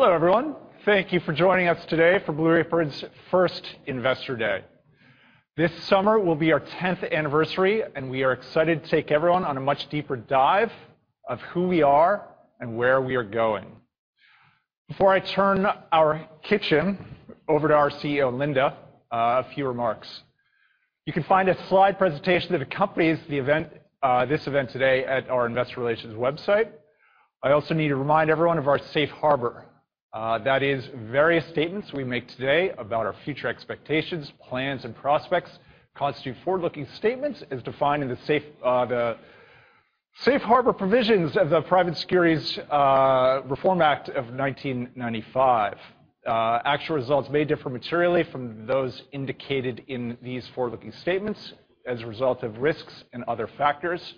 Hello, everyone. Thank you for joining us today for Blue Apron's first Investor Day. This summer will be our tenth anniversary, and we are excited to take everyone on a much deeper dive of who we are and where we are going. Before I turn our kitchen over to our CEO, Linda, a few remarks. You can find a slide presentation that accompanies the event, this event today at our investor relations website. I also need to remind everyone of our safe harbor. That is various statements we make today about our future expectations, plans, and prospects constitute forward-looking statements as defined in the safe harbor provisions of the Private Securities Litigation Reform Act of 1995. Actual results may differ materially from those indicated in these forward-looking statements as a result of risks and other factors,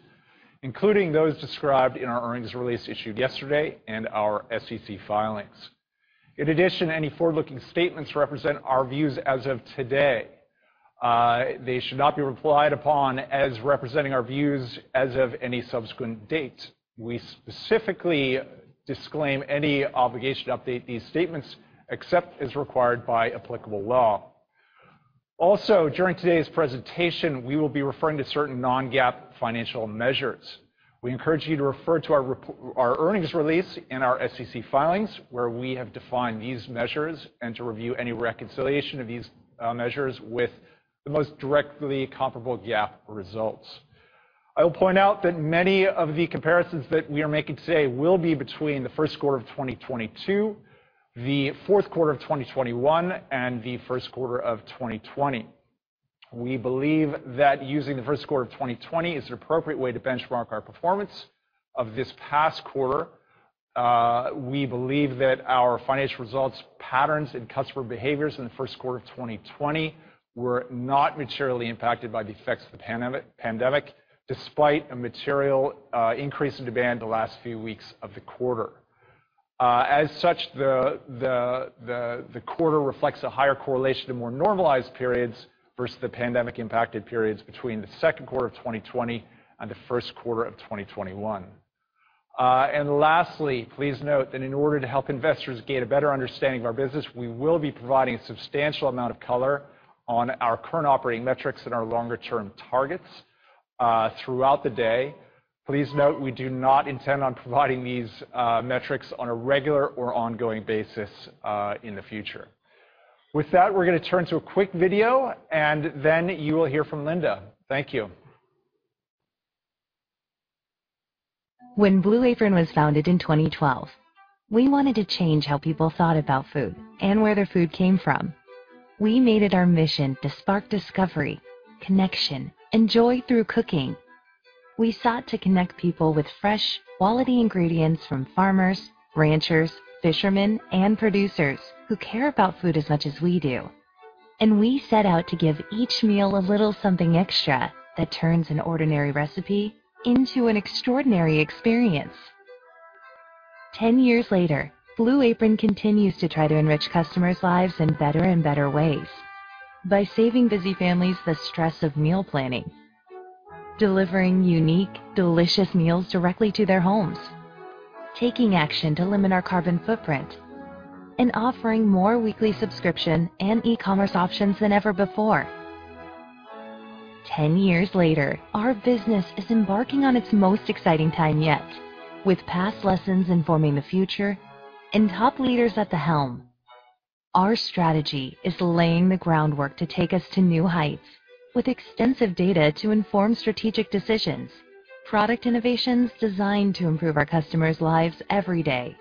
including those described in our earnings release issued yesterday and our SEC filings. In addition, any forward-looking statements represent our views as of today. They should not be relied upon as representing our views as of any subsequent date. We specifically disclaim any obligation to update these statements except as required by applicable law. Also, during today's presentation, we will be referring to certain non-GAAP financial measures. We encourage you to refer to our earnings release and our SEC filings where we have defined these measures and to review any reconciliation of these measures with the most directly comparable GAAP results. I will point out that many of the comparisons that we are making today will be between the 1st quarter of 2022, the 4th quarter of 2021, and the 1st quarter of 2020. We believe that using the 1st quarter of 2020 is an appropriate way to benchmark our performance of this past quarter. We believe that our financial results patterns and customer behaviors in the 1st quarter of 2020 were not materially impacted by the effects of the pandemic, despite a material increase in demand the last few weeks of the quarter. As such, the quarter reflects a higher correlation to more normalized periods versus the pandemic-impacted periods between the 2nd quarter of 2020 and the 1st quarter of 2021. Lastly, please note that in order to help investors gain a better understanding of our business, we will be providing a substantial amount of color on our current operating metrics and our longer-term targets throughout the day. Please note we do not intend on providing these metrics on a regular or ongoing basis in the future. With that, we're gonna turn to a quick video, and then you will hear from Linda. Thank you. When Blue Apron was founded in 2012, we wanted to change how people thought about food and where their food came from. We made it our mission to spark discovery, connection, and joy through cooking. We sought to connect people with fresh, quality ingredients from farmers, ranchers, fishermen, and producers who care about food as much as we do. We set out to give each meal a little something extra that turns an ordinary recipe into an extraordinary experience. 10 years later, Blue Apron continues to try to enrich customers' lives in better and better ways by saving busy families the stress of meal planning, delivering unique, delicious meals directly to their homes, taking action to limit our carbon footprint, and offering more weekly subscription and e-commerce options than ever before. 10 years later, our business is embarking on its most exciting time yet. With past lessons informing the future and top leaders at the helm, our strategy is laying the groundwork to take us to new heights. With extensive data to inform strategic decisions, product innovations designed to improve our customers' lives every day,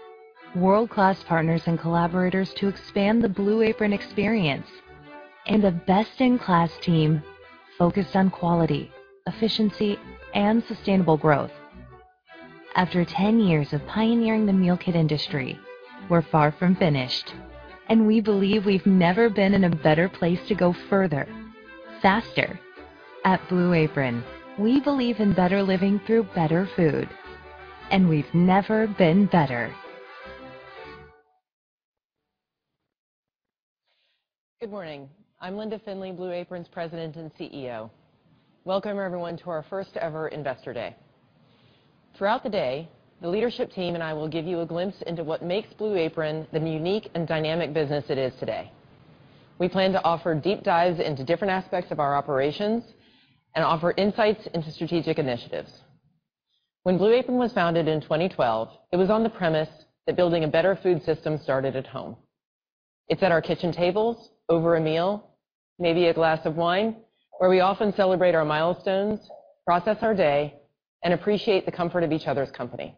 world-class partners and collaborators to expand the Blue Apron experience, and a best-in-class team focused on quality, efficiency, and sustainable growth. After 10 years of pioneering the meal kit industry, we're far from finished, and we believe we've never been in a better place to go further, faster. At Blue Apron, we believe in better living through better food, and we've never been better. Good morning. I'm Linda Findley, Blue Apron's President and CEO. Welcome, everyone, to our first ever Investor Day. Throughout the day, the leadership team and I will give you a glimpse into what makes Blue Apron the unique and dynamic business it is today. We plan to offer deep dives into different aspects of our operations and offer insights into strategic initiatives. When Blue Apron was founded in 2012, it was on the premise that building a better food system started at home. It's at our kitchen tables over a meal, maybe a glass of wine, where we often celebrate our milestones, process our day, and appreciate the comfort of each other's company.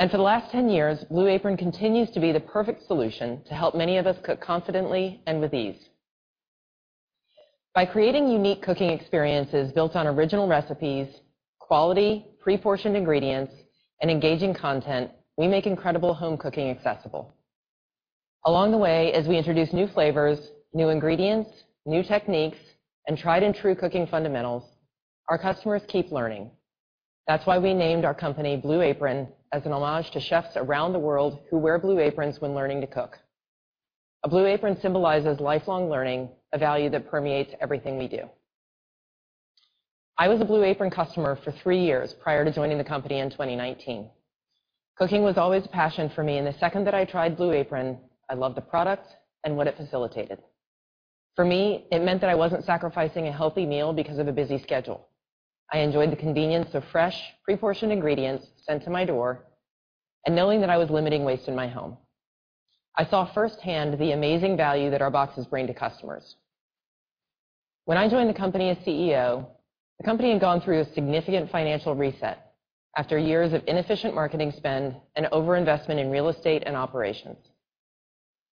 For the last 10 years, Blue Apron continues to be the perfect solution to help many of us cook confidently and with ease. By creating unique cooking experiences built on original recipes, quality, pre-portioned ingredients, and engaging content, we make incredible home cooking accessible. Along the way, as we introduce new flavors, new ingredients, new techniques, and tried-and-true cooking fundamentals, our customers keep learning. That's why we named our company Blue Apron as an homage to chefs around the world who wear blue aprons when learning to cook. A blue apron symbolizes lifelong learning, a value that permeates everything we do. I was a Blue Apron customer for three years prior to joining the company in 2019. Cooking was always a passion for me, and the second that I tried Blue Apron, I loved the product and what it facilitated. For me, it meant that I wasn't sacrificing a healthy meal because of a busy schedule. I enjoyed the convenience of fresh, pre-portioned ingredients sent to my door and knowing that I was limiting waste in my home. I saw firsthand the amazing value that our boxes bring to customers. When I joined the company as CEO, the company had gone through a significant financial reset after years of inefficient marketing spend and overinvestment in real estate and operations.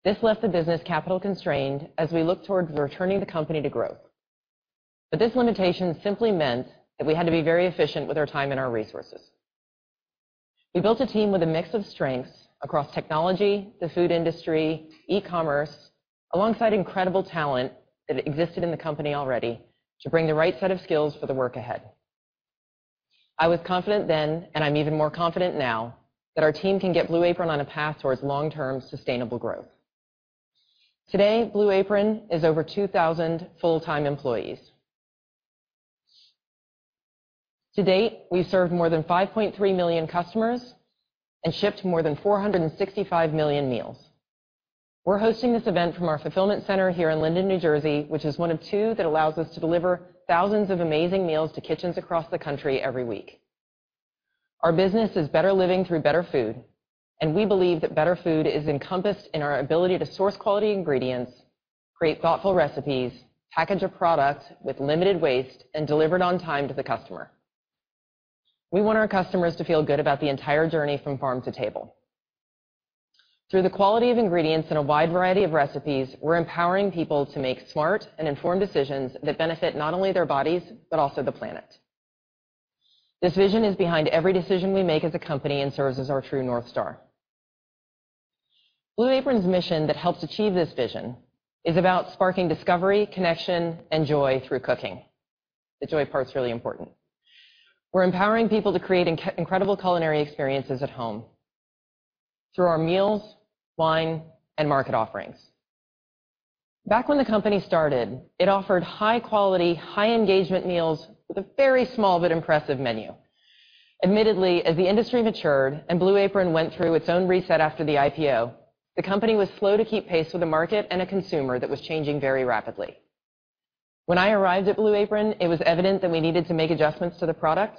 This left the business capital constrained as we looked towards returning the company to growth. This limitation simply meant that we had to be very efficient with our time and our resources. We built a team with a mix of strengths across technology, the food industry, e-commerce, alongside incredible talent that existed in the company already to bring the right set of skills for the work ahead. I was confident then, and I'm even more confident now that our team can get Blue Apron on a path towards long-term sustainable growth. Today, Blue Apron is over 2,000 full-time employees. To date, we've served more than 5.3 million customers and shipped more than 465 million meals. We're hosting this event from our fulfillment center here in Linden, New Jersey, which is one of two that allows us to deliver thousands of amazing meals to kitchens across the country every week. Our business is better living through better food, and we believe that better food is encompassed in our ability to source quality ingredients, create thoughtful recipes, package a product with limited waste, and deliver it on time to the customer. We want our customers to feel good about the entire journey from farm to table. Through the quality of ingredients in a wide variety of recipes, we're empowering people to make smart and informed decisions that benefit not only their bodies, but also the planet. This vision is behind every decision we make as a company and serves as our true North Star. Blue Apron's mission that helps achieve this vision is about sparking discovery, connection, and joy through cooking. The joy part's really important. We're empowering people to create incredible culinary experiences at home through our meals, wine, and market offerings. Back when the company started, it offered high-quality, high-engagement meals with a very small but impressive menu. Admittedly, as the industry matured and Blue Apron went through its own reset after the IPO, the company was slow to keep pace with a market and a consumer that was changing very rapidly. When I arrived at Blue Apron, it was evident that we needed to make adjustments to the product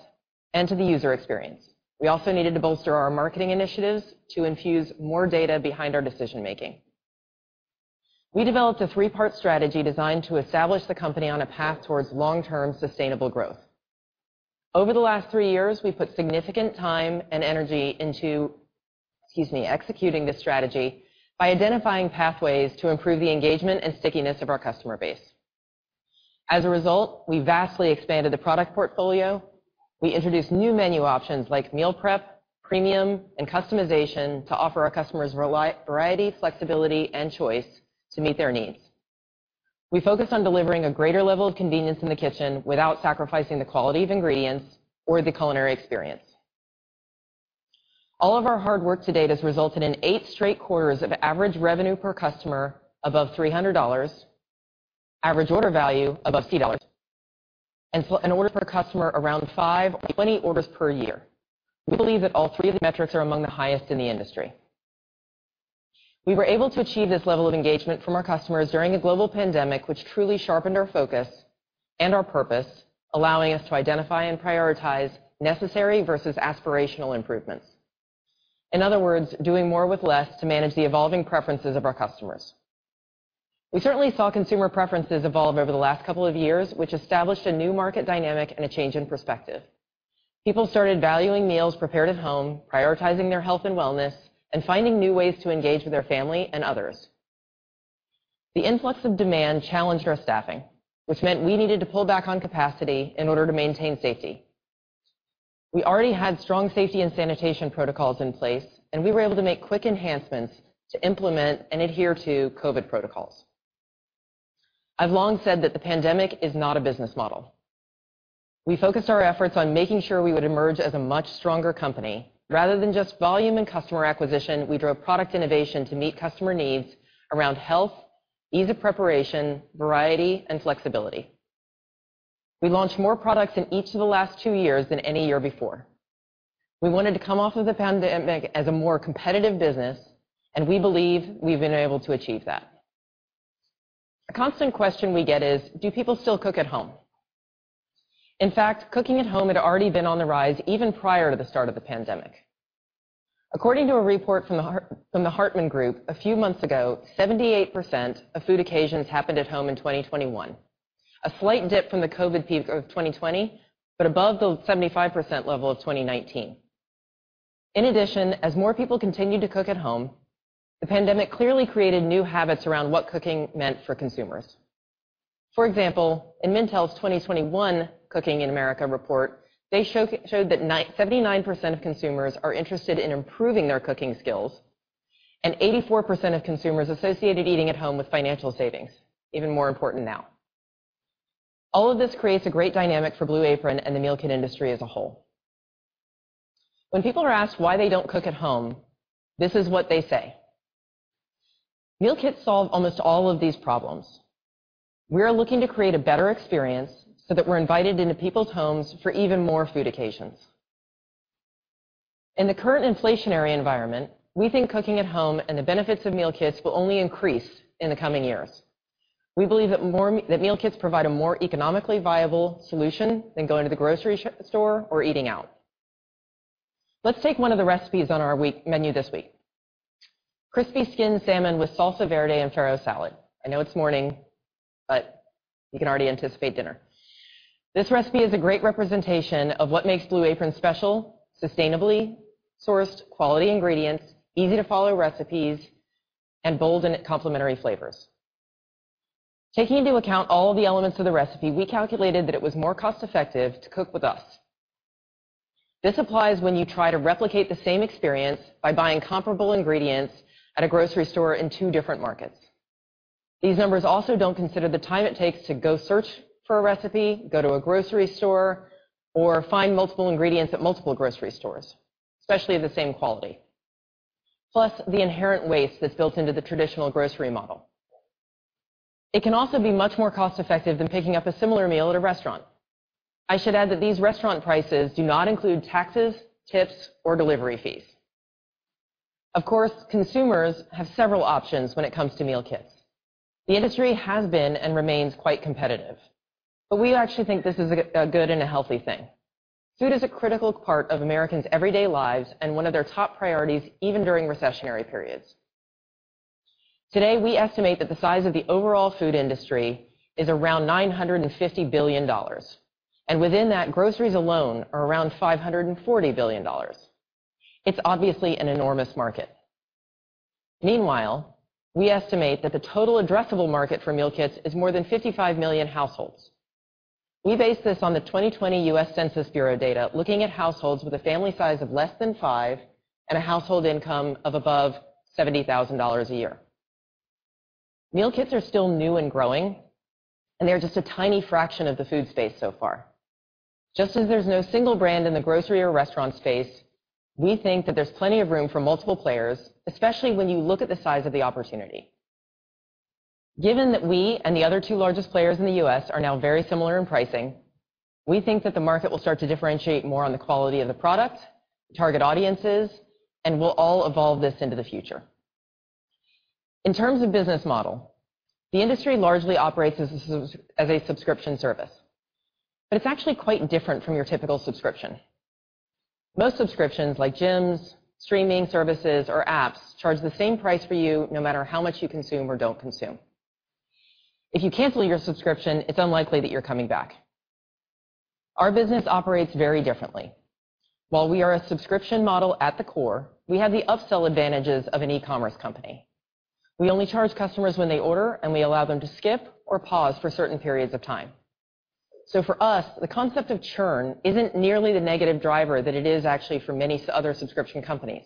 and to the user experience. We also needed to bolster our marketing initiatives to infuse more data behind our decision-making. We developed a 3 part strategy designed to establish the company on a path towards long-term sustainable growth. Over the last three years, we put significant time and energy into, excuse me, executing this strategy by identifying pathways to improve the engagement and stickiness of our customer base. As a result, we vastly expanded the product portfolio. We introduced new menu options like meal prep, premium, and customization to offer our customers variety, flexibility, and choice to meet their needs. We focused on delivering a greater level of convenience in the kitchen without sacrificing the quality of ingredients or the culinary experience. All of our hard work to date has resulted in 8 straight quarters of average revenue per customer above $300, average order value above $100, and orders per customer around 5 or 20 orders per year. We believe that all three of the metrics are among the highest in the industry. We were able to achieve this level of engagement from our customers during a global pandemic, which truly sharpened our focus and our purpose, allowing us to identify and prioritize necessary versus aspirational improvements. In other words, doing more with less to manage the evolving preferences of our customers. We certainly saw consumer preferences evolve over the last couple of years, which established a new market dynamic and a change in perspective. People started valuing meals prepared at home, prioritizing their health and wellness, and finding new ways to engage with their family and others. The influx of demand challenged our staffing, which meant we needed to pull back on capacity in order to maintain safety. We already had strong safety and sanitation protocols in place, and we were able to make quick enhancements to implement and adhere to COVID protocols. I've long said that the pandemic is not a business model. We focused our efforts on making sure we would emerge as a much stronger company. Rather than just volume and customer acquisition, we drove product innovation to meet customer needs around health, ease of preparation, variety, and flexibility. We launched more products in each of the last 2 years than any year before. We wanted to come off of the pandemic as a more competitive business, and we believe we've been able to achieve that. A constant question we get is: Do people still cook at home? In fact, cooking at home had already been on the rise even prior to the start of the pandemic. According to a report from The Hartman Group a few months ago, 78% of food occasions happened at home in 2021, a slight dip from the COVID peak of 2020, but above the 75% level of 2019. In addition, as more people continued to cook at home, the pandemic clearly created new habits around what cooking meant for consumers. For example, in Mintel's 2021 Cooking in America report, they showed that 79% of consumers are interested in improving their cooking skills, and 84% of consumers associated eating at home with financial savings, even more important now. All of this creates a great dynamic for Blue Apron and the meal kit industry as a whole. When people are asked why they don't cook at home, this is what they say. Meal kits solve almost all of these problems. We are looking to create a better experience so that we're invited into people's homes for even more food occasions. In the current inflationary environment, we think cooking at home and the benefits of meal kits will only increase in the coming years. We believe that meal kits provide a more economically viable solution than going to the grocery store or eating out. Let's take one of the recipes on our weekly menu this week. Crispy skin salmon with salsa verde and farro salad. I know it's morning, but you can already anticipate dinner. This recipe is a great representation of what makes Blue Apron special, sustainably sourced, quality ingredients, easy-to-follow recipes, and bold and complementary flavors. Taking into account all of the elements of the recipe, we calculated that it was more cost-effective to cook with us. This applies when you try to replicate the same experience by buying comparable ingredients at a grocery store in two different markets. These numbers also don't consider the time it takes to go search for a recipe, go to a grocery store, or find multiple ingredients at multiple grocery stores, especially the same quality. Plus the inherent waste that's built into the traditional grocery model. It can also be much more cost-effective than picking up a similar meal at a restaurant. I should add that these restaurant prices do not include taxes, tips, or delivery fees. Of course, consumers have several options when it comes to meal kits. The industry has been and remains quite competitive, but we actually think this is a good and a healthy thing. Food is a critical part of Americans' everyday lives and one of their top priorities, even during recessionary periods. Today, we estimate that the size of the overall food industry is around $950 billion, and within that, groceries alone are around $540 billion. It's obviously an enormous market. Meanwhile, we estimate that the total addressable market for meal kits is more than 55 million households. We base this on the 2020 U.S. Census Bureau data, looking at households with a family size of less than 5 and a household income of above $70,000 a year. Meal kits are still new and growing, and they're just a tiny fraction of the food space so far. Just as there's no single brand in the grocery or restaurant space, we think that there's plenty of room for multiple players, especially when you look at the size of the opportunity. Given that we and the other 2 largest players in the U.S. are now very similar in pricing, we think that the market will start to differentiate more on the quality of the product, target audiences, and we'll all evolve this into the future. In terms of business model, the industry largely operates as a subscription service, but it's actually quite different from your typical subscription. Most subscriptions, like gyms, streaming services, or apps, charge the same price for you no matter how much you consume or don't consume. If you cancel your subscription, it's unlikely that you're coming back. Our business operates very differently. While we are a subscription model at the core, we have the upsell advantages of an e-commerce company. We only charge customers when they order, and we allow them to skip or pause for certain periods of time. For us, the concept of churn isn't nearly the negative driver that it is actually for many other subscription companies.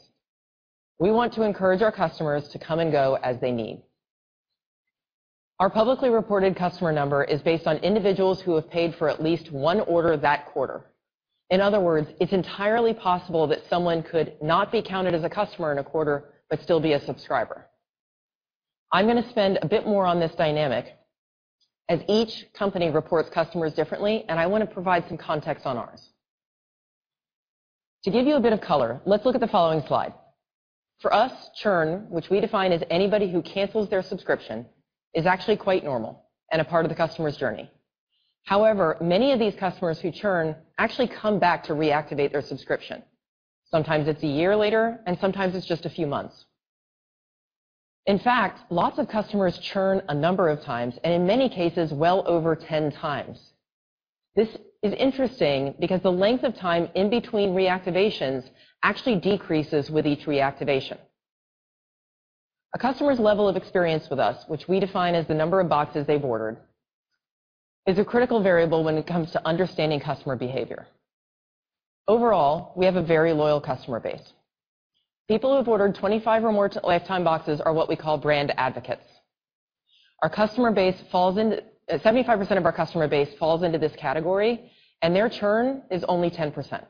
We want to encourage our customers to come and go as they need. Our publicly reported customer number is based on individuals who have paid for at least 1 order that quarter. In other words, it's entirely possible that someone could not be counted as a customer in a quarter but still be a subscriber. I'm gonna spend a bit more on this dynamic as each company reports customers differently, and I wanna provide some context on ours. To give you a bit of color, let's look at the following slide. For us, churn, which we define as anybody who cancels their subscription, is actually quite normal and a part of the customer's journey. However, many of these customers who churn actually come back to reactivate their subscription. Sometimes it's a year later, and sometimes it's just a few months. In fact, lots of customers churn a number of times, and in many cases, well over 10 times. This is interesting because the length of time in between reactivations actually decreases with each reactivation. A customer's level of experience with us, which we define as the number of boxes they've ordered, is a critical variable when it comes to understanding customer behavior. Overall, we have a very loyal customer base. People who have ordered 25 or more lifetime boxes are what we call brand advocates. 75% of our customer base falls into this category, and their churn is only 10%.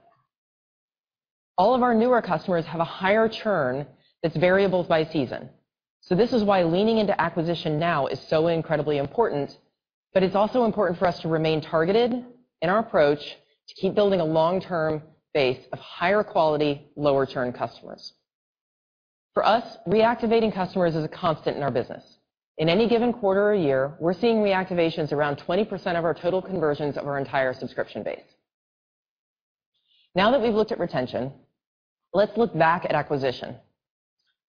All of our newer customers have a higher churn that's variable by season. This is why leaning into acquisition now is so incredibly important, but it's also important for us to remain targeted in our approach to keep building a long-term base of higher quality, lower churn customers. For us, reactivating customers is a constant in our business. In any given quarter or year, we're seeing reactivations around 20% of our total conversions of our entire subscription base. Now that we've looked at retention, let's look back at acquisition.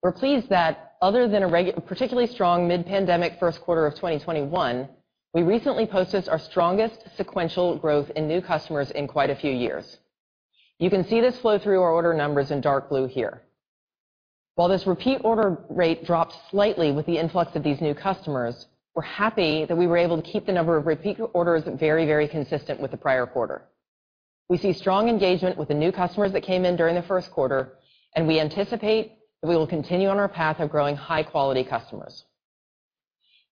We're pleased that other than particularly strong mid-pandemic 1st quarter of 2021, we recently posted our strongest sequential growth in new customers in quite a few years. You can see this flow through our order numbers in dark blue here. While this repeat order rate dropped slightly with the influx of these new customers, we're happy that we were able to keep the number of repeat orders very, very consistent with the prior quarter. We see strong engagement with the new customers that came in during the 1st quarter, and we anticipate that we will continue on our path of growing high-quality customers.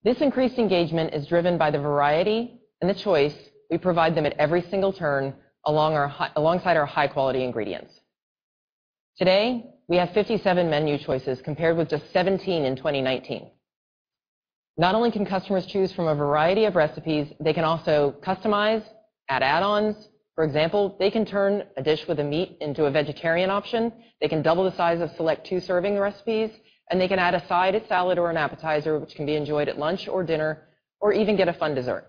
This increased engagement is driven by the variety and the choice we provide them at every single turn alongside our high-quality ingredients. Today, we have 57 menu choices compared with just 17 in 2019. Not only can customers choose from a variety of recipes, they can also customize, add-ons. For example, they can turn a dish with a meat into a vegetarian option. They can double the size of select 2-serving recipes, and they can add a side, a salad, or an appetizer, which can be enjoyed at lunch or dinner, or even get a fun dessert.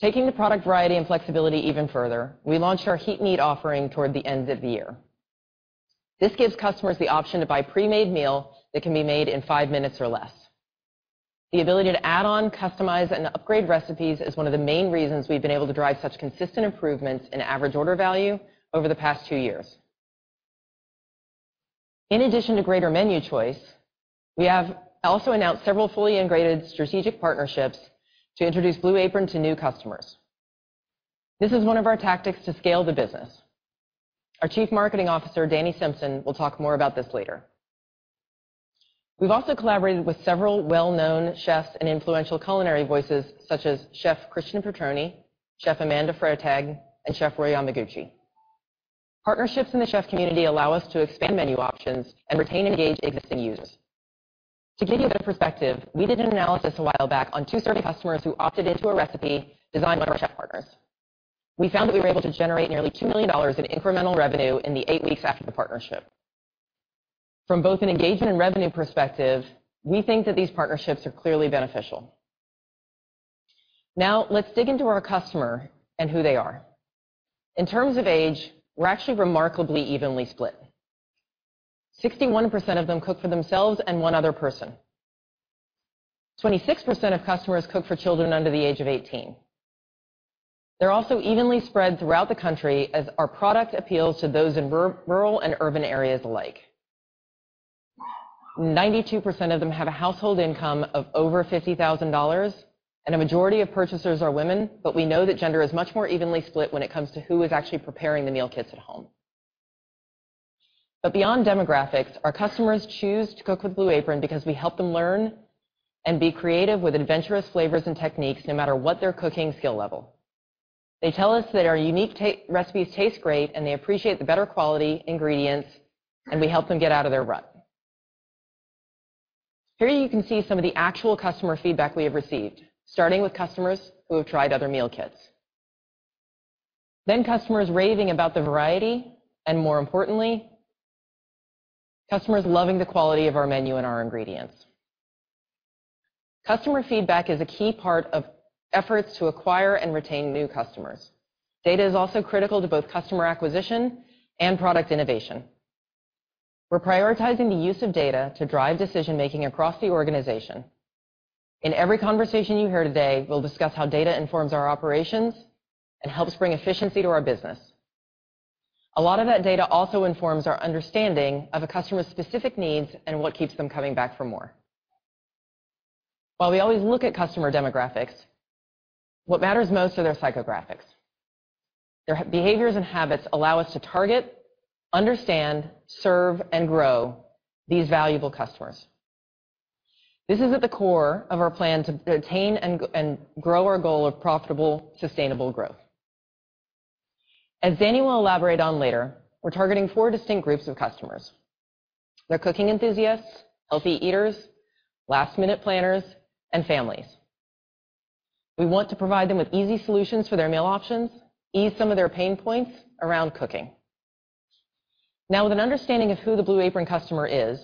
Taking the product variety and flexibility even further, we launched our Heat & Eat offering toward the end of the year. This gives customers the option to buy a pre-made meal that can be made in five minutes or less. The ability to add on, customize, and upgrade recipes is one of the main reasons we've been able to drive such consistent improvements in average order value over the past two years. In addition to greater menu choice, we have also announced several fully integrated strategic partnerships to introduce Blue Apron to new customers. This is one of our tactics to scale the business. Our Chief Marketing Officer, Dani Simpson, will talk more about this later. We've also collaborated with several well-known chefs and influential culinary voices such as Chef Christian Petroni, Chef Amanda Freitag, and Chef Roy Yamaguchi. Partnerships in the chef community allow us to expand menu options and retain and engage existing users. To give you a bit of perspective, we did an analysis a while back on 2 survey customers who opted into a recipe designed by our chef partners. We found that we were able to generate nearly $2 million in incremental revenue in the eight weeks after the partnership. From both an engagement and revenue perspective, we think that these partnerships are clearly beneficial. Now, let's dig into our customer and who they are. In terms of age, we're actually remarkably evenly split. 61% of them cook for themselves and one other person. 26% of customers cook for children under the age of eighteen. They're also evenly spread throughout the country as our product appeals to those in rural and urban areas alike. 92% of them have a household income of over $50,000, and a majority of purchasers are women, but we know that gender is much more evenly split when it comes to who is actually preparing the meal kits at home. Beyond demographics, our customers choose to cook with Blue Apron because we help them learn and be creative with adventurous flavors and techniques no matter what their cooking skill level. They tell us that our unique recipes taste great, and they appreciate the better quality ingredients, and we help them get out of their rut. Here you can see some of the actual customer feedback we have received, starting with customers who have tried other meal kits. Then customers raving about the variety, and more importantly, customers loving the quality of our menu and our ingredients. Customer feedback is a key part of efforts to acquire and retain new customers. Data is also critical to both customer acquisition and product innovation. We're prioritizing the use of data to drive decision-making across the organization. In every conversation you hear today, we'll discuss how data informs our operations and helps bring efficiency to our business. A lot of that data also informs our understanding of a customer's specific needs and what keeps them coming back for more. While we always look at customer demographics, what matters most are their psychographics. Their behaviors and habits allow us to target, understand, serve, and grow these valuable customers. This is at the core of our plan to attain and grow our goal of profitable, sustainable growth. As Dani will elaborate on later, we're targeting four distinct groups of customers. They're cooking enthusiasts, healthy eaters, last-minute planners, and families. We want to provide them with easy solutions for their meal options, ease some of their pain points around cooking. Now, with an understanding of who the Blue Apron customer is,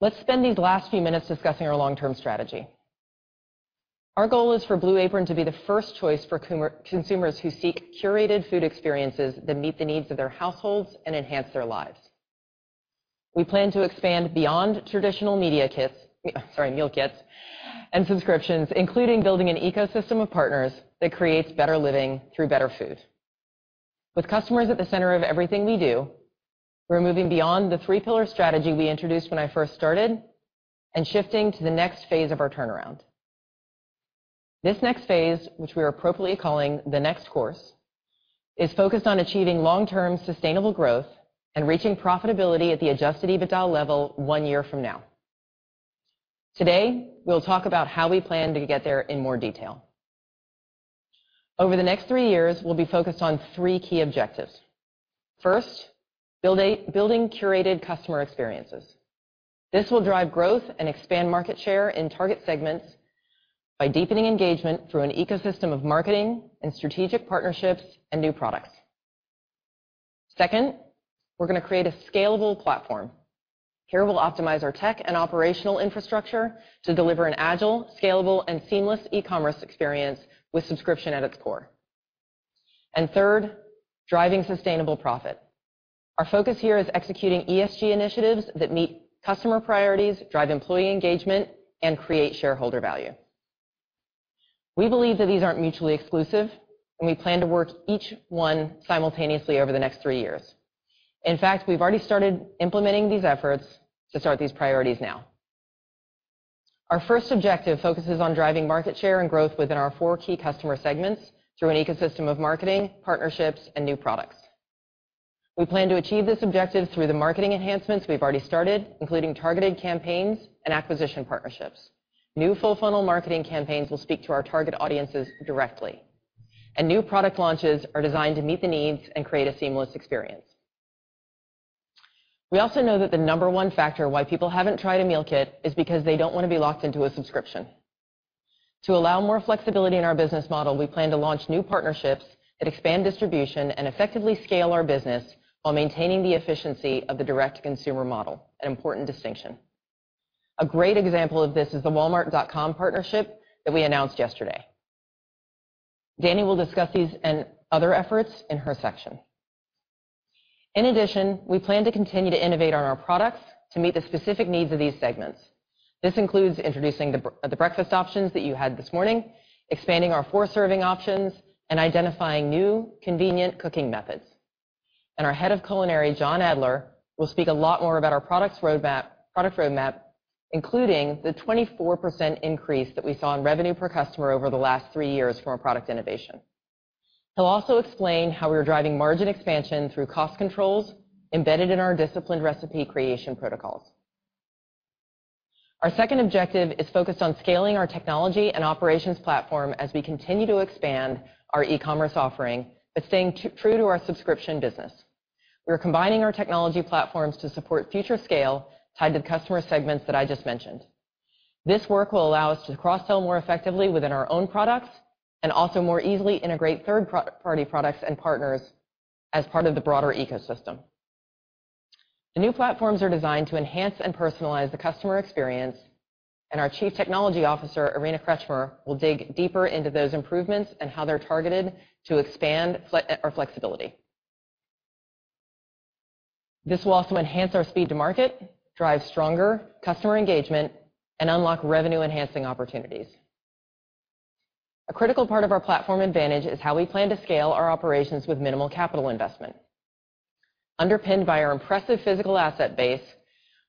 let's spend these last few minutes discussing our long-term strategy. Our goal is for Blue Apron to be the first choice for consumers who seek curated food experiences that meet the needs of their households and enhance their lives. We plan to expand beyond traditional media kits, sorry, meal kits, and subscriptions, including building an ecosystem of partners that creates better living through better food. With customers at the center of everything we do, we're moving beyond the three-pillar strategy we introduced when I first started and shifting to the next phase of our turnaround. This next phase, which we are appropriately calling the Next Course, is focused on achieving long-term sustainable growth and reaching profitability at the adjusted EBITDA level one year from now. Today, we'll talk about how we plan to get there in more detail. Over the next three years, we'll be focused on three key objectives. First, building curated customer experiences. This will drive growth and expand market share in target segments by deepening engagement through an ecosystem of marketing and strategic partnerships and new products. Second, we're gonna create a scalable platform. Here, we'll optimize our tech and operational infrastructure to deliver an agile, scalable, and seamless e-commerce experience with subscription at its core. Third, driving sustainable profit. Our focus here is executing ESG initiatives that meet customer priorities, drive employee engagement, and create shareholder value. We believe that these aren't mutually exclusive, and we plan to work each one simultaneously over the next three years. In fact, we've already started implementing these efforts to start these priorities now. Our first objective focuses on driving market share and growth within our four key customer segments through an ecosystem of marketing, partnerships, and new products. We plan to achieve this objective through the marketing enhancements we've already started, including targeted campaigns and acquisition partnerships. New full-funnel marketing campaigns will speak to our target audiences directly, and new product launches are designed to meet the needs and create a seamless experience. We also know that the number one factor why people haven't tried a meal kit is because they don't wanna be locked into a subscription. To allow more flexibility in our business model, we plan to launch new partnerships that expand distribution and effectively scale our business while maintaining the efficiency of the direct-to-consumer model, an important distinction. A great example of this is the Walmart.com partnership that we announced yesterday. Dani will discuss these and other efforts in her section. In addition, we plan to continue to innovate on our products to meet the specific needs of these segments. This includes introducing the breakfast options that you had this morning, expanding our 4-serving options, and identifying new, convenient cooking methods. Our Head of Culinary, John Adler, will speak a lot more about our product roadmap, including the 24% increase that we saw in revenue per customer over the last 3 years from our product innovation. He'll also explain how we are driving margin expansion through cost controls embedded in our disciplined recipe creation protocols. Our second objective is focused on scaling our technology and operations platform as we continue to expand our e-commerce offering, but staying true to our subscription business. We are combining our technology platforms to support future scale tied to the customer segments that I just mentioned. This work will allow us to cross-sell more effectively within our own products, and also more easily integrate third party products and partners as part of the broader ecosystem. The new platforms are designed to enhance and personalize the customer experience, and our Chief Technology Officer, Irina Krechmer, will dig deeper into those improvements and how they're targeted to expand our flexibility. This will also enhance our speed to market, drive stronger customer engagement, and unlock revenue-enhancing opportunities. A critical part of our platform advantage is how we plan to scale our operations with minimal capital investment. Underpinned by our impressive physical asset base,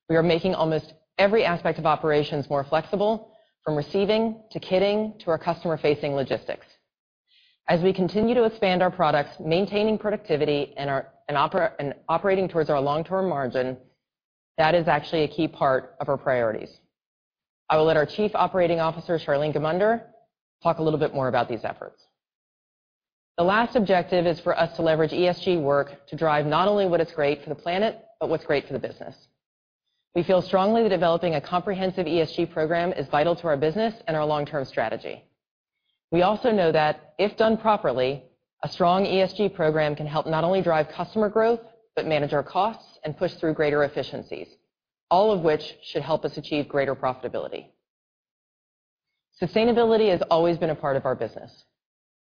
we are making almost every aspect of operations more flexible, from receiving to kitting to our customer-facing logistics. As we continue to expand our products, maintaining productivity and operating towards our long-term margin, that is actually a key part of our priorities. I will let our Chief Operating Officer, Charlean Gmunder, talk a little bit more about these efforts. The last objective is for us to leverage ESG work to drive not only what is great for the planet, but what's great for the business. We feel strongly that developing a comprehensive ESG program is vital to our business and our long-term strategy. We also know that if done properly, a strong ESG program can help not only drive customer growth, but manage our costs and push through greater efficiencies, all of which should help us achieve greater profitability. Sustainability has always been a part of our business.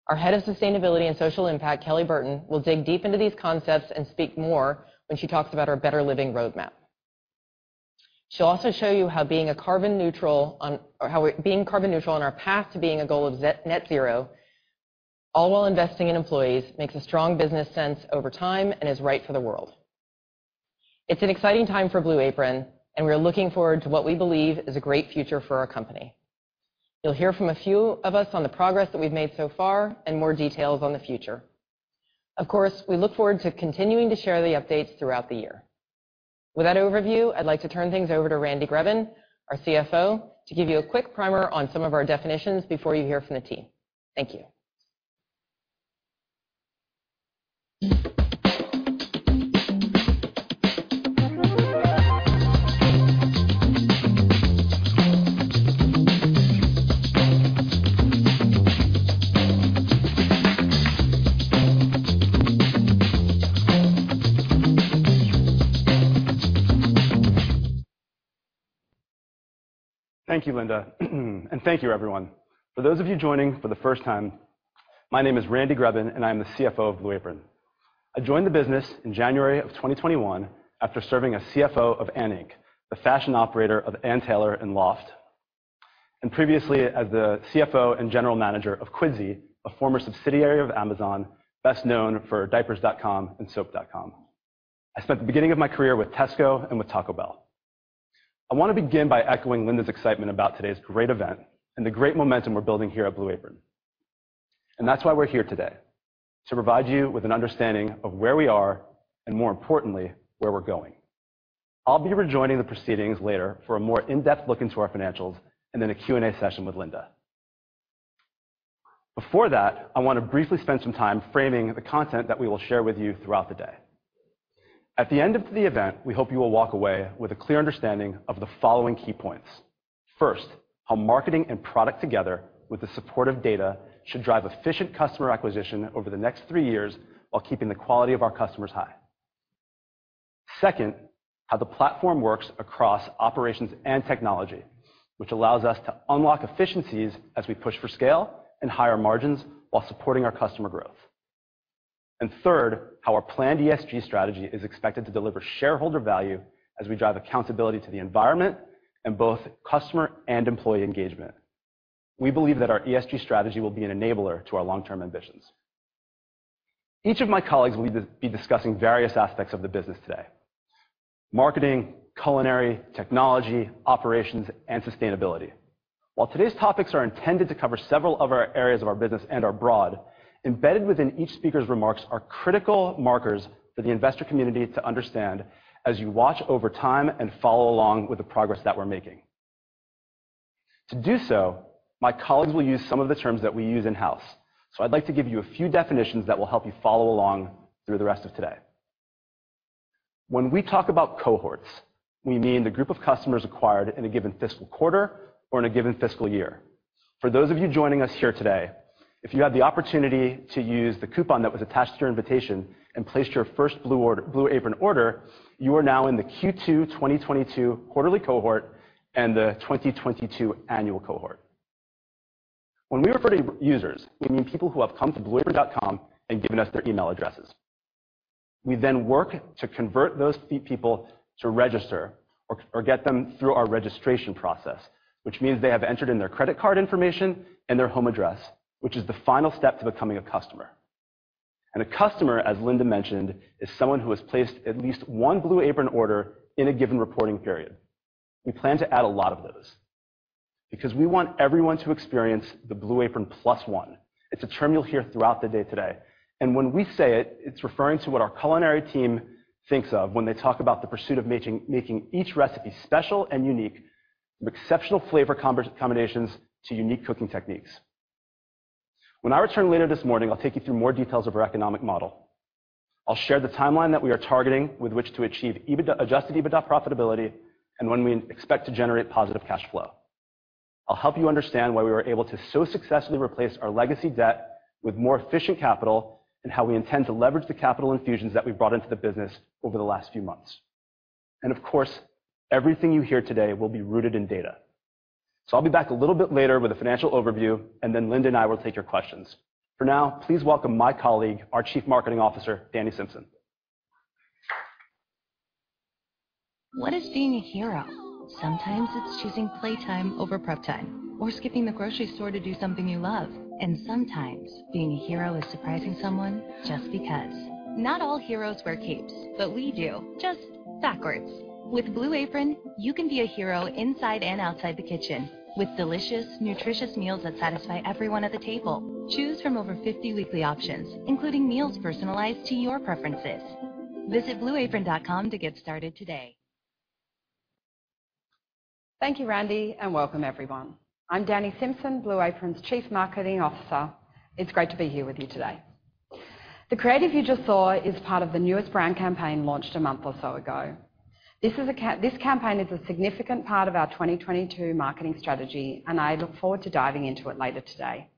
Our Head of Sustainability and Social Impact, Kelly Burton, will dig deep into these concepts and speak more when she talks about our Better Living Roadmap. She'll also show you how being carbon neutral, on our path to net 0, all while investing in employees, makes a strong business sense over time and is right for the world. It's an exciting time for Blue Apron, and we are looking forward to what we believe is a great future for our company. You'll hear from a few of us on the progress that we've made so far and more details on the future. Of course, we look forward to continuing to share the updates throughout the year. With that overview, I'd like to turn things over to Randy Greben, our CFO, to give you a quick primer on some of our definitions before you hear from the team. Thank you. Thank you, Linda. Thank you, everyone. For those of you joining for the first time, my name is Randy Greben, and I am the CFO of Blue Apron. I joined the business in January 2021 after serving as CFO of ANN INC., the fashion operator of Ann Taylor and LOFT, and previously as the CFO and general manager of Quidsi, a former subsidiary of Amazon, best known for diapers.com and soap.com. I spent the beginning of my career with Tesco and with Taco Bell. I wanna begin by echoing Linda's excitement about today's great event and the great momentum we're building here at Blue Apron. That's why we're here today, to provide you with an understanding of where we are and more importantly, where we're going. I'll be rejoining the proceedings later for a more in-depth look into our financials and then a Q&A session with Linda. Before that, I wanna briefly spend some time framing the content that we will share with you throughout the day. At the end of the event, we hope you will walk away with a clear understanding of the following key points. First, how marketing and product together with the support of data, should drive efficient customer acquisition over the next three years while keeping the quality of our customers high. Second, how the platform works across operations and technology, which allows us to unlock efficiencies as we push for scale and higher margins while supporting our customer growth. Third, how our planned ESG strategy is expected to deliver shareholder value as we drive accountability to the environment and both customer and employee engagement. We believe that our ESG strategy will be an enabler to our long-term ambitions. Each of my colleagues will be discussing various aspects of the business today. Marketing, culinary, technology, operations, and sustainability. While today's topics are intended to cover several of our areas of our business and are broad, embedded within each speaker's remarks are critical markers for the investor community to understand as you watch over time and follow along with the progress that we're making. To do so, my colleagues will use some of the terms that we use in-house, so I'd like to give you a few definitions that will help you follow along through the rest of today. When we talk about cohorts, we mean the group of customers acquired in a given fiscal quarter or in a given fiscal year. For those of you joining us here today, if you had the opportunity to use the coupon that was attached to your invitation and placed your first Blue order, Blue Apron order, you are now in the Q2 2022 quarterly cohort and the 2022 annual cohort. When we refer to users, we mean people who have come to blueapron.com and given us their email addresses. We then work to convert those people to register or get them through our registration process, which means they have entered in their credit card information and their home address, which is the final step to becoming a customer. A customer, as Linda mentioned, is someone who has placed at least one Blue Apron order in a given reporting period. We plan to add a lot of those because we want everyone to experience the Blue Apron plus one. It's a term you'll hear throughout the day today. When we say it's referring to what our culinary team thinks of when they talk about the pursuit of making each recipe special and unique from exceptional flavor combinations to unique cooking techniques. When I return later this morning, I'll take you through more details of our economic model. I'll share the timeline that we are targeting with which to achieve EBITDA, adjusted EBITDA profitability and when we expect to generate positive cash flow. I'll help you understand why we were able to so successfully replace our legacy debt with more efficient capital and how we intend to leverage the capital infusions that we've brought into the business over the last few months. Of course, everything you hear today will be rooted in data. I'll be back a little bit later with a financial overview, and then Linda and I will take your questions. For now, please welcome my colleague, our Chief Marketing Officer, Dani Simpson. What is being a hero? Sometimes it's choosing playtime over prep time or skipping the grocery store to do something you love. Sometimes being a hero is surprising someone just because. Not all heroes wear capes, but we do, just backwards. With Blue Apron, you can be a hero inside and outside the kitchen with delicious, nutritious meals that satisfy everyone at the table. Choose from over 50 weekly options, including meals personalized to your preferences. Visit blueapron.com to get started today. Thank you, Randy, and welcome everyone. I'm Dani Simpson, Blue Apron's Chief Marketing Officer. It's great to be here with you today. The creative you just saw is part of the newest brand campaign launched a month or so ago. This campaign is a significant part of our 2022 marketing strategy, and I look forward to diving into it later today.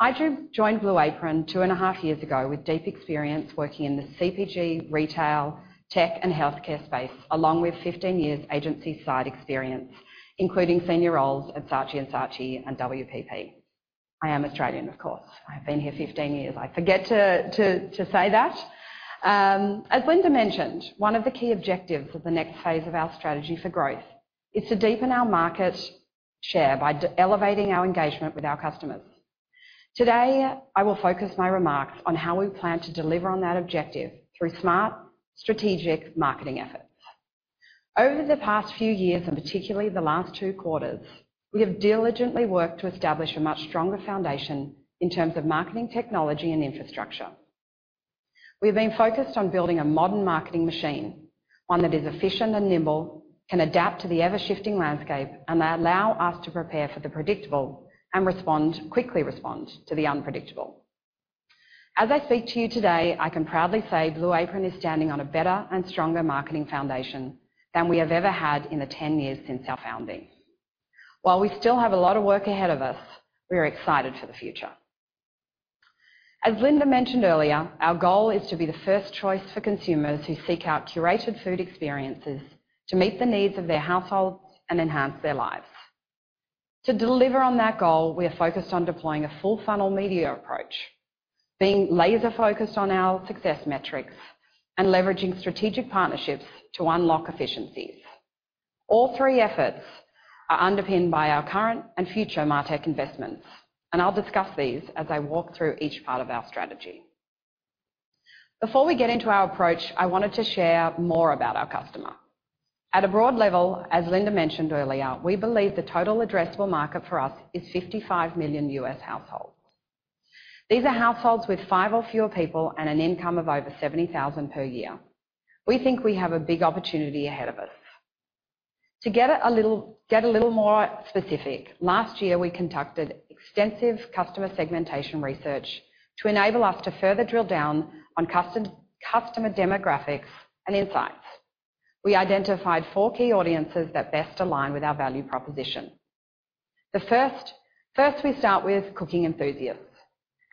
I joined Blue Apron two and a half years ago with deep experience working in the CPG, retail, tech and healthcare space, along with 15 years agency side experience, including senior roles at Saatchi & Saatchi and WPP. I am Australian, of course. I've been here 15 years. I forget to say that. As Linda mentioned, one of the key objectives of the next phase of our strategy for growth is to deepen our market share by elevating our engagement with our customers. Today, I will focus my remarks on how we plan to deliver on that objective through smart, strategic marketing efforts. Over the past few years, and particularly the last two quarters, we have diligently worked to establish a much stronger foundation in terms of marketing technology and infrastructure. We've been focused on building a modern marketing machine, one that is efficient and nimble, can adapt to the ever-shifting landscape, and that allow us to prepare for the predictable and respond quickly to the unpredictable. As I speak to you today, I can proudly say Blue Apron is standing on a better and stronger marketing foundation than we have ever had in the ten years since our founding. While we still have a lot of work ahead of us, we are excited for the future. As Linda mentioned earlier, our goal is to be the first choice for consumers who seek out curated food experiences to meet the needs of their households and enhance their lives. To deliver on that goal, we are focused on deploying a full funnel media approach, being laser focused on our success metrics and leveraging strategic partnerships to unlock efficiencies. All three efforts are underpinned by our current and future MarTech investments, and I'll discuss these as I walk through each part of our strategy. Before we get into our approach, I wanted to share more about our customer. At a broad level, as Linda mentioned earlier, we believe the total addressable market for us is 55 million U.S. households. These are households with 5 or fewer people and an income of over $70,000 per year. We think we have a big opportunity ahead of us. To get a little more specific, last year, we conducted extensive customer segmentation research to enable us to further drill down on customer demographics and insights. We identified 4 key audiences that best align with our value proposition. The first, we start with cooking enthusiasts,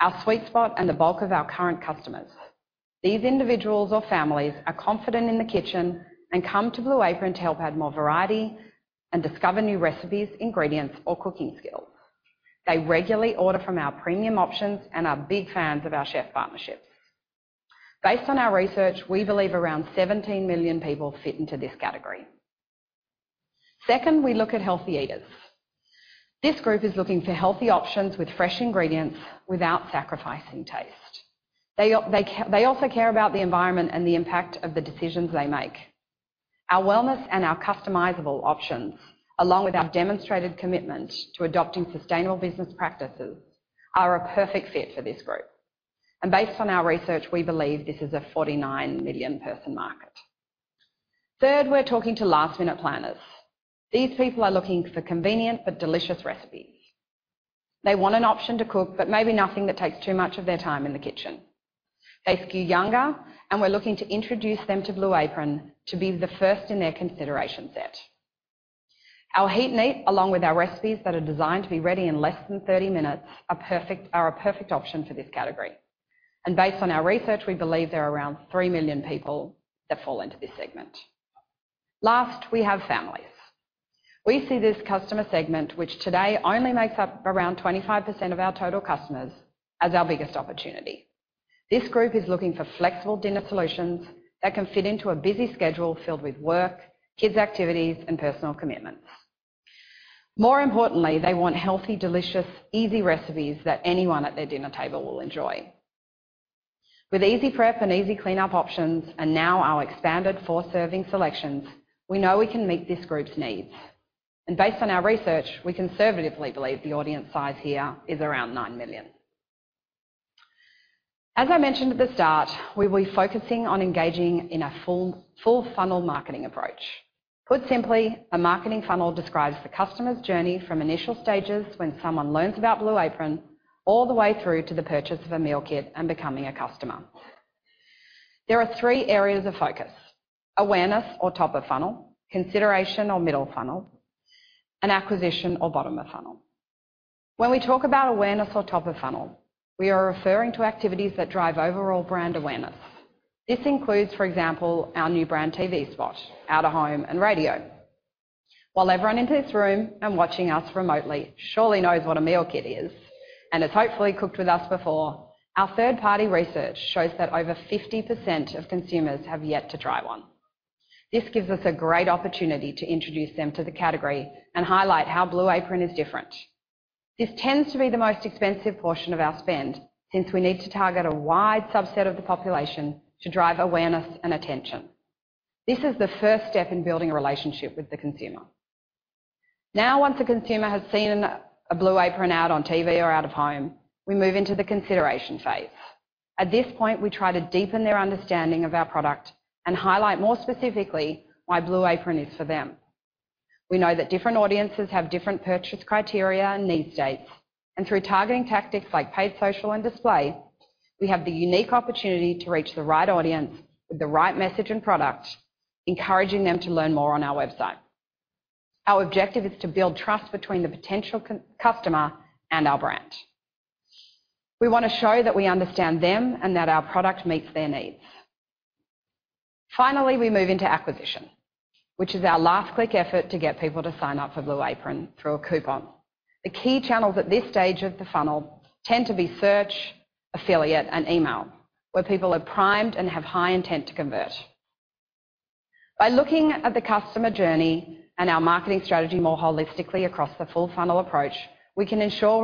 our sweet spot and the bulk of our current customers. These individuals or families are confident in the kitchen and come to Blue Apron to help add more variety and discover new recipes, ingredients, or cooking skills. They regularly order from our premium options and are big fans of our chef partnerships. Based on our research, we believe around 17 million people fit into this category. Second, we look at healthy eaters. This group is looking for healthy options with fresh ingredients without sacrificing taste. They also care about the environment and the impact of the decisions they make. Our wellness and our customizable options, along with our demonstrated commitment to adopting sustainable business practices, are a perfect fit for this group. Based on our research, we believe this is a 49 million-person market. Third, we're talking to last-minute planners. These people are looking for convenient but delicious recipes. They want an option to cook, but maybe nothing that takes too much of their time in the kitchen. They skew younger, and we're looking to introduce them to Blue Apron to be the first in their consideration set. Our Heat & Eat, along with our recipes that are designed to be ready in less than 30 minutes, are a perfect option for this category. Based on our research, we believe there are around 3 million people that fall into this segment. Last, we have families. We see this customer segment, which today only makes up around 25% of our total customers, as our biggest opportunity. This group is looking for flexible dinner solutions that can fit into a busy schedule filled with work, kids' activities, and personal commitments. More importantly, they want healthy, delicious, easy recipes that anyone at their dinner table will enjoy. With easy prep and easy cleanup options, and now our expanded four-serving selections, we know we can meet this group's needs. Based on our research, we conservatively believe the audience size here is around 9 million. As I mentioned at the start, we'll be focusing on engaging in a full funnel marketing approach. Put simply, a marketing funnel describes the customer's journey from initial stages when someone learns about Blue Apron all the way through to the purchase of a meal kit and becoming a customer. There are three areas of focus, awareness or top of funnel, consideration or middle funnel, and acquisition or bottom of funnel. When we talk about awareness or top of funnel, we are referring to activities that drive overall brand awareness. This includes, for example, our new brand TV spot, out-of-home, and radio. While everyone in this room and watching us remotely surely knows what a meal kit is, and has hopefully cooked with us before, our third-party research shows that over 50% of consumers have yet to try one. This gives us a great opportunity to introduce them to the category and highlight how Blue Apron is different. This tends to be the most expensive portion of our spend, since we need to target a wide subset of the population to drive awareness and attention. This is the first step in building a relationship with the consumer. Now, once a consumer has seen a Blue Apron ad on TV or out of home, we move into the consideration phase. At this point, we try to deepen their understanding of our product and highlight more specifically why Blue Apron is for them. We know that different audiences have different purchase criteria and need states, and through targeting tactics like paid social and display, we have the unique opportunity to reach the right audience with the right message and product, encouraging them to learn more on our website. Our objective is to build trust between the potential customer and our brand. We wanna show that we understand them and that our product meets their needs. Finally, we move into acquisition, which is our last click effort to get people to sign up for Blue Apron through a coupon. The key channels at this stage of the funnel tend to be search, affiliate, and email, where people are primed and have high intent to convert. By looking at the customer journey and our marketing strategy more holistically across the full funnel approach, we can ensure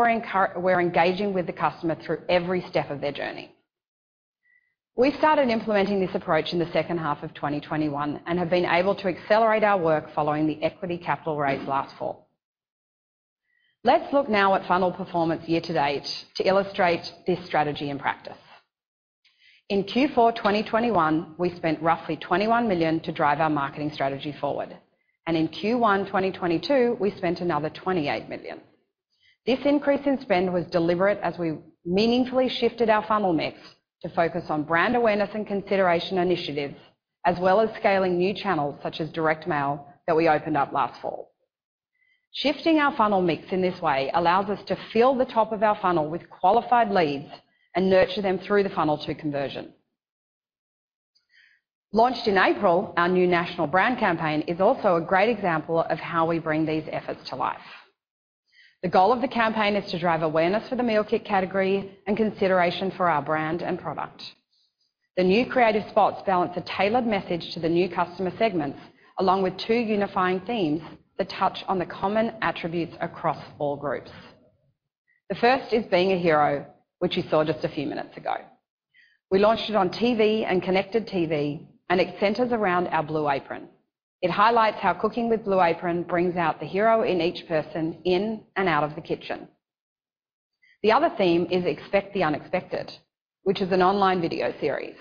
we're engaging with the customer through every step of their journey. We started implementing this approach in the second half of 2021 and have been able to accelerate our work following the equity capital raise last fall. Let's look now at funnel performance year-to-date to illustrate this strategy in practice. In Q4 2021, we spent roughly $21 million to drive our marketing strategy forward. In Q1 2022, we spent another $28 million. This increase in spend was deliberate as we meaningfully shifted our funnel mix to focus on brand awareness and consideration initiatives, as well as scaling new channels such as direct mail that we opened up last fall. Shifting our funnel mix in this way allows us to fill the top of our funnel with qualified leads and nurture them through the funnel to conversion. Launched in April, our new national brand campaign is also a great example of how we bring these efforts to life. The goal of the campaign is to drive awareness for the meal kit category and consideration for our brand and product. The new creative spots balance a tailored message to the new customer segments, along with 2 unifying themes that touch on the common attributes across all groups. The first is Being a Hero, which you saw just a few minutes ago. We launched it on TV and connected TV, and it centers around our Blue Apron. It highlights how cooking with Blue Apron brings out the hero in each person in and out of the kitchen. The other theme is Expect the Unexpected, which is an online video series.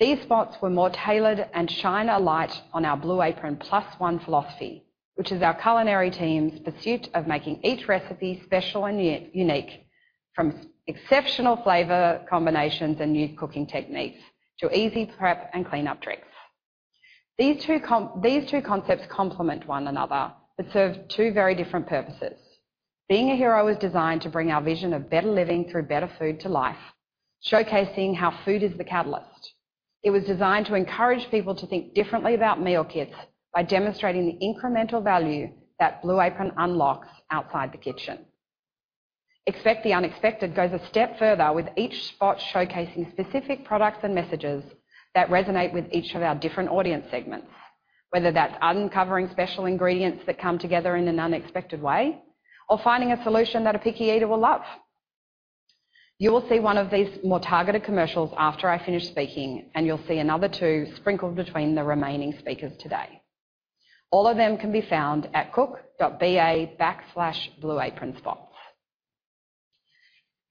These spots were more tailored and shine a light on our Blue Apron plus-one philosophy, which is our culinary team's pursuit of making each recipe special and unique from exceptional flavor combinations and new cooking techniques to easy prep and cleanup tricks. These two concepts complement one another but serve two very different purposes. Being a Hero is designed to bring our vision of better living through better food to life, showcasing how food is the catalyst. It was designed to encourage people to think differently about meal kits by demonstrating the incremental value that Blue Apron unlocks outside the kitchen. Expect the unexpected goes a step further, with each spot showcasing specific products and messages that resonate with each of our different audience segments, whether that's uncovering special ingredients that come together in an unexpected way or finding a solution that a picky eater will love. You will see one of these more targeted commercials after I finish speaking, and you'll see another two sprinkled between the remaining speakers today. All of them can be found at cook.ba/blueapronspots.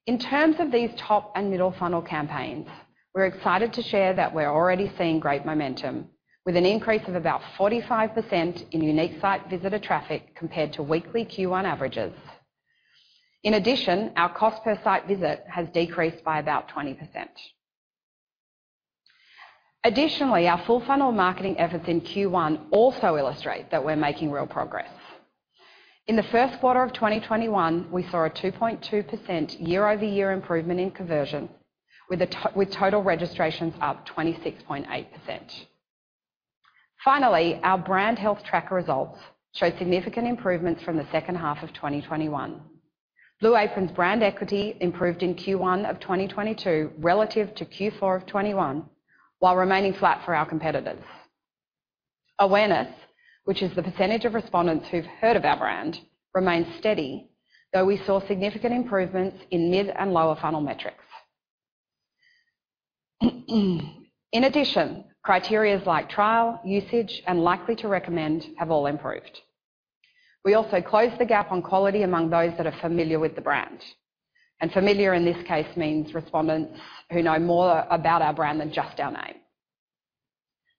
In terms of these top and middle funnel campaigns, we're excited to share that we're already seeing great momentum with an increase of about 45% in unique site visitor traffic compared to weekly Q1 averages. In addition, our cost per site visit has decreased by about 20%. Additionally, our full funnel marketing efforts in Q1 also illustrate that we're making real progress. In the 1st quarter of 2021, we saw a 2.2% year-over-year improvement in conversion with total registrations up 26.8%. Finally, our brand health tracker results showed significant improvements from the second half of 2021. Blue Apron's brand equity improved in Q1 of 2022 relative to Q4 of 2021, while remaining flat for our competitors. Awareness, which is the percentage of respondents who've heard of our brand, remains steady, though we saw significant improvements in mid and lower funnel metrics. In addition, criteria like trial, usage, and likely to recommend have all improved. We also closed the gap on quality among those that are familiar with the brand, and familiar in this case means respondents who know more about our brand than just our name.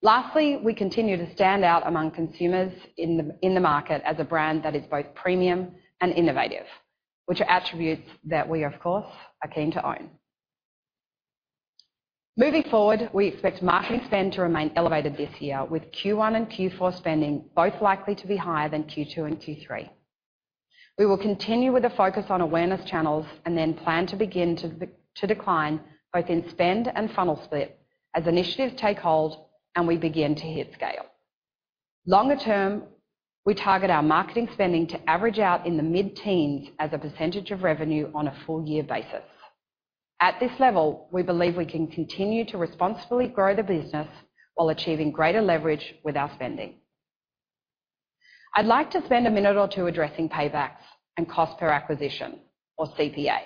Lastly, we continue to stand out among consumers in the market as a brand that is both premium and innovative, which are attributes that we, of course, are keen to own. Moving forward, we expect marketing spend to remain elevated this year with Q1 and Q4 spending both likely to be higher than Q2 and Q3. We will continue with a focus on awareness channels and then plan to begin to decline both in spend and funnel split as initiatives take hold and we begin to hit scale. Longer term, we target our marketing spending to average out in the mid-teens% of revenue on a full year basis. At this level, we believe we can continue to responsibly grow the business while achieving greater leverage with our spending. I'd like to spend a minute or 2 addressing paybacks and cost per acquisition or CPA.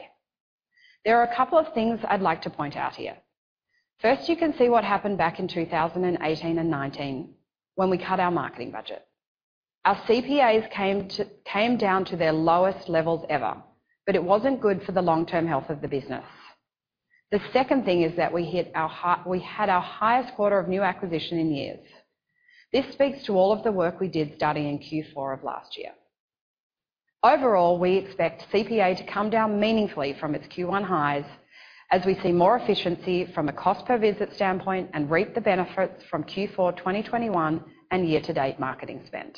There are a couple of things I'd like to point out here. First, you can see what happened back in 2018 and 2019 when we cut our marketing budget. Our CPAs came down to their lowest levels ever, but it wasn't good for the long-term health of the business. The second thing is that we had our highest quarter of new acquisition in years. This speaks to all of the work we did starting in Q4 of last year. Overall, we expect CPA to come down meaningfully from its Q1 highs as we see more efficiency from a cost per visit standpoint and reap the benefits from Q4 2021 and year-to-date marketing spend.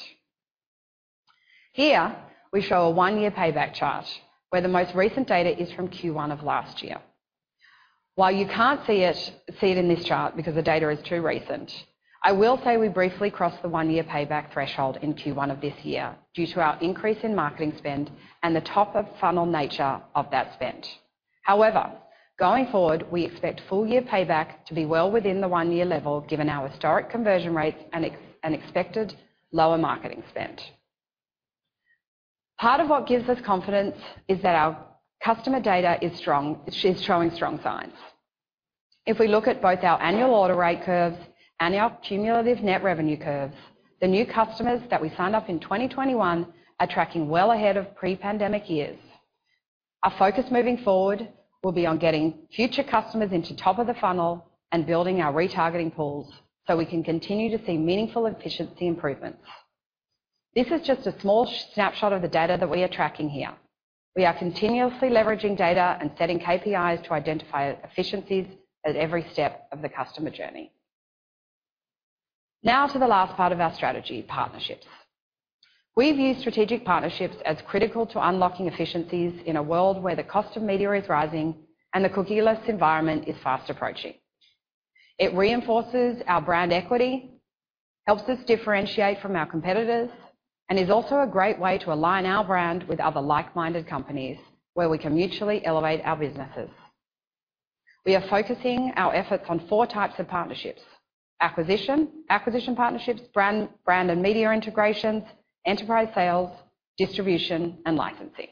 Here we show a one-year payback chart where the most recent data is from Q1 of last year. While you can't see it in this chart because the data is too recent, I will say we briefly crossed the one-year payback threshold in Q1 of this year due to our increase in marketing spend and the top of funnel nature of that spend. However, going forward, we expect full year payback to be well within the one-year level given our historic conversion rates and expected lower marketing spend. Part of what gives us confidence is that our customer data is strong, is showing strong signs. If we look at both our annual order rate curves and our cumulative net revenue curves, the new customers that we signed up in 2021 are tracking well ahead of pre-pandemic years. Our focus moving forward will be on getting future customers into top of the funnel and building our retargeting pools so we can continue to see meaningful efficiency improvements. This is just a small snapshot of the data that we are tracking here. We are continuously leveraging data and setting KPIs to identify efficiencies at every step of the customer journey. Now to the last part of our strategy. Partnerships. We view strategic partnerships as critical to unlocking efficiencies in a world where the cost of media is rising and the cookieless environment is fast approaching. It reinforces our brand equity, helps us differentiate from our competitors, and is also a great way to align our brand with other like-minded companies where we can mutually elevate our businesses. We are focusing our efforts on four types of partnerships, acquisition partnerships, brand and media integrations, enterprise sales, distribution, and licensing.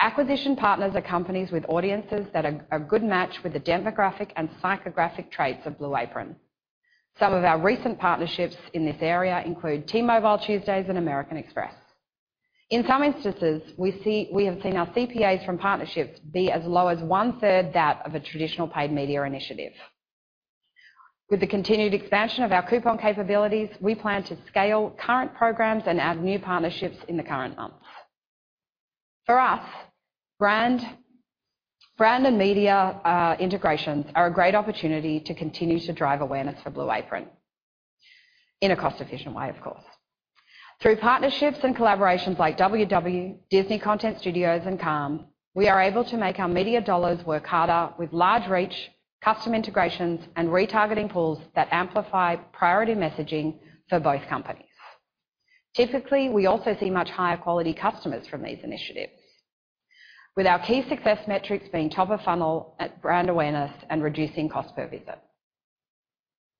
Acquisition partners are companies with audiences that are a good match with the demographic and psychographic traits of Blue Apron. Some of our recent partnerships in this area include T-Mobile Tuesdays and American Express. In some instances, we have seen our CPAs from partnerships be as low as one-third that of a traditional paid media initiative. With the continued expansion of our coupon capabilities, we plan to scale current programs and add new partnerships in the current months. For us, brand and media integrations are a great opportunity to continue to drive awareness for Blue Apron in a cost-efficient way, of course. Through partnerships and collaborations like WW, Disney Studios Content, and Calm, we are able to make our media dollars work harder with large reach, custom integrations, and retargeting pools that amplify priority messaging for both companies. Typically, we also see much higher quality customers from these initiatives. With our key success metrics being top of funnel at brand awareness and reducing cost per visit.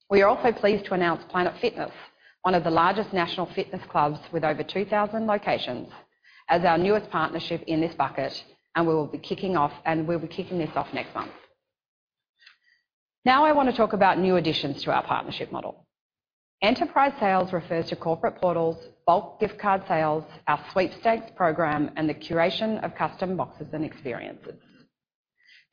We are also pleased to announce Planet Fitness, one of the largest national fitness clubs with over 2,000 locations as our newest partnership in this bucket, and we'll be kicking this off next month. Now, I want to talk about new additions to our partnership model. Enterprise sales refers to corporate portals, bulk gift card sales, our sweepstakes program, and the curation of custom boxes and experiences.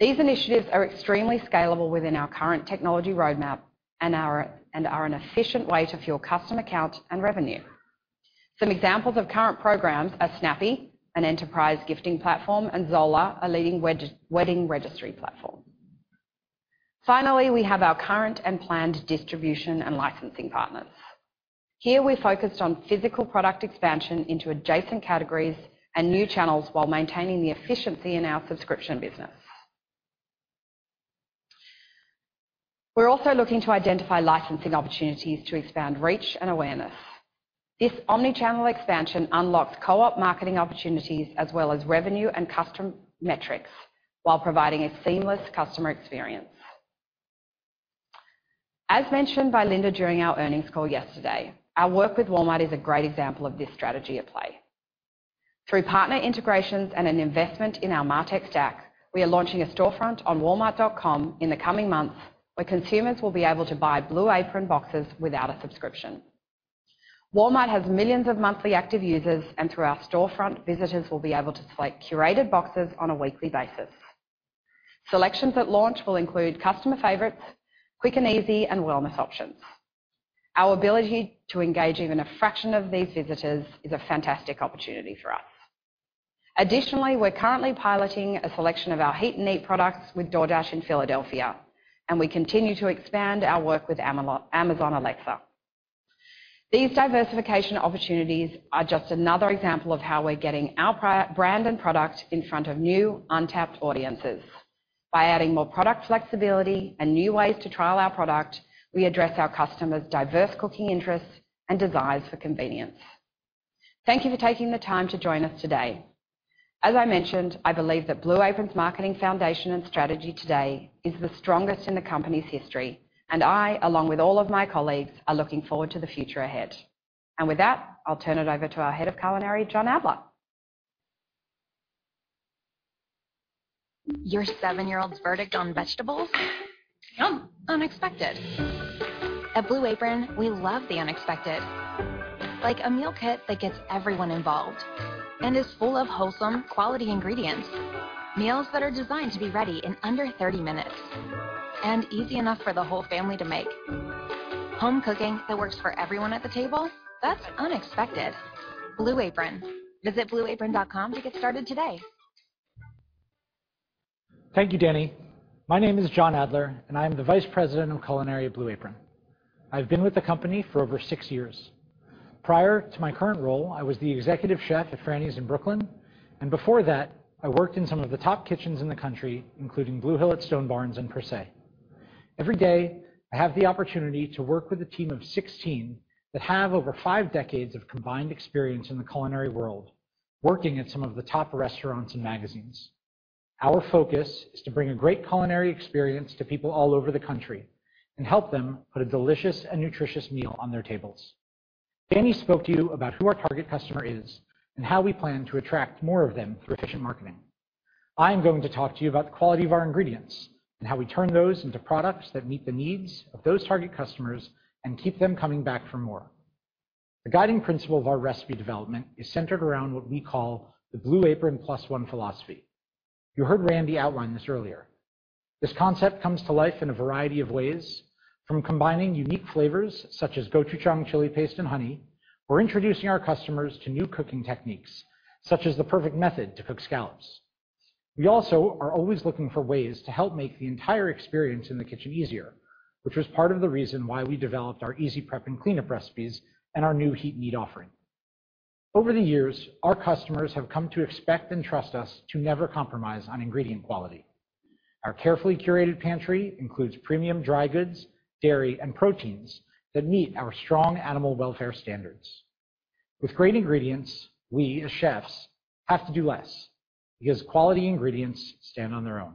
These initiatives are extremely scalable within our current technology roadmap and are an efficient way to fuel customer count and revenue. Some examples of current programs are Snappy, an enterprise gifting platform, and Zola, a leading wedding registry platform. Finally, we have our current and planned distribution and licensing partners. Here we're focused on physical product expansion into adjacent categories and new channels while maintaining the efficiency in our subscription business. We're also looking to identify licensing opportunities to expand reach and awareness. This omni-channel expansion unlocks co-op marketing opportunities as well as revenue and custom metrics, while providing a seamless customer experience. As mentioned by Linda during our earnings call yesterday, our work with Walmart is a great example of this strategy at play. Through partner integrations and an investment in our MarTech stack, we are launching a storefront on Walmart.com in the coming months, where consumers will be able to buy Blue Apron boxes without a subscription. Walmart has millions of monthly active users, and through our storefront, visitors will be able to select curated boxes on a weekly basis. Selections at launch will include customer favorites, quick and easy and wellness options. Our ability to engage even a fraction of these visitors is a fantastic opportunity for us. Additionally, we're currently piloting a selection of our Heat & Eat products with DoorDash in Philadelphia, and we continue to expand our work with Amazon Alexa. These diversification opportunities are just another example of how we're getting our brand and product in front of new untapped audiences. By adding more product flexibility and new ways to trial our product, we address our customers' diverse cooking interests and desires for convenience. Thank you for taking the time to join us today. As I mentioned, I believe that Blue Apron's marketing foundation and strategy today is the strongest in the company's history, and I, along with all of my colleagues, are looking forward to the future ahead. With that, I'll turn it over to our Head of Culinary, John Adler. Your seven-year-old's verdict on vegetables? Yum. Unexpected. At Blue Apron, we love the unexpected. Like a meal kit that gets everyone involved and is full of wholesome quality ingredients, meals that are designed to be ready in under 30 minutes, and easy enough for the whole family to make. Home cooking that works for everyone at the table, that's unexpected. Blue Apron. Visit blueapron.com to get started today. Thank you, Dani. My name is John Adler, and I am the Vice President of Culinary at Blue Apron. I've been with the company for over 6 years. Prior to my current role, I was the executive chef at Franny's in Brooklyn, and before that, I worked in some of the top kitchens in the country, including Blue Hill at Stone Barns and Per Se. Every day, I have the opportunity to work with a team of 16 that have over 5 decades of combined experience in the culinary world, working at some of the top restaurants and magazines. Our focus is to bring a great culinary experience to people all over the country and help them put a delicious and nutritious meal on their tables. Dani spoke to you about who our target customer is and how we plan to attract more of them through efficient marketing. I am going to talk to you about the quality of our ingredients and how we turn those into products that meet the needs of those target customers and keep them coming back for more. The guiding principle of our recipe development is centered around what we call the Blue Apron Plus One philosophy. You heard Randy outline this earlier. This concept comes to life in a variety of ways, from combining unique flavors such as gochujang, chili paste, and honey. We're introducing our customers to new cooking techniques, such as the perfect method to cook scallops. We also are always looking for ways to help make the entire experience in the kitchen easier, which was part of the reason why we developed our easy prep and cleanup recipes and our new Heat & Eat offering. Over the years, our customers have come to expect and trust us to never compromise on ingredient quality. Our carefully curated pantry includes premium dry goods, dairy, and proteins that meet our strong animal welfare standards. With great ingredients, we as chefs, have to do less because quality ingredients stand on their own.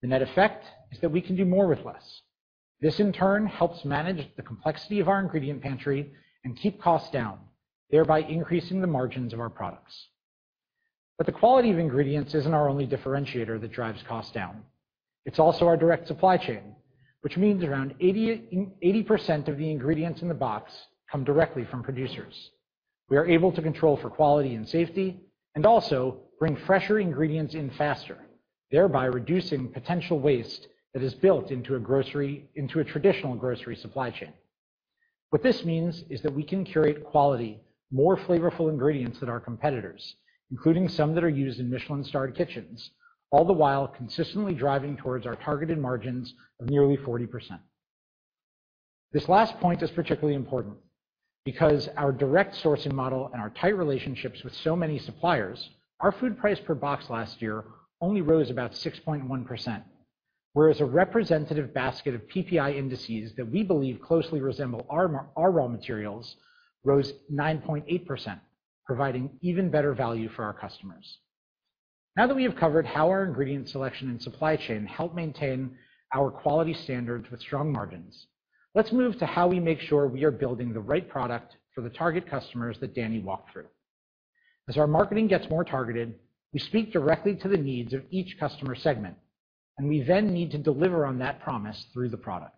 The net effect is that we can do more with less. This, in turn, helps manage the complexity of our ingredient pantry and keep costs down, thereby increasing the margins of our products. The quality of ingredients isn't our only differentiator that drives cost down. It's also our direct supply chain, which means around 80% of the ingredients in the box come directly from producers. We are able to control for quality and safety and also bring fresher ingredients in faster, thereby reducing potential waste that is built into a traditional grocery supply chain. What this means is that we can curate quality, more flavorful ingredients than our competitors, including some that are used in Michelin-starred kitchens, all the while consistently driving towards our targeted margins of nearly 40%. This last point is particularly important because our direct sourcing model and our tight relationships with so many suppliers, our food price per box last year only rose about 6.1%. Whereas a representative basket of PPI indices that we believe closely resemble our raw materials rose 9.8%, providing even better value for our customers. Now that we have covered how our ingredient selection and supply chain help maintain our quality standards with strong margins, let's move to how we make sure we are building the right product for the target customers that Dani walked through. As our marketing gets more targeted, we speak directly to the needs of each customer segment, and we then need to deliver on that promise through the product.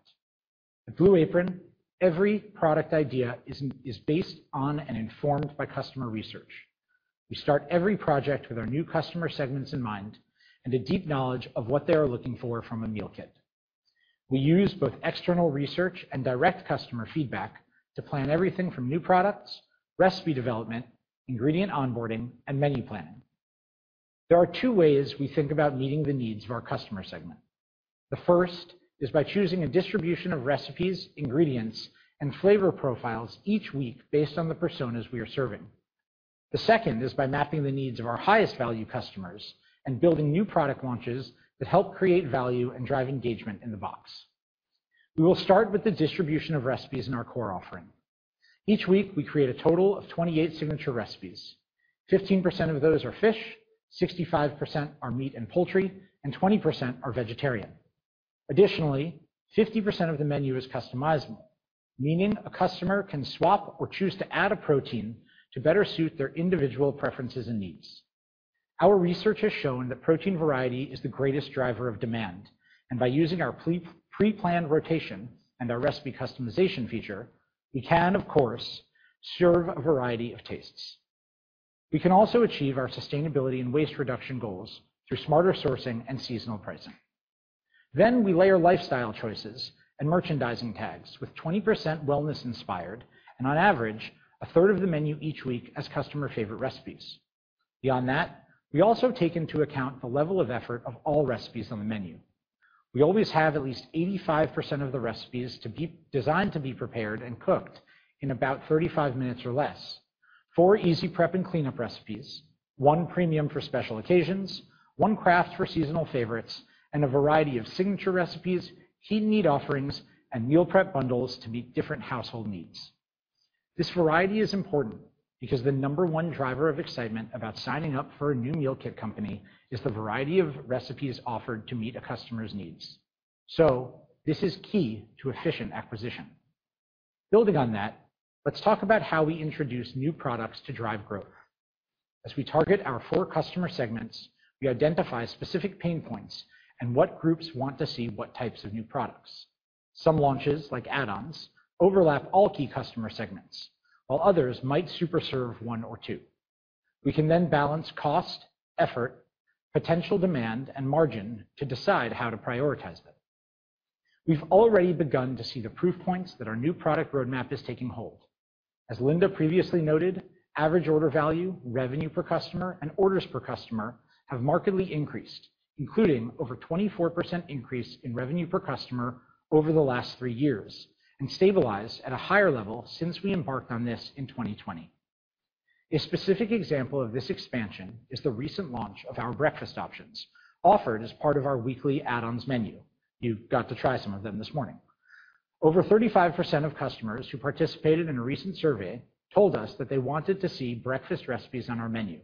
At Blue Apron, every product idea is based on and informed by customer research. We start every project with our new customer segments in mind and a deep knowledge of what they are looking for from a meal kit. We use both external research and direct customer feedback to plan everything from new products, recipe development, ingredient onboarding, and menu planning. There are two ways we think about meeting the needs of our customer segment. The first is by choosing a distribution of recipes, ingredients, and flavor profiles each week based on the personas we are serving. The second is by mapping the needs of our highest value customers and building new product launches that help create value and drive engagement in the box. We will start with the distribution of recipes in our core offering. Each week, we create a total of 28 signature recipes. 15% of those are fish, 65% are meat and poultry, and 20% are vegetarian. Additionally, 50% of the menu is customizable, meaning a customer can swap or choose to add a protein to better suit their individual preferences and needs. Our research has shown that protein variety is the greatest driver of demand, and by using our pre-planned rotation and our recipe customization feature, we can, of course, serve a variety of tastes. We can also achieve our sustainability and waste reduction goals through smarter sourcing and seasonal pricing. We layer lifestyle choices and merchandising tags with 20% wellness-inspired and on average, a third of the menu each week as customer-favorite recipes. Beyond that, we also take into account the level of effort of all recipes on the menu. We always have at least 85% of the recipes to be designed to be prepared and cooked in about 35 minutes or less. 4 easy prep and cleanup recipes, 1 premium for special occasions, 1 craft for seasonal favorites, and a variety of signature recipes, Heat & Eat offerings, and meal prep bundles to meet different household needs. This variety is important because the number one driver of excitement about signing up for a new meal kit company is the variety of recipes offered to meet a customer's needs. This is key to efficient acquisition. Building on that, let's talk about how we introduce new products to drive growth. As we target our four customer segments, we identify specific pain points and what groups want to see what types of new products. Some launches, like add-ons, overlap all key customer segments, while others might super serve one or two. We can then balance cost, effort, potential demand, and margin to decide how to prioritize them. We've already begun to see the proof points that our new product roadmap is taking hold. As Linda previously noted, average order value, revenue per customer, and orders per customer have markedly increased, including over 24% increase in revenue per customer over the last three years, and stabilized at a higher level since we embarked on this in 2020. A specific example of this expansion is the recent launch of our breakfast options offered as part of our weekly add-ons menu. You got to try some of them this morning. Over 35% of customers who participated in a recent survey told us that they wanted to see breakfast recipes on our menu.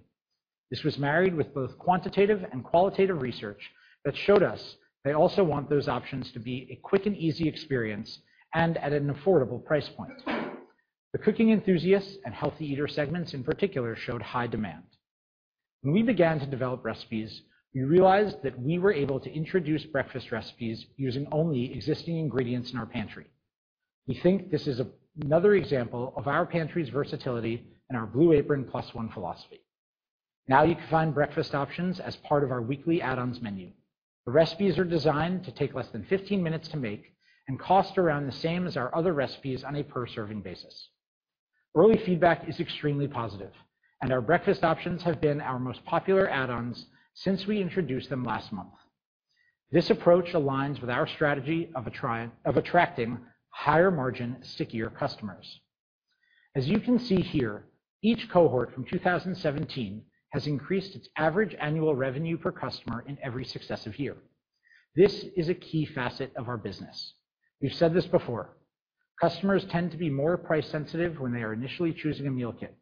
This was married with both quantitative and qualitative research that showed us they also want those options to be a quick and easy experience and at an affordable price point. The cooking enthusiasts and healthy eater segments in particular showed high demand. When we began to develop recipes, we realized that we were able to introduce breakfast recipes using only existing ingredients in our pantry. We think this is another example of our pantry's versatility and our Blue Apron plus one philosophy. Now, you can find breakfast options as part of our weekly add-ons menu. The recipes are designed to take less than 15 minutes to make and cost around the same as our other recipes on a per serving basis. Early feedback is extremely positive, and our breakfast options have been our most popular add-ons since we introduced them last month. This approach aligns with our strategy of attracting higher margin, stickier customers. As you can see here, each cohort from 2017 has increased its average annual revenue per customer in every successive year. This is a key facet of our business. We've said this before. Customers tend to be more price sensitive when they are initially choosing a meal kit.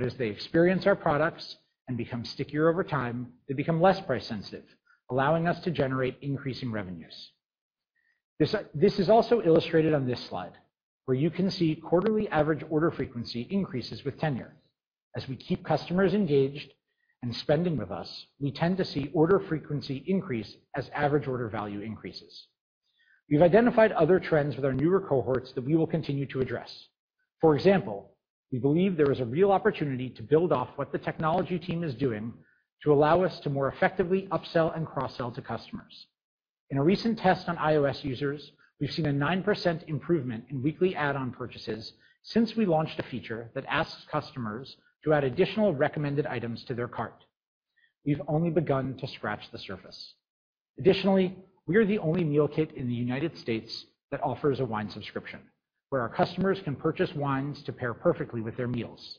As they experience our products and become stickier over time, they become less price sensitive, allowing us to generate increasing revenues. This is also illustrated on this slide, where you can see quarterly average order frequency increases with tenure. As we keep customers engaged and spending with us, we tend to see order frequency increase as average order value increases. We've identified other trends with our newer cohorts that we will continue to address. For example, we believe there is a real opportunity to build off what the technology team is doing to allow us to more effectively upsell and cross-sell to customers. In a recent test on iOS users, we've seen a 9% improvement in weekly add-on purchases since we launched a feature that asks customers to add additional recommended items to their cart. We've only begun to scratch the surface. Additionally, we are the only meal kit in the United States that offers a wine subscription, where our customers can purchase wines to pair perfectly with their meals.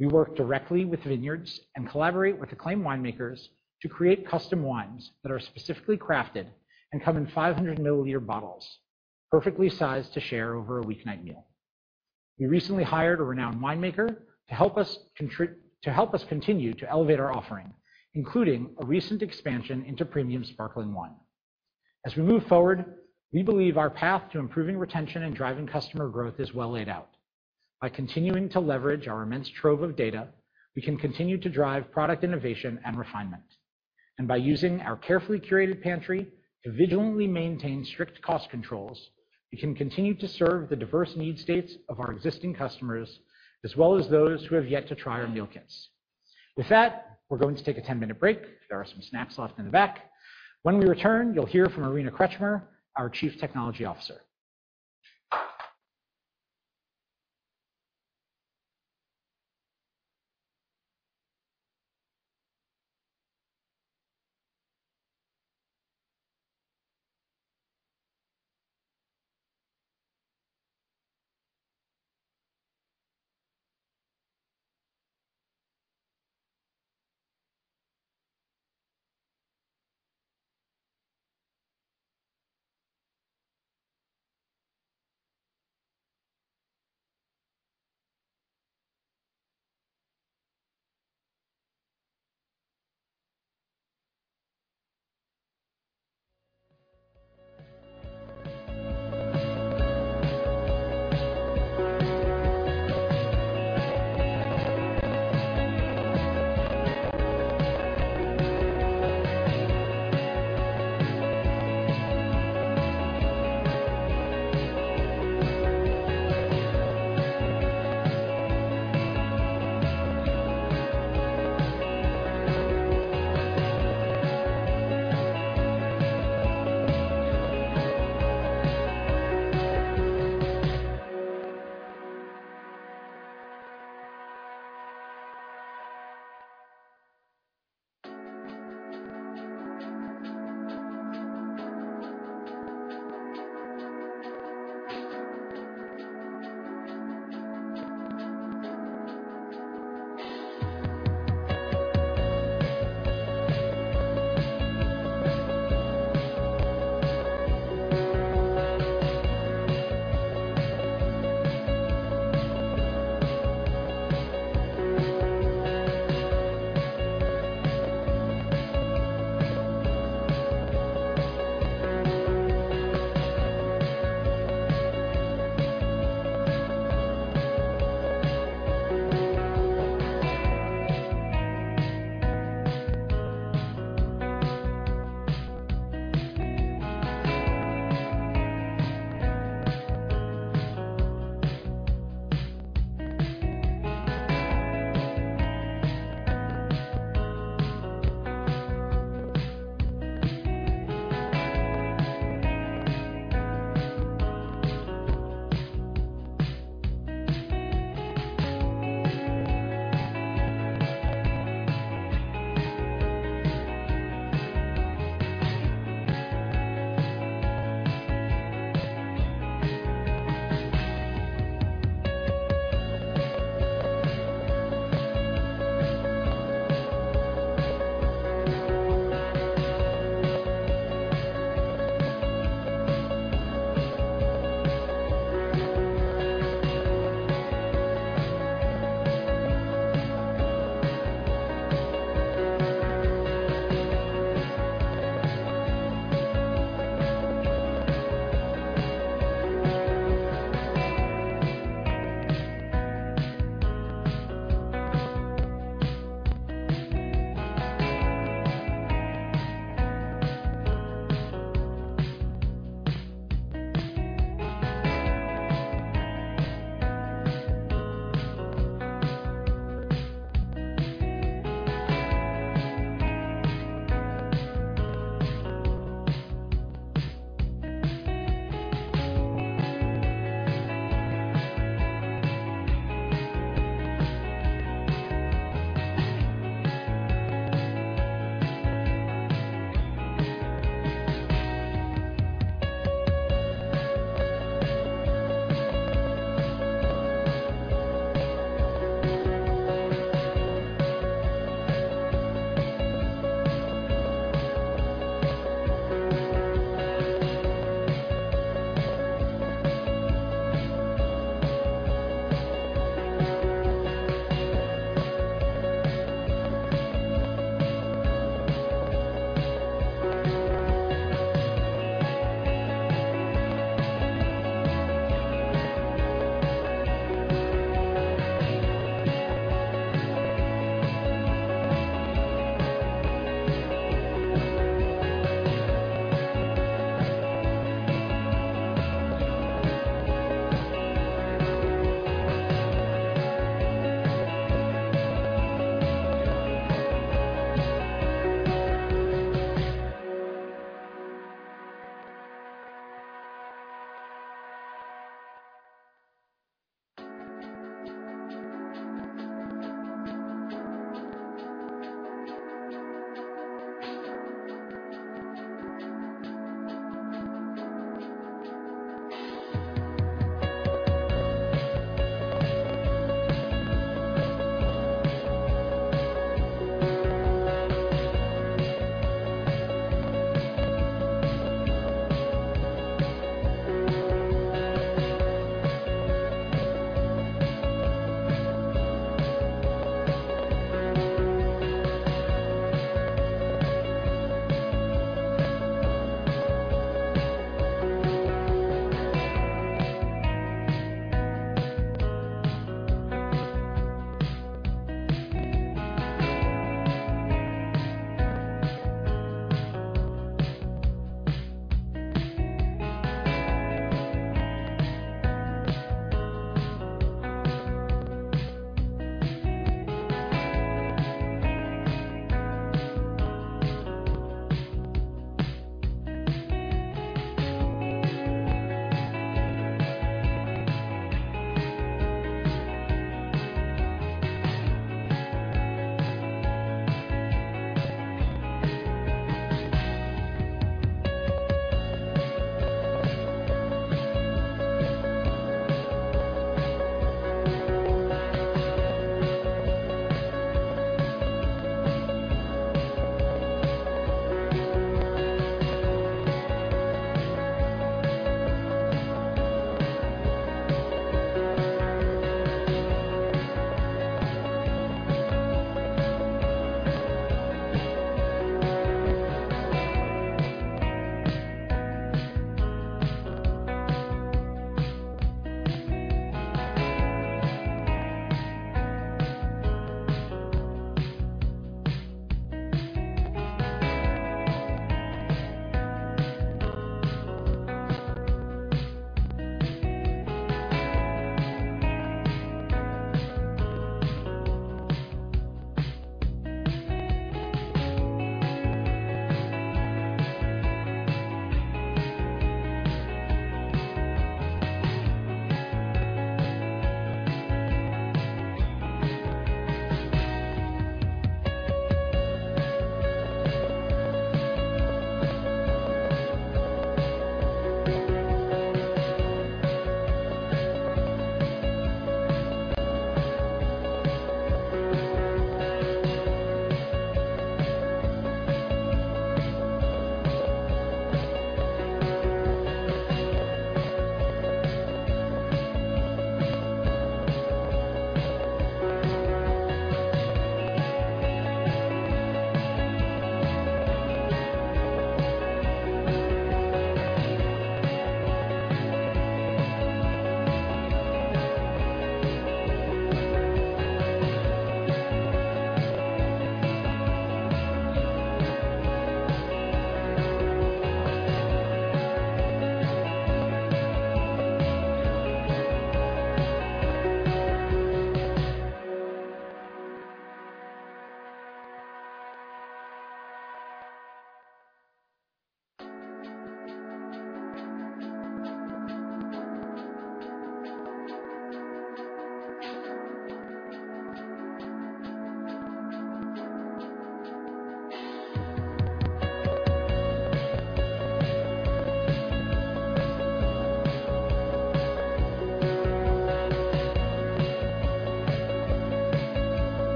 We work directly with vineyards and collaborate with acclaimed winemakers to create custom wines that are specifically crafted and come in 500 milliliter bottles, perfectly sized to share over a weeknight meal. We recently hired a renowned winemaker to help us continue to elevate our offering, including a recent expansion into premium sparkling wine. As we move forward, we believe our path to improving retention and driving customer growth is well laid out. By continuing to leverage our immense trove of data, we can continue to drive product innovation and refinement. By using our carefully curated pantry to vigilantly maintain strict cost controls, we can continue to serve the diverse need states of our existing customers, as well as those who have yet to try our meal kits. With that, we're going to take a 10-minute break. There are some snacks left in the back. When we return, you'll hear from Irina Krechmer, our Chief Technology Officer.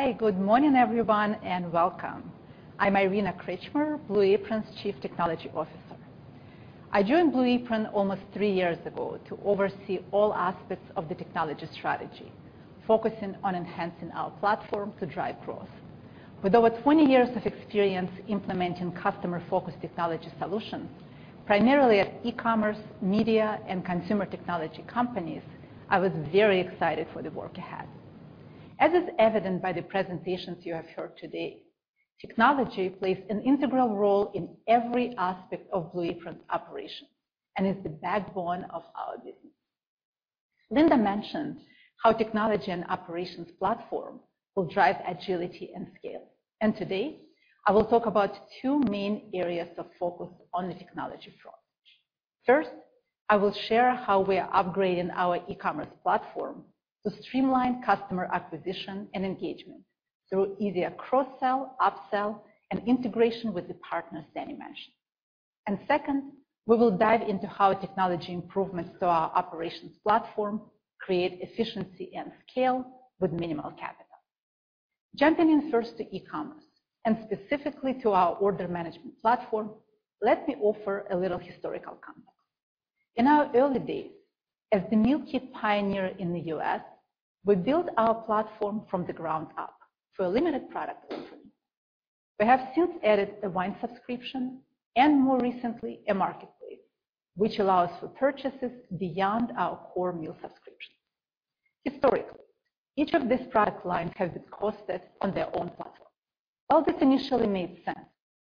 Hi, good morning everyone, and welcome. I'm Irina Krechmer, Blue Apron's Chief Technology Officer. I joined Blue Apron almost three years ago to oversee all aspects of the technology strategy, focusing on enhancing our platform to drive growth. With over 20 years of experience implementing customer-focused technology solutions, primarily at e-commerce, media, and consumer technology companies, I was very excited for the work ahead. As is evident by the presentations you have heard today, technology plays an integral role in every aspect of Blue Apron's operation and is the backbone of our business. Linda mentioned how technology and operations platform will drive agility and scale. Today, I will talk about two main areas of focus on the technology front. First, I will share how we are upgrading our e-commerce platform to streamline customer acquisition and engagement through easier cross-sell, up-sell, and integration with the partners Dani mentioned. Second, we will dive into how technology improvements to our operations platform create efficiency and scale with minimal capital. Jumping in first to e-commerce and specifically to our order management platform, let me offer a little historical context. In our early days as the meal kit pioneer in the US, we built our platform from the ground up for a limited product offering. We have since added a wine subscription and more recently a marketplace, which allows for purchases beyond our core meal subscriptions. Historically, each of these product lines has been hosted on their own platform. While this initially made sense,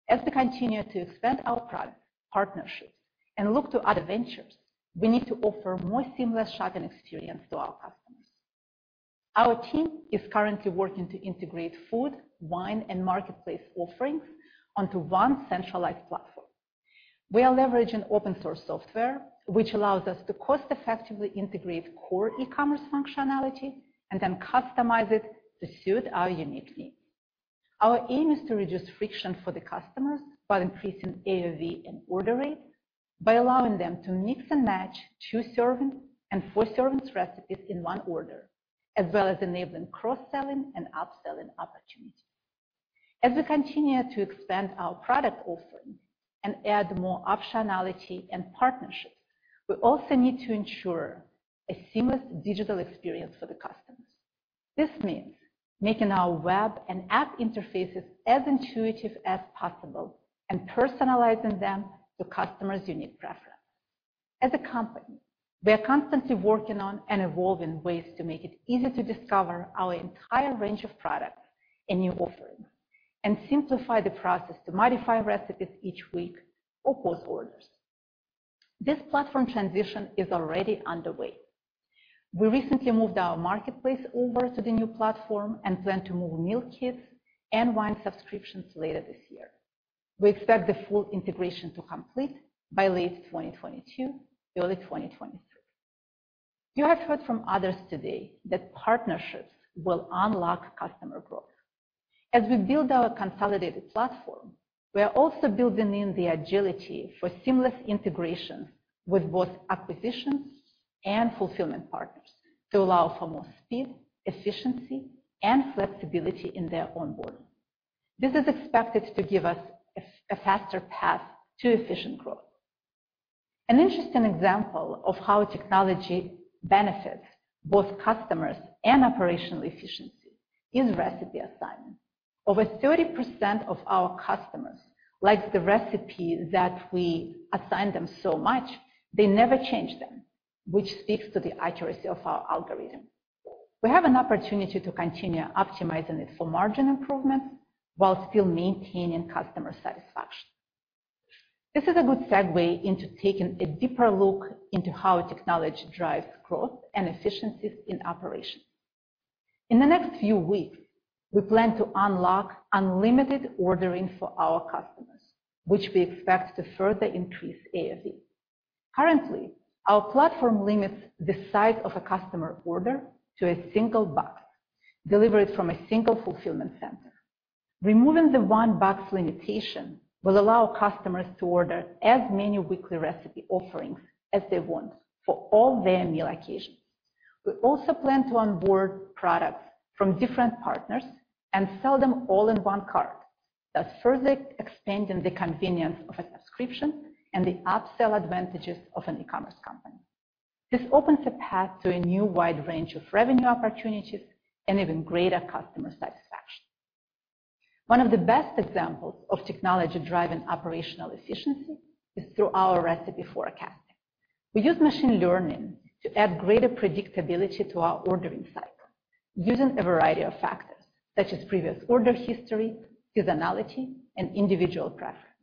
as we continue to expand our product partnerships and look to other ventures, we need to offer more seamless shopping experience to our customers. Our team is currently working to integrate food, wine, and marketplace offerings onto one centralized platform. We are leveraging open source software, which allows us to cost-effectively integrate core e-commerce functionality and then customize it to suit our unique needs. Our aim is to reduce friction for the customers while increasing AOV and order rate by allowing them to mix and match 2 serving and 4 servings recipes in one order, as well as enabling cross-selling and upselling opportunities. As we continue to expand our product offering and add more optionality and partnerships, we also need to ensure a seamless digital experience for the customers. This means making our web and app interfaces as intuitive as possible and personalizing them to customers' unique preference. As a company, we are constantly working on and evolving ways to make it easy to discover our entire range of products and new offerings, and simplify the process to modify recipes each week or pause orders. This platform transition is already underway. We recently moved our marketplace over to the new platform and plan to move meal kits and wine subscriptions later this year. We expect the full integration to complete by late 2022, early 2023. You have heard from others today that partnerships will unlock customer growth. As we build our consolidated platform, we are also building in the agility for seamless integration with both acquisitions and fulfillment partners to allow for more speed, efficiency, and flexibility in their onboarding. This is expected to give us a faster path to efficient growth. An interesting example of how technology benefits both customers and operational efficiency is recipe assignment. Over 30% of our customers like the recipe that we assign them so much they never change them, which speaks to the accuracy of our algorithm. We have an opportunity to continue optimizing it for margin improvement while still maintaining customer satisfaction. This is a good segue into taking a deeper look into how technology drives growth and efficiencies in operations. In the next few weeks, we plan to unlock unlimited ordering for our customers, which we expect to further increase AOV. Currently, our platform limits the size of a customer order to a single box delivered from a single fulfillment center. Removing the one box limitation will allow customers to order as many weekly recipe offerings as they want for all their meal occasions. We also plan to onboard products from different partners and sell them all in one cart, thus further expanding the convenience of a subscription and the upsell advantages of an e-commerce company. This opens a path to a new wide range of revenue opportunities and even greater customer satisfaction. One of the best examples of technology driving operational efficiency is through our recipe forecasting. We use machine learning to add greater predictability to our ordering cycle using a variety of factors such as previous order history, seasonality, and individual preference.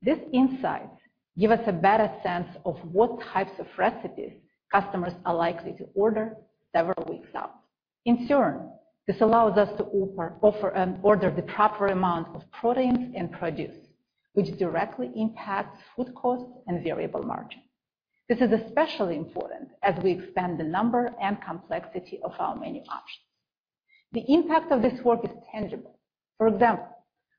This insight give us a better sense of what types of recipes customers are likely to order several weeks out. In turn, this allows us to offer and order the proper amount of proteins and produce, which directly impacts food costs and variable margin. This is especially important as we expand the number and complexity of our menu options. The impact of this work is tangible. For example,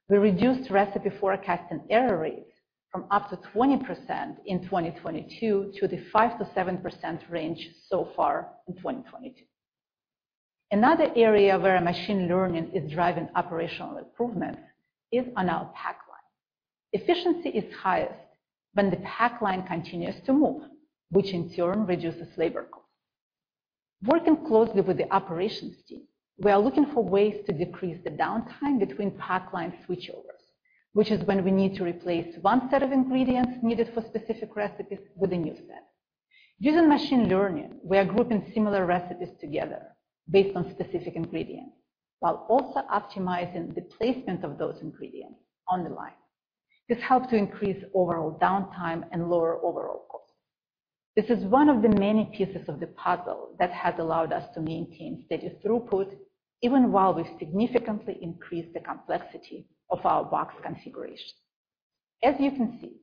we reduced recipe forecasting error rates from up to 20% in 2022 to the 5%-7% range so far in 2022. Another area where machine learning is driving operational improvement is on our pack line. Efficiency is highest when the pack line continues to move, which in turn reduces labor costs. Working closely with the operations team, we are looking for ways to decrease the downtime between pack line switchovers, which is when we need to replace one set of ingredients needed for specific recipes with a new set. Using machine learning, we are grouping similar recipes together based on specific ingredients, while also optimizing the placement of those ingredients on the line. This helps to decrease overall downtime and lower overall costs. This is one of the many pieces of the puzzle that has allowed us to maintain steady throughput even while we've significantly increased the complexity of our box configuration. As you can see,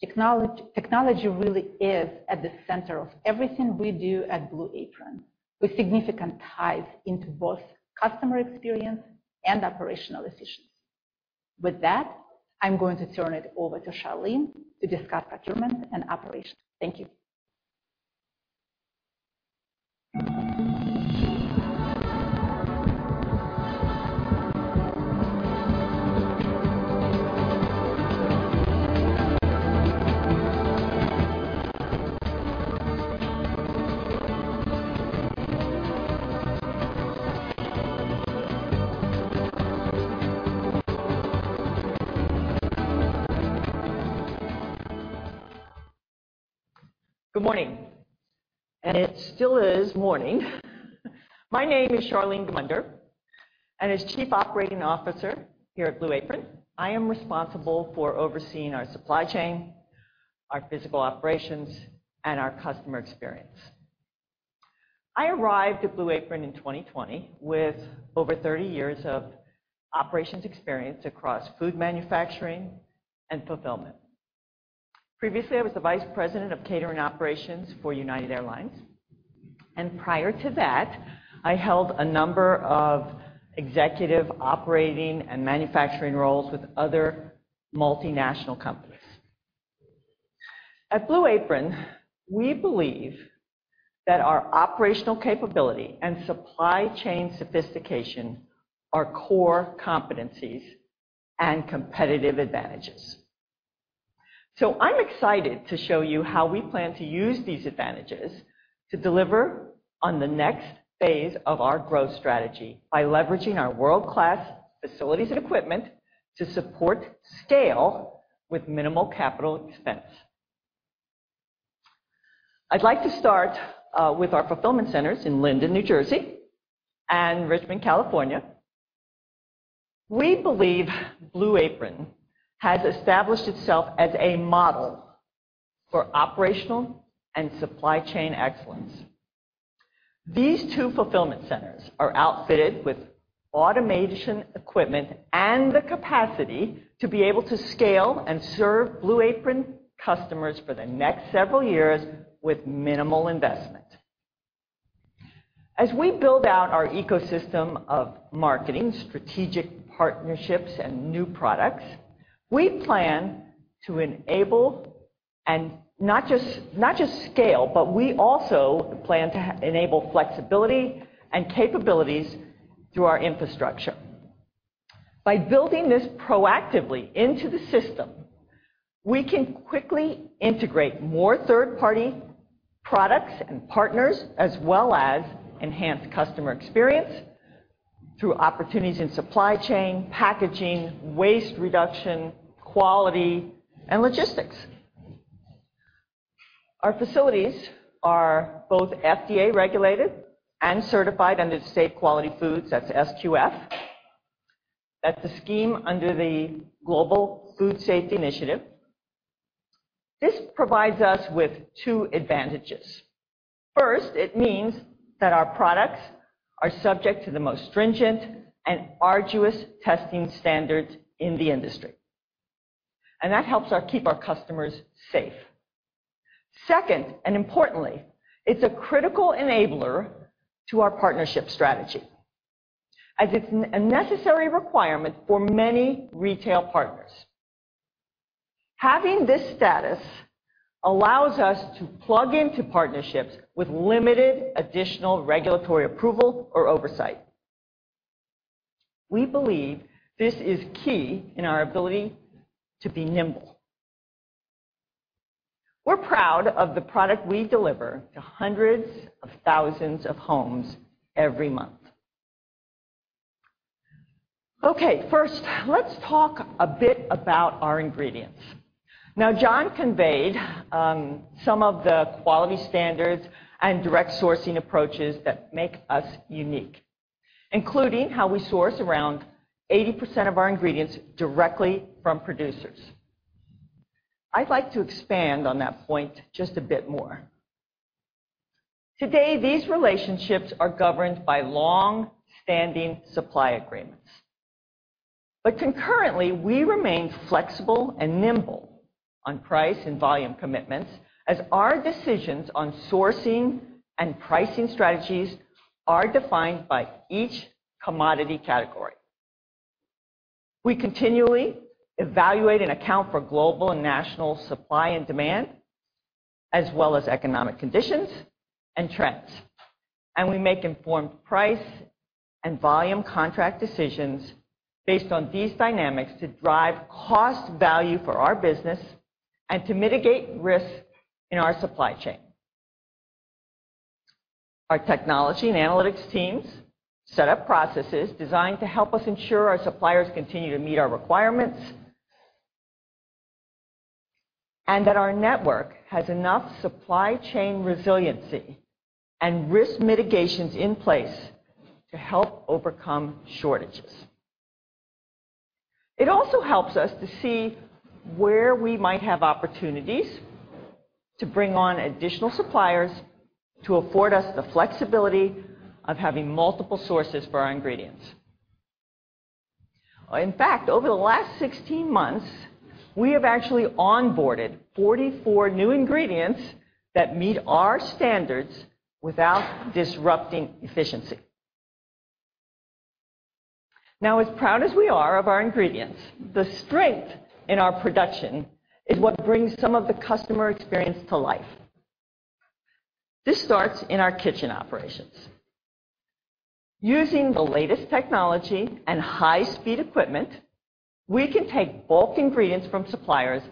technology really is at the center of everything we do at Blue Apron with significant ties into both customer experience and operational decisions. With that, I'm going to turn it over to Charlean to discuss procurement and operations. Thank you. Good morning. It still is morning. My name is Charlean Gmunder, and as Chief Operating Officer here at Blue Apron, I am responsible for overseeing our supply chain, our physical operations, and our customer experience. I arrived at Blue Apron in 2020 with over 30 years of operations experience across food manufacturing and fulfillment. Previously, I was the Vice President of Catering Operations for United Airlines, and prior to that, I held a number of executive operating and manufacturing roles with other multinational companies. At Blue Apron, we believe that our operational capability and supply chain sophistication are core competencies and competitive advantages. I'm excited to show you how we plan to use these advantages to deliver on the next phase of our growth strategy by leveraging our world-class facilities and equipment to support scale with minimal capital expense. I'd like to start with our fulfillment centers in Linden, New Jersey, and Richmond, California. We believe Blue Apron has established itself as a model for operational and supply chain excellence. These 2 fulfillment centers are outfitted with automation equipment and the capacity to be able to scale and serve Blue Apron customers for the next several years with minimal investment. As we build out our ecosystem of marketing, strategic partnerships, and new products, we plan to enable and not just scale, but we also plan to enable flexibility and capabilities through our infrastructure. By building this proactively into the system, we can quickly integrate more third-party products and partners, as well as enhance customer experience through opportunities in supply chain, packaging, waste reduction, quality, and logistics. Our facilities are both FDA regulated and certified under Safe Quality Foods, that's SQF. That's a scheme under the Global Food Safety Initiative. This provides us with 2 advantages. First, it means that our products are subject to the most stringent and arduous testing standards in the industry, and that helps us keep our customers safe. Second, and importantly, it's a critical enabler to our partnership strategy, as it's a necessary requirement for many retail partners. Having this status allows us to plug into partnerships with limited additional regulatory approval or oversight. We believe this is key in our ability to be nimble. We're proud of the product we deliver to hundreds of thousands of homes every month. Okay. First, let's talk a bit about our ingredients. Now, John conveyed some of the quality standards and direct sourcing approaches that make us unique, including how we source around 80% of our ingredients directly from producers. I'd like to expand on that point just a bit more. Today, these relationships are governed by longstanding supply agreements. Concurrently, we remain flexible and nimble on price and volume commitments, as our decisions on sourcing and pricing strategies are defined by each commodity category. We continually evaluate and account for global and national supply and demand as well as economic conditions and trends. We make informed price and volume contract decisions based on these dynamics to drive cost value for our business and to mitigate risk in our supply chain. Our technology and analytics teams set up processes designed to help us ensure our suppliers continue to meet our requirements, and that our network has enough supply chain resiliency and risk mitigations in place to help overcome shortages. It also helps us to see where we might have opportunities to bring on additional suppliers to afford us the flexibility of having multiple sources for our ingredients. In fact, over the last 16 months, we have actually onboarded 44 new ingredients that meet our standards without disrupting efficiency. Now, as proud as we are of our ingredients, the strength in our production is what brings some of the customer experience to life. This starts in our kitchen operations. Using the latest technology and high-speed equipment, we can take bulk ingredients from suppliers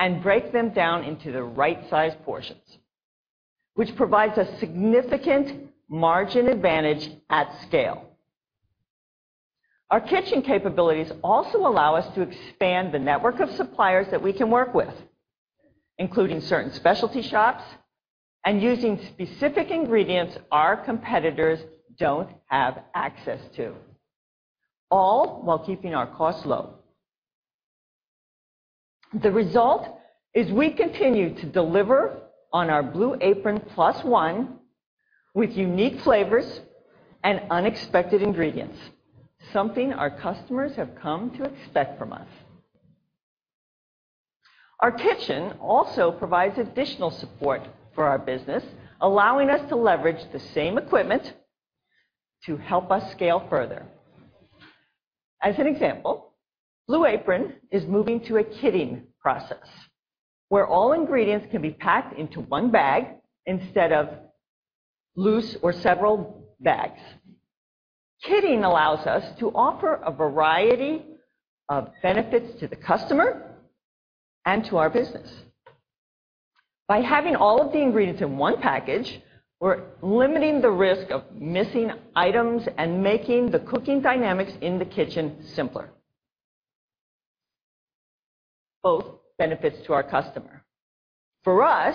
and break them down into the right size portions, which provides a significant margin advantage at scale. Our kitchen capabilities also allow us to expand the network of suppliers that we can work with, including certain specialty shops and using specific ingredients our competitors don't have access to, all while keeping our costs low. The result is we continue to deliver on our Blue Apron plus-one with unique flavors and unexpected ingredients, something our customers have come to expect from us. Our kitchen also provides additional support for our business, allowing us to leverage the same equipment to help us scale further. As an example, Blue Apron is moving to a kitting process, where all ingredients can be packed into one bag instead of loose or several bags. Kitting allows us to offer a variety of benefits to the customer and to our business. By having all of the ingredients in one package, we're limiting the risk of missing items and making the cooking dynamics in the kitchen simpler, both benefits to our customer. For us,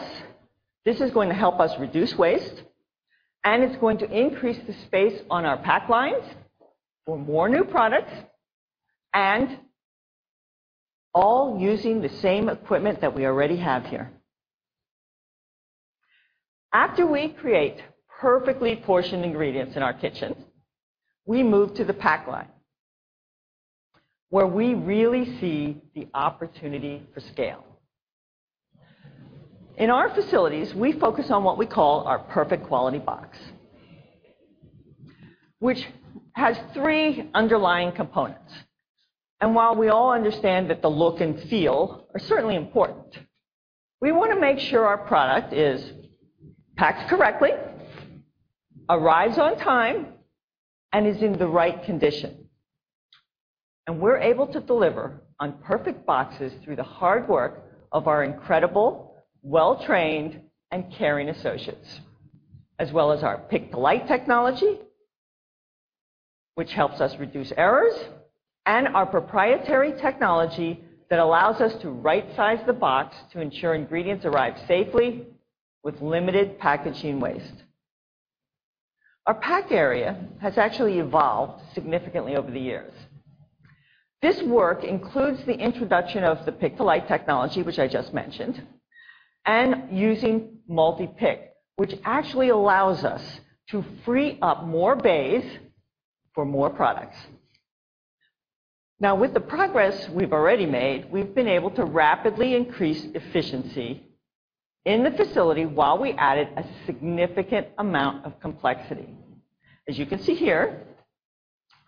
this is going to help us reduce waste, and it's going to increase the space on our pack lines for more new products and all using the same equipment that we already have here. After we create perfectly portioned ingredients in our kitchen, we move to the pack line, where we really see the opportunity for scale. In our facilities, we focus on what we call our perfect quality box, which has three underlying components. While we all understand that the look and feel are certainly important, we want to make sure our product is packed correctly, arrives on time, and is in the right condition. We're able to deliver on perfect boxes through the hard work of our incredible, well-trained, and caring associates, as well as our pick-to-light technology, which helps us reduce errors, and our proprietary technology that allows us to right-size the box to ensure ingredients arrive safely with limited packaging waste. Our pack area has actually evolved significantly over the years. This work includes the introduction of the pick-to-light technology, which I just mentioned, and using multi-pick, which actually allows us to free up more bays for more products. Now, with the progress we've already made, we've been able to rapidly increase efficiency in the facility while we added a significant amount of complexity. As you can see here,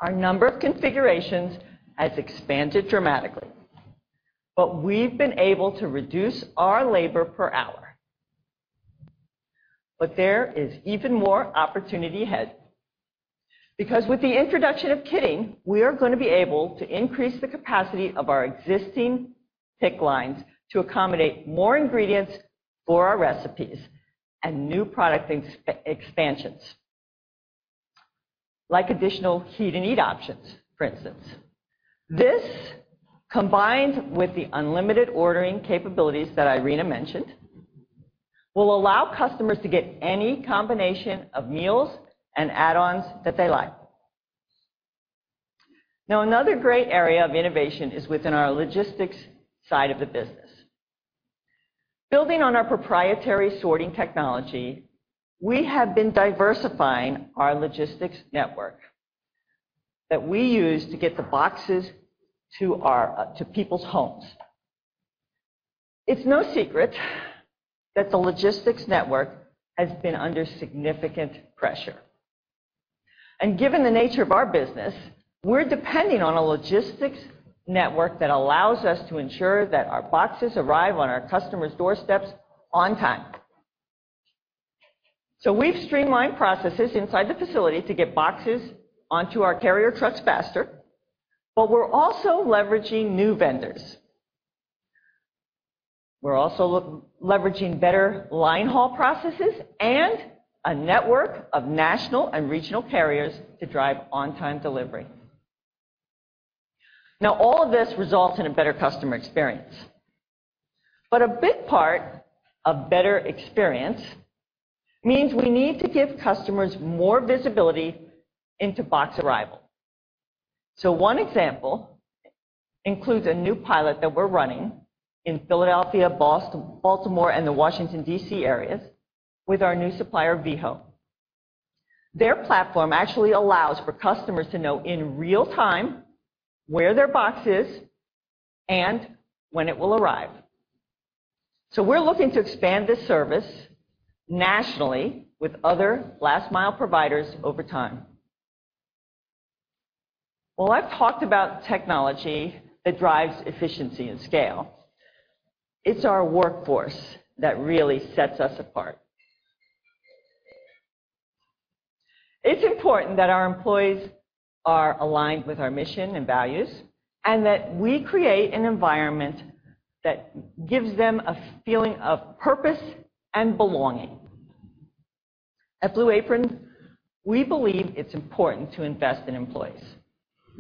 our number of configurations has expanded dramatically, but we've been able to reduce our labor per hour. There is even more opportunity ahead because with the introduction of kitting, we are going to be able to increase the capacity of our existing pick lines to accommodate more ingredients for our recipes and new product expansions, like additional Heat & Eat options, for instance. This, combined with the unlimited ordering capabilities that Irina mentioned, will allow customers to get any combination of meals and add-ons that they like. Now, another great area of innovation is within our logistics side of the business. Building on our proprietary sorting technology, we have been diversifying our logistics network that we use to get the boxes to people's homes. It's no secret that the logistics network has been under significant pressure. Given the nature of our business, we're depending on a logistics network that allows us to ensure that our boxes arrive on our customers' doorsteps on time. We've streamlined processes inside the facility to get boxes onto our carrier trucks faster, but we're also leveraging new vendors. We're also leveraging better line haul processes and a network of national and regional carriers to drive on-time delivery. Now, all of this results in a better customer experience. A big part of better experience means we need to give customers more visibility into box arrival. One example includes a new pilot that we're running in Philadelphia, Boston, Baltimore, and the Washington, D.C. areas with our new supplier, Veho. Their platform actually allows for customers to know in real time where their box is and when it will arrive. We're looking to expand this service nationally with other last mile providers over time. While I've talked about technology that drives efficiency and scale, it's our workforce that really sets us apart. It's important that our employees are aligned with our mission and values, and that we create an environment that gives them a feeling of purpose and belonging. At Blue Apron, we believe it's important to invest in employees.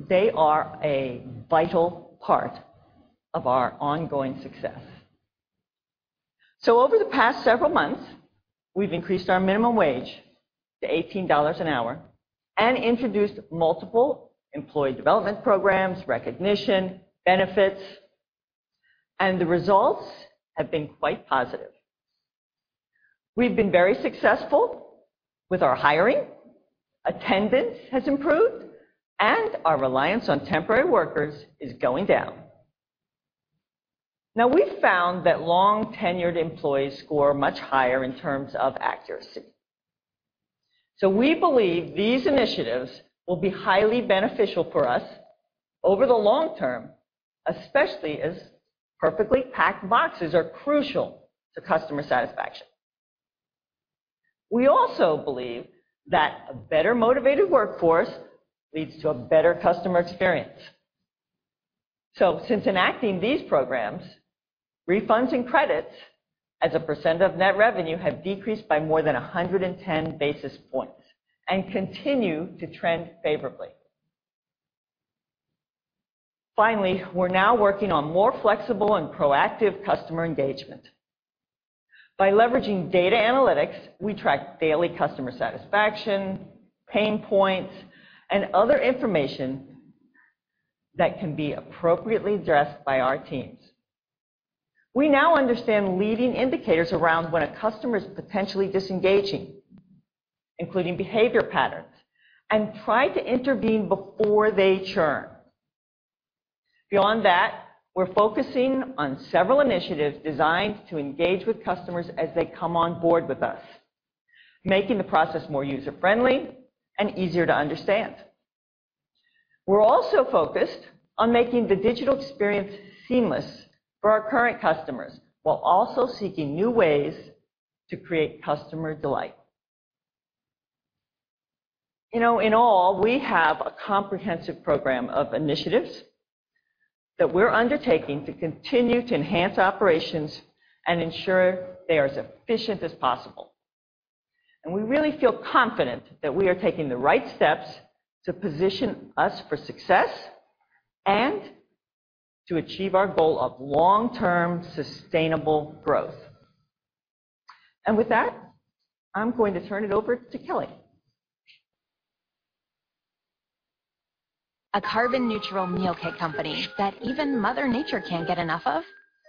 They are a vital part of our ongoing success. Over the past several months, we've increased our minimum wage to $18 an hour and introduced multiple employee development programs, recognition, benefits, and the results have been quite positive. We've been very successful with our hiring, attendance has improved, and our reliance on temporary workers is going down. Now, we found that long tenured employees score much higher in terms of accuracy. We believe these initiatives will be highly beneficial for us over the long term, especially as perfectly packed boxes are crucial to customer satisfaction. We also believe that a better motivated workforce leads to a better customer experience. Since enacting these programs, refunds and credits as a % of net revenue have decreased by more than 110 basis points and continue to trend favorably. Finally, we're now working on more flexible and proactive customer engagement. By leveraging data analytics, we track daily customer satisfaction, pain points, and other information that can be appropriately addressed by our teams. We now understand leading indicators around when a customer is potentially disengaging, including behavior patterns, and try to intervene before they churn. Beyond that, we're focusing on several initiatives designed to engage with customers as they come on board with us, making the process more user-friendly and easier to understand. We're also focused on making the digital experience seamless for our current customers while also seeking new ways to create customer delight. You know, in all, we have a comprehensive program of initiatives that we're undertaking to continue to enhance operations and ensure they are as efficient as possible. We really feel confident that we are taking the right steps to position us for success and to achieve our goal of long-term sustainable growth. With that, I'm going to turn it over to Kelly. A carbon neutral meal kit company that even Mother Nature can't get enough of?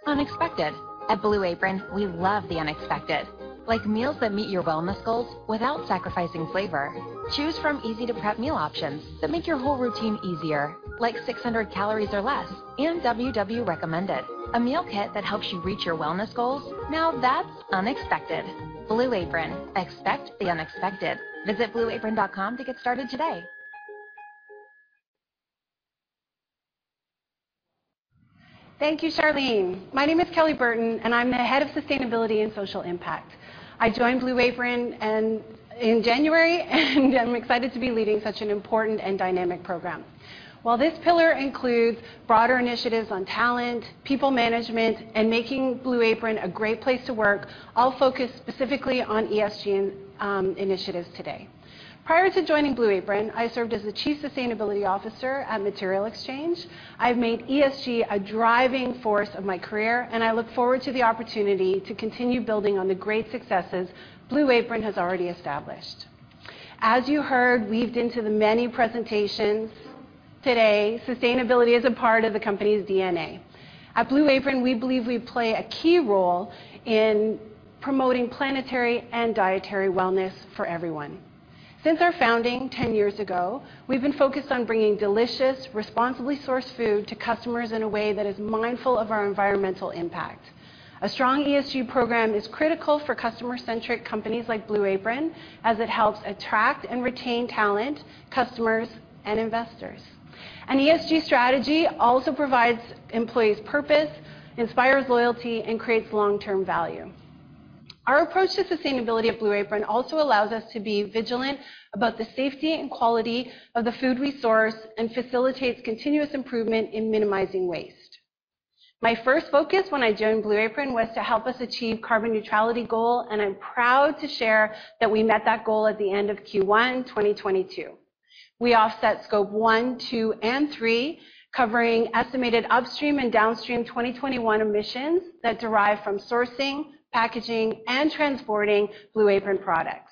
Unexpected. At Blue Apron, we love the unexpected, like meals that meet your wellness goals without sacrificing flavor. Choose from easy to prep meal options that make your whole routine easier, like 600 calories or less and WW recommended. A meal kit that helps you reach your wellness goals? Now, that's unexpected. Blue Apron. Expect the unexpected. Visit blueapron.com to get started today. Thank you, Charlean. My name is Kelly Burton, and I'm the Head of Sustainability and Social Impact. I joined Blue Apron in January, and I'm excited to be leading such an important and dynamic program. While this pillar includes broader initiatives on talent, people management, and making Blue Apron a great place to work, I'll focus specifically on ESG initiatives today. Prior to joining Blue Apron, I served as the Chief Sustainability Officer at Material Exchange. I've made ESG a driving force of my career, and I look forward to the opportunity to continue building on the great successes Blue Apron has already established. As you heard woven into the many presentations today, sustainability is a part of the company's DNA. At Blue Apron, we believe we play a key role in promoting planetary and dietary wellness for everyone. Since our founding 10 years ago, we've been focused on bringing delicious, responsibly sourced food to customers in a way that is mindful of our environmental impact. A strong ESG program is critical for customer-centric companies like Blue Apron as it helps attract and retain talent, customers, and investors. An ESG strategy also provides employees purpose, inspires loyalty, and creates long-term value. Our approach to sustainability at Blue Apron also allows us to be vigilant about the safety and quality of the food we source and facilitates continuous improvement in minimizing waste. My first focus when I joined Blue Apron was to help us achieve carbon neutrality goal, and I'm proud to share that we met that goal at the end of Q1 2022. We offset Scope 1, 2, and 3, covering estimated upstream and downstream 2021 emissions that derive from sourcing, packaging, and transporting Blue Apron products.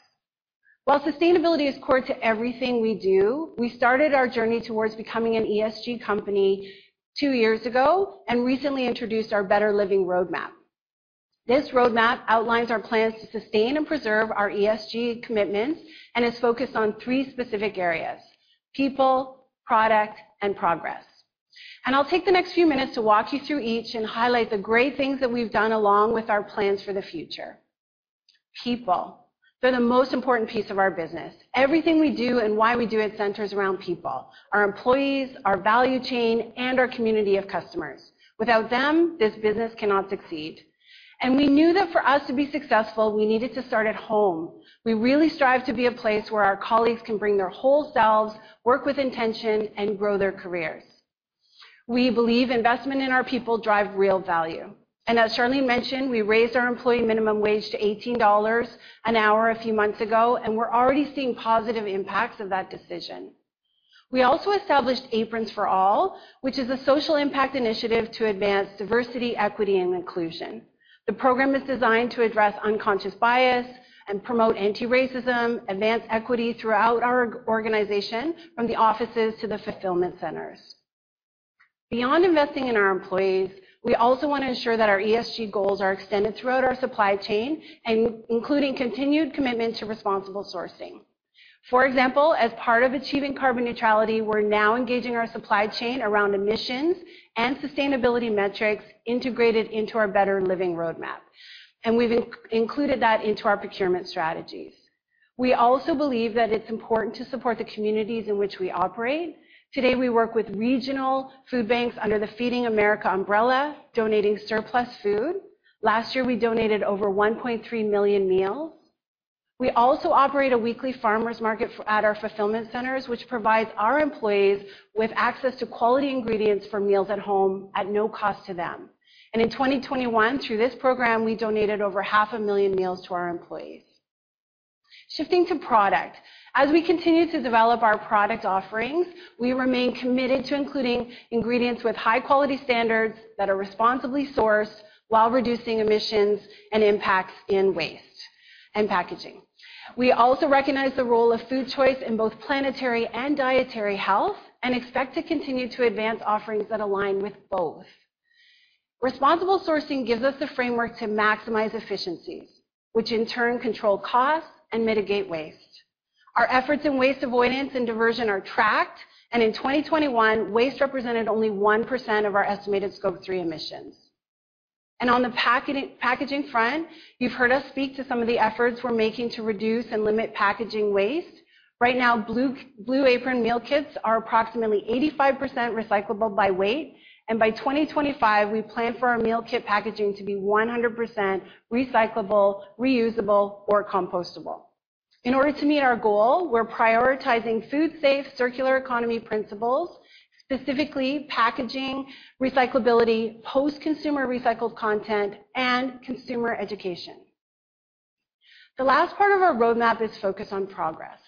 While sustainability is core to everything we do, we started our journey towards becoming an ESG company two years ago and recently introduced our Better Living Roadmap. This roadmap outlines our plans to sustain and preserve our ESG commitments and is focused on three specific areas. People, product, and progress. I'll take the next few minutes to walk you through each and highlight the great things that we've done along with our plans for the future. People. They're the most important piece of our business. Everything we do and why we do it centers around people, our employees, our value chain, and our community of customers. Without them, this business cannot succeed. We knew that for us to be successful, we needed to start at home. We really strive to be a place where our colleagues can bring their whole selves, work with intention, and grow their careers. We believe investment in our people drive real value. As Charlean mentioned, we raised our employee minimum wage to $18 an hour a few months ago, and we're already seeing positive impacts of that decision. We also established Aprons For All, which is a social impact initiative to advance diversity, equity, and inclusion. The program is designed to address unconscious bias and promote anti-racism, advance equity throughout our organization from the offices to the fulfillment centers. Beyond investing in our employees, we also wanna ensure that our ESG goals are extended throughout our supply chain and including continued commitment to responsible sourcing. For example, as part of achieving carbon neutrality, we're now engaging our supply chain around emissions and sustainability metrics integrated into our Better Living Roadmap. We've included that into our procurement strategies. We also believe that it's important to support the communities in which we operate. Today, we work with regional food banks under the Feeding America umbrella, donating surplus food. Last year, we donated over 1.3 million meals. We also operate a weekly farmers market at our fulfillment centers, which provides our employees with access to quality ingredients for meals at home at no cost to them. In 2021, through this program, we donated over 500,000 meals to our employees. Shifting to product. As we continue to develop our product offerings, we remain committed to including ingredients with high-quality standards that are responsibly sourced while reducing emissions and impacts in waste and packaging. We also recognize the role of food choice in both planetary and dietary health and expect to continue to advance offerings that align with both. Responsible sourcing gives us the framework to maximize efficiencies, which in turn control costs and mitigate waste. Our efforts in waste avoidance and diversion are tracked, and in 2021, waste represented only 1% of our estimated Scope 3 emissions. On the packaging front, you've heard us speak to some of the efforts we're making to reduce and limit packaging waste. Right now, Blue Apron meal kits are approximately 85% recyclable by weight, and by 2025, we plan for our meal kit packaging to be 100% recyclable, reusable, or compostable. In order to meet our goal, we're prioritizing food safe circular economy principles, specifically packaging, recyclability, post-consumer recycled content, and consumer education. The last part of our roadmap is focused on progress.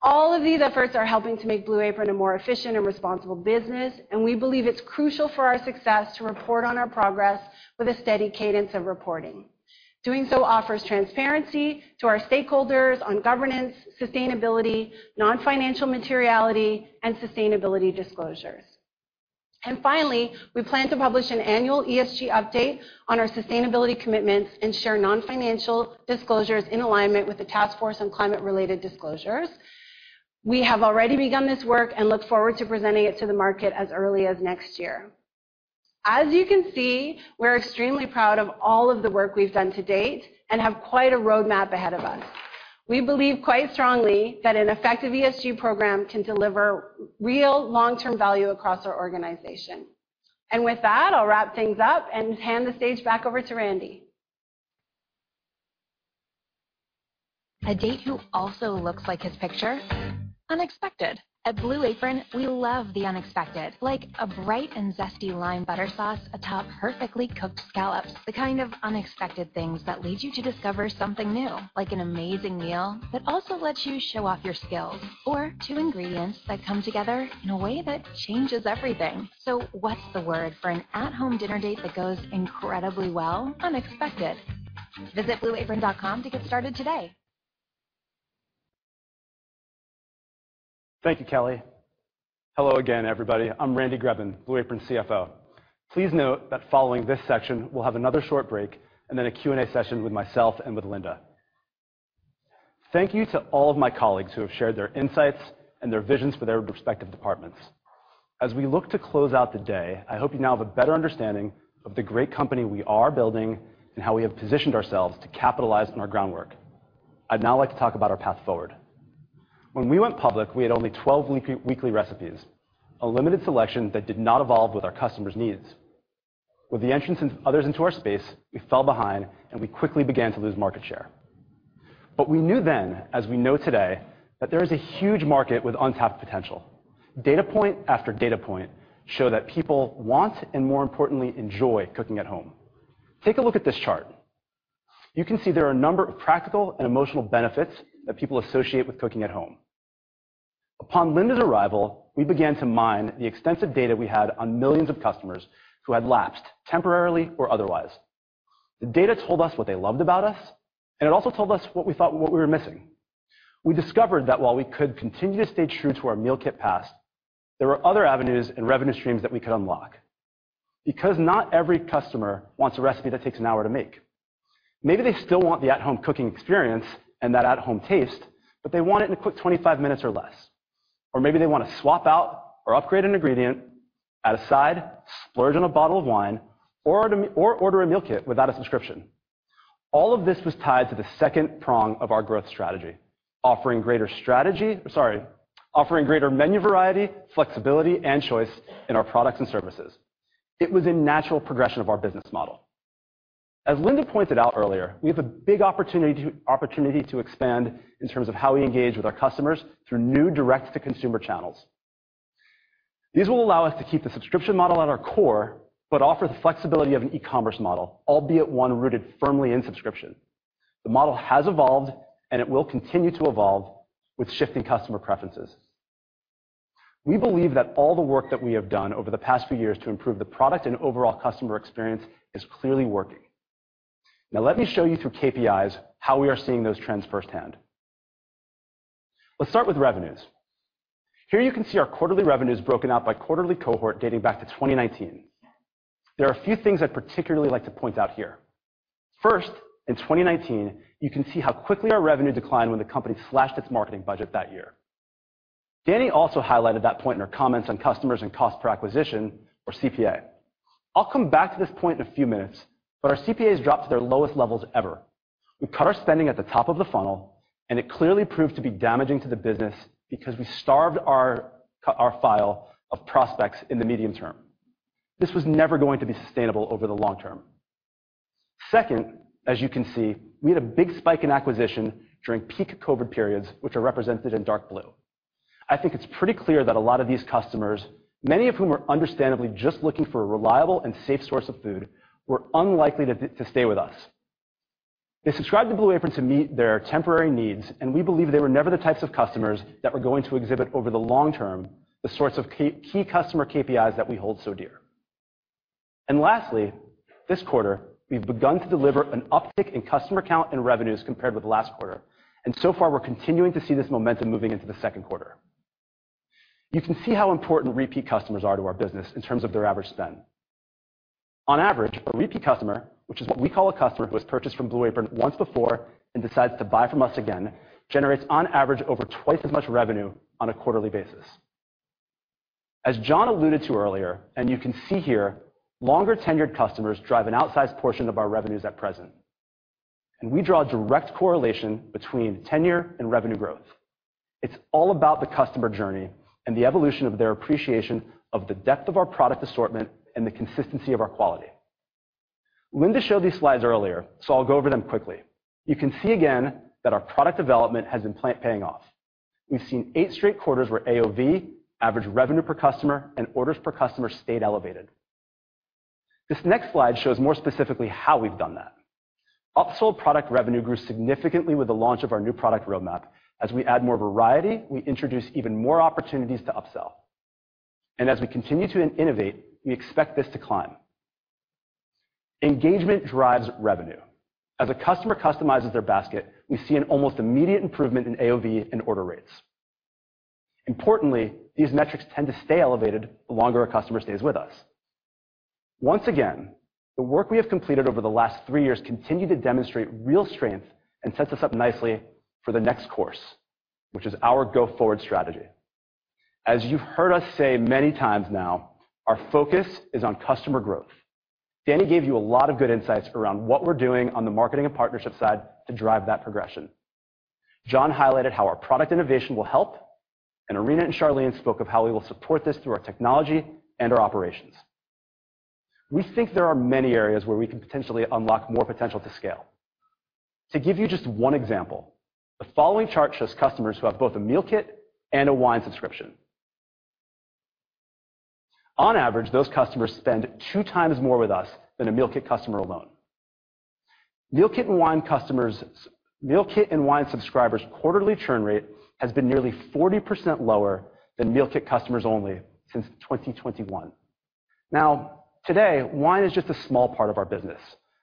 All of these efforts are helping to make Blue Apron a more efficient and responsible business, and we believe it's crucial for our success to report on our progress with a steady cadence of reporting. Doing so offers transparency to our stakeholders on governance, sustainability, non-financial materiality, and sustainability disclosures. Finally, we plan to publish an annual ESG update on our sustainability commitments and share non-financial disclosures in alignment with the Task Force on Climate-related Financial Disclosures. We have already begun this work and look forward to presenting it to the market as early as next year. As you can see, we're extremely proud of all of the work we've done to date and have quite a roadmap ahead of us. We believe quite strongly that an effective ESG program can deliver real long-term value across our organization. With that, I'll wrap things up and hand the stage back over to Randy. A date who also looks like his picture? Unexpected. At Blue Apron, we love the unexpected, like a bright and zesty lime butter sauce atop perfectly cooked scallops. The kind of unexpected things that lead you to discover something new, like an amazing meal that also lets you show off your skills or two ingredients that come together in a way that changes everything. What's the word for an at-home dinner date that goes incredibly well? Unexpected. Visit blueapron.com to get started today. Thank you, Kelly. Hello again, everybody. I'm Randy Greben, Blue Apron's CFO. Please note that following this section, we'll have another short break and then a Q&A session with myself and with Linda. Thank you to all of my colleagues who have shared their insights and their visions for their respective departments. As we look to close out the day, I hope you now have a better understanding of the great company we are building and how we have positioned ourselves to capitalize on our groundwork. I'd now like to talk about our path forward. When we went public, we had only 12 weekly recipes, a limited selection that did not evolve with our customers' needs. With the entrance of others into our space, we fell behind, and we quickly began to lose market share. We knew then, as we know today, that there is a huge market with untapped potential. Data point after data point show that people want, and more importantly, enjoy cooking at home. Take a look at this chart. You can see there are a number of practical and emotional benefits that people associate with cooking at home. Upon Linda's arrival, we began to mine the extensive data we had on millions of customers who had lapsed temporarily or otherwise. The data told us what they loved about us, and it also told us what we thought we were missing. We discovered that while we could continue to stay true to our meal kit past, there were other avenues and revenue streams that we could unlock. Because not every customer wants a recipe that takes an hour to make. Maybe they still want the at-home cooking experience and that at-home taste, but they want it in a quick 25 minutes or less. Or maybe they wanna swap out or upgrade an ingredient, add a side, splurge on a bottle of wine, or order a meal kit without a subscription. All of this was tied to the second prong of our growth strategy, offering greater menu variety, flexibility, and choice in our products and services. It was a natural progression of our business model. As Linda pointed out earlier, we have a big opportunity to expand in terms of how we engage with our customers through new direct-to-consumer channels. These will allow us to keep the subscription model at our core, but offer the flexibility of an e-commerce model, albeit one rooted firmly in subscription. The model has evolved, and it will continue to evolve with shifting customer preferences. We believe that all the work that we have done over the past few years to improve the product and overall customer experience is clearly working. Now, let me show you through KPIs how we are seeing those trends firsthand. Let's start with revenues. Here you can see our quarterly revenues broken out by quarterly cohort dating back to 2019. There are a few things I'd particularly like to point out here. First, in 2019, you can see how quickly our revenue declined when the company slashed its marketing budget that year. Dani also highlighted that point in her comments on customers and cost per acquisition, or CPA. I'll come back to this point in a few minutes, but our CPAs dropped to their lowest levels ever. We cut our spending at the top of the funnel, and it clearly proved to be damaging to the business because we starved our file of prospects in the medium term. This was never going to be sustainable over the long term. Second, as you can see, we had a big spike in acquisition during peak COVID periods, which are represented in dark blue. I think it's pretty clear that a lot of these customers, many of whom are understandably just looking for a reliable and safe source of food, were unlikely to stay with us. They subscribed to Blue Apron to meet their temporary needs, and we believe they were never the types of customers that were going to exhibit over the long term the sorts of key customer KPIs that we hold so dear. Lastly, this quarter, we've begun to deliver an uptick in customer count and revenues compared with last quarter, and so far, we're continuing to see this momentum moving into the 2nd quarter. You can see how important repeat customers are to our business in terms of their average spend. On average, a repeat customer, which is what we call a customer who has purchased from Blue Apron once before and decides to buy from us again, generates on average over twice as much revenue on a quarterly basis. As John alluded to earlier, and you can see here, longer-tenured customers drive an outsized portion of our revenues at present, and we draw a direct correlation between tenure and revenue growth. It's all about the customer journey and the evolution of their appreciation of the depth of our product assortment and the consistency of our quality. Linda showed these slides earlier, so I'll go over them quickly. You can see again that our product development has been paying off. We've seen eight straight quarters where AOV, average revenue per customer, and orders per customer stayed elevated. This next slide shows more specifically how we've done that. Upsold product revenue grew significantly with the launch of our new product roadmap. As we add more variety, we introduce even more opportunities to upsell. As we continue to innovate, we expect this to climb. Engagement drives revenue. As a customer customizes their basket, we see an almost immediate improvement in AOV and order rates. Importantly, these metrics tend to stay elevated the longer a customer stays with us. Once again, the work we have completed over the last three years continue to demonstrate real strength and sets us up nicely for the next course, which is our go-forward strategy. As you've heard us say many times now, our focus is on customer growth. Dani gave you a lot of good insights around what we're doing on the marketing and partnership side to drive that progression. John highlighted how our product innovation will help, and Irina and Charlean spoke of how we will support this through our technology and our operations. We think there are many areas where we can potentially unlock more potential to scale. To give you just one example, the following chart shows customers who have both a meal kit and a wine subscription. On average, those customers spend two times more with us than a meal kit customer alone. Meal kit and wine customers. Meal kit and wine subscribers' quarterly churn rate has been nearly 40% lower than meal kit customers only since 2021. Now, today, wine is just a small part of our business,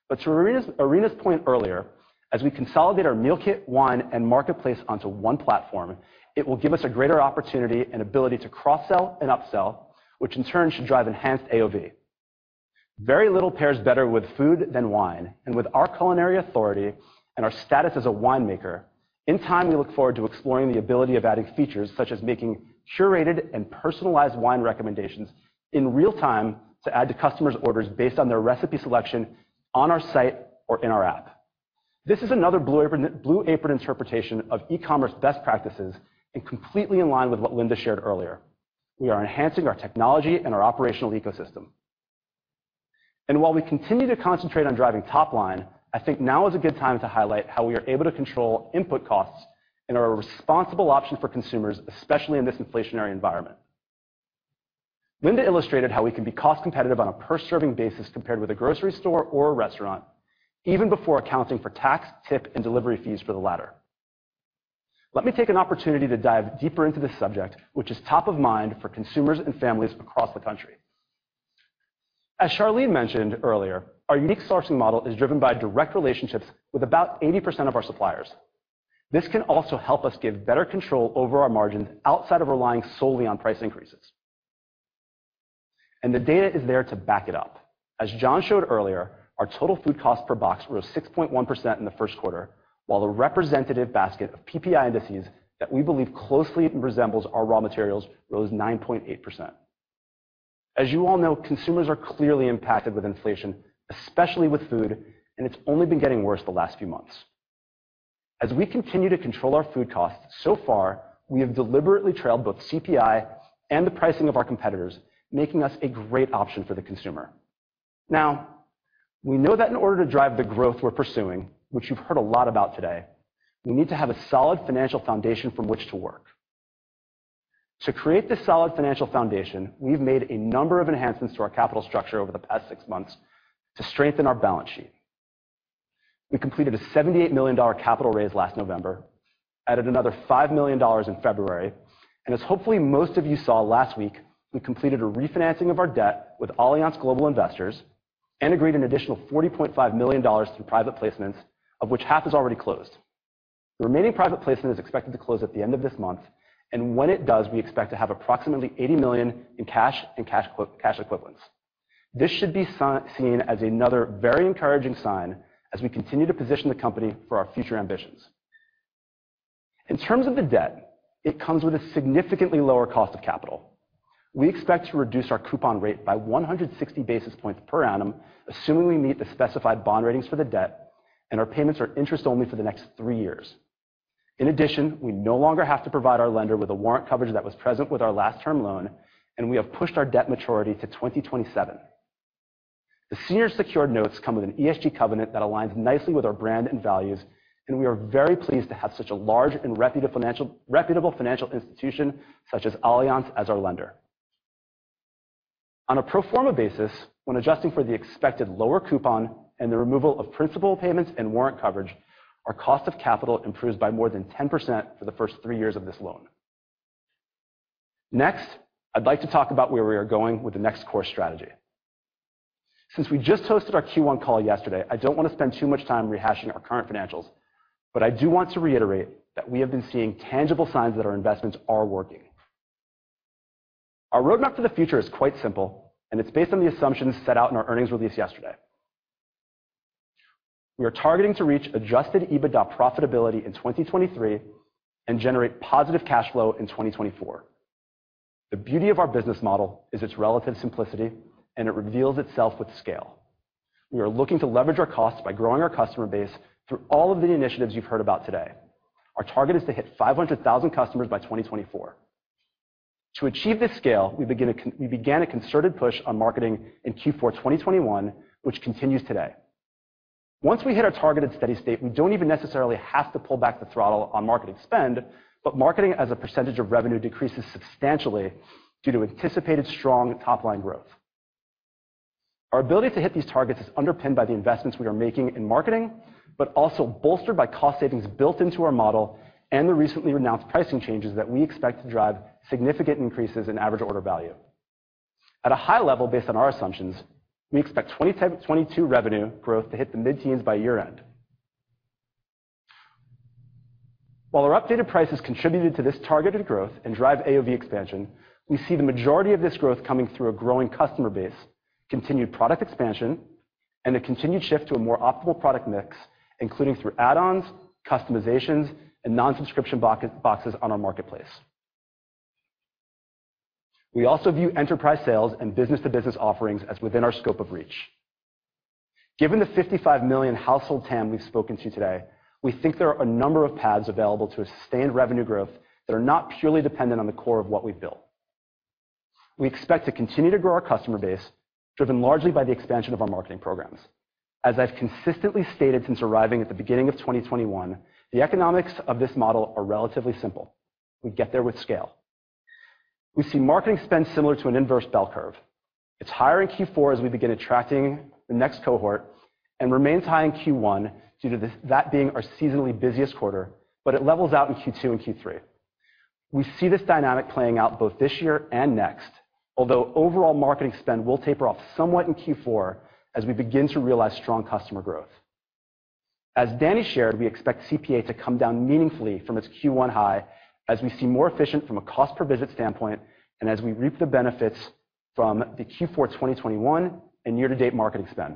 but to Irina's point earlier, as we consolidate our meal kit, wine, and marketplace onto one platform, it will give us a greater opportunity and ability to cross-sell and upsell, which in turn should drive enhanced AOV. Very little pairs better with food than wine, and with our culinary authority and our status as a winemaker, in time, we look forward to exploring the ability of adding features, such as making curated and personalized wine recommendations in real time to add to customers' orders based on their recipe selection on our site or in our app. This is another Blue Apron interpretation of e-commerce best practices and completely in line with what Linda shared earlier. We are enhancing our technology and our operational ecosystem. While we continue to concentrate on driving top line, I think now is a good time to highlight how we are able to control input costs and are a responsible option for consumers, especially in this inflationary environment. Linda illustrated how we can be cost competitive on a per-serving basis compared with a grocery store or a restaurant, even before accounting for tax, tip, and delivery fees for the latter. Let me take an opportunity to dive deeper into this subject, which is top of mind for consumers and families across the country. As Charlean mentioned earlier, our unique sourcing model is driven by direct relationships with about 80% of our suppliers. This can also help us give better control over our margins outside of relying solely on price increases. The data is there to back it up. As John showed earlier, our total food cost per box rose 6.1% in the 1st quarter, while a representative basket of PPI indices that we believe closely resembles our raw materials rose 9.8%. As you all know, consumers are clearly impacted with inflation, especially with food, and it's only been getting worse the last few months. As we continue to control our food costs, so far, we have deliberately trailed both CPI and the pricing of our competitors, making us a great option for the consumer. Now, we know that in order to drive the growth we're pursuing, which you've heard a lot about today, we need to have a solid financial foundation from which to work. To create this solid financial foundation, we've made a number of enhancements to our capital structure over the past 6 months to strengthen our balance sheet. We completed a $78 million capital raise last November, added another $5 million in February, and as hopefully most of you saw last week, we completed a refinancing of our debt with Allianz Global Investors and agreed an additional $45 million through private placements, of which half is already closed. The remaining private placement is expected to close at the end of this month, and when it does, we expect to have approximately $80 million in cash and cash equivalents. This should be seen as another very encouraging sign as we continue to position the company for our future ambitions. In terms of the debt, it comes with a significantly lower cost of capital. We expect to reduce our coupon rate by 160 basis points per annum, assuming we meet the specified bond ratings for the debt and our payments are interest only for the next 3 years. In addition, we no longer have to provide our lender with a warrant coverage that was present with our last term loan, and we have pushed our debt maturity to 2027. The senior secured notes come with an ESG covenant that aligns nicely with our brand and values, and we are very pleased to have such a large and reputable financial institution such as Allianz as our lender. On a pro forma basis, when adjusting for the expected lower coupon and the removal of principal payments and warrant coverage, our cost of capital improves by more than 10% for the first three years of this loan. Next, I'd like to talk about where we are going with the next core strategy. Since we just hosted our Q1 call yesterday, I don't want to spend too much time rehashing our current financials, but I do want to reiterate that we have been seeing tangible signs that our investments are working. Our roadmap for the future is quite simple, and it's based on the assumptions set out in our earnings release yesterday. We are targeting to reach adjusted EBITDA profitability in 2023 and generate positive cash flow in 2024. The beauty of our business model is its relative simplicity, and it reveals itself with scale. We are looking to leverage our costs by growing our customer base through all of the initiatives you've heard about today. Our target is to hit 500,000 customers by 2024. To achieve this scale, we began a concerted push on marketing in Q4 2021, which continues today. Once we hit our targeted steady state, we don't even necessarily have to pull back the throttle on marketing spend, but marketing as a percentage of revenue decreases substantially due to anticipated strong top-line growth. Our ability to hit these targets is underpinned by the investments we are making in marketing, but also bolstered by cost savings built into our model and the recently announced pricing changes that we expect to drive significant increases in average order value. At a high level, based on our assumptions, we expect 2022 revenue growth to hit the mid-teens% by year-end. While our updated prices contributed to this targeted growth and drive AOV expansion, we see the majority of this growth coming through a growing customer base, continued product expansion, and a continued shift to a more optimal product mix, including through add-ons, customizations, and non-subscription boxes on our marketplace. We also view enterprise sales and business-to-business offerings as within our scope of reach. Given the 55 million household TAM we've spoken to today, we think there are a number of paths available to sustained revenue growth that are not purely dependent on the core of what we've built. We expect to continue to grow our customer base, driven largely by the expansion of our marketing programs. As I've consistently stated since arriving at the beginning of 2021, the economics of this model are relatively simple. We get there with scale. We see marketing spend similar to an inverse bell curve. It's higher in Q4 as we begin attracting the next cohort and remains high in Q1 due to that being our seasonally busiest quarter, but it levels out in Q2 and Q3. We see this dynamic playing out both this year and next, although overall marketing spend will taper off somewhat in Q4 as we begin to realize strong customer growth. As Dani shared, we expect CPA to come down meaningfully from its Q1 high as we see more efficient from a cost per visit standpoint and as we reap the benefits from the Q4 2021 and year-to-date marketing spend.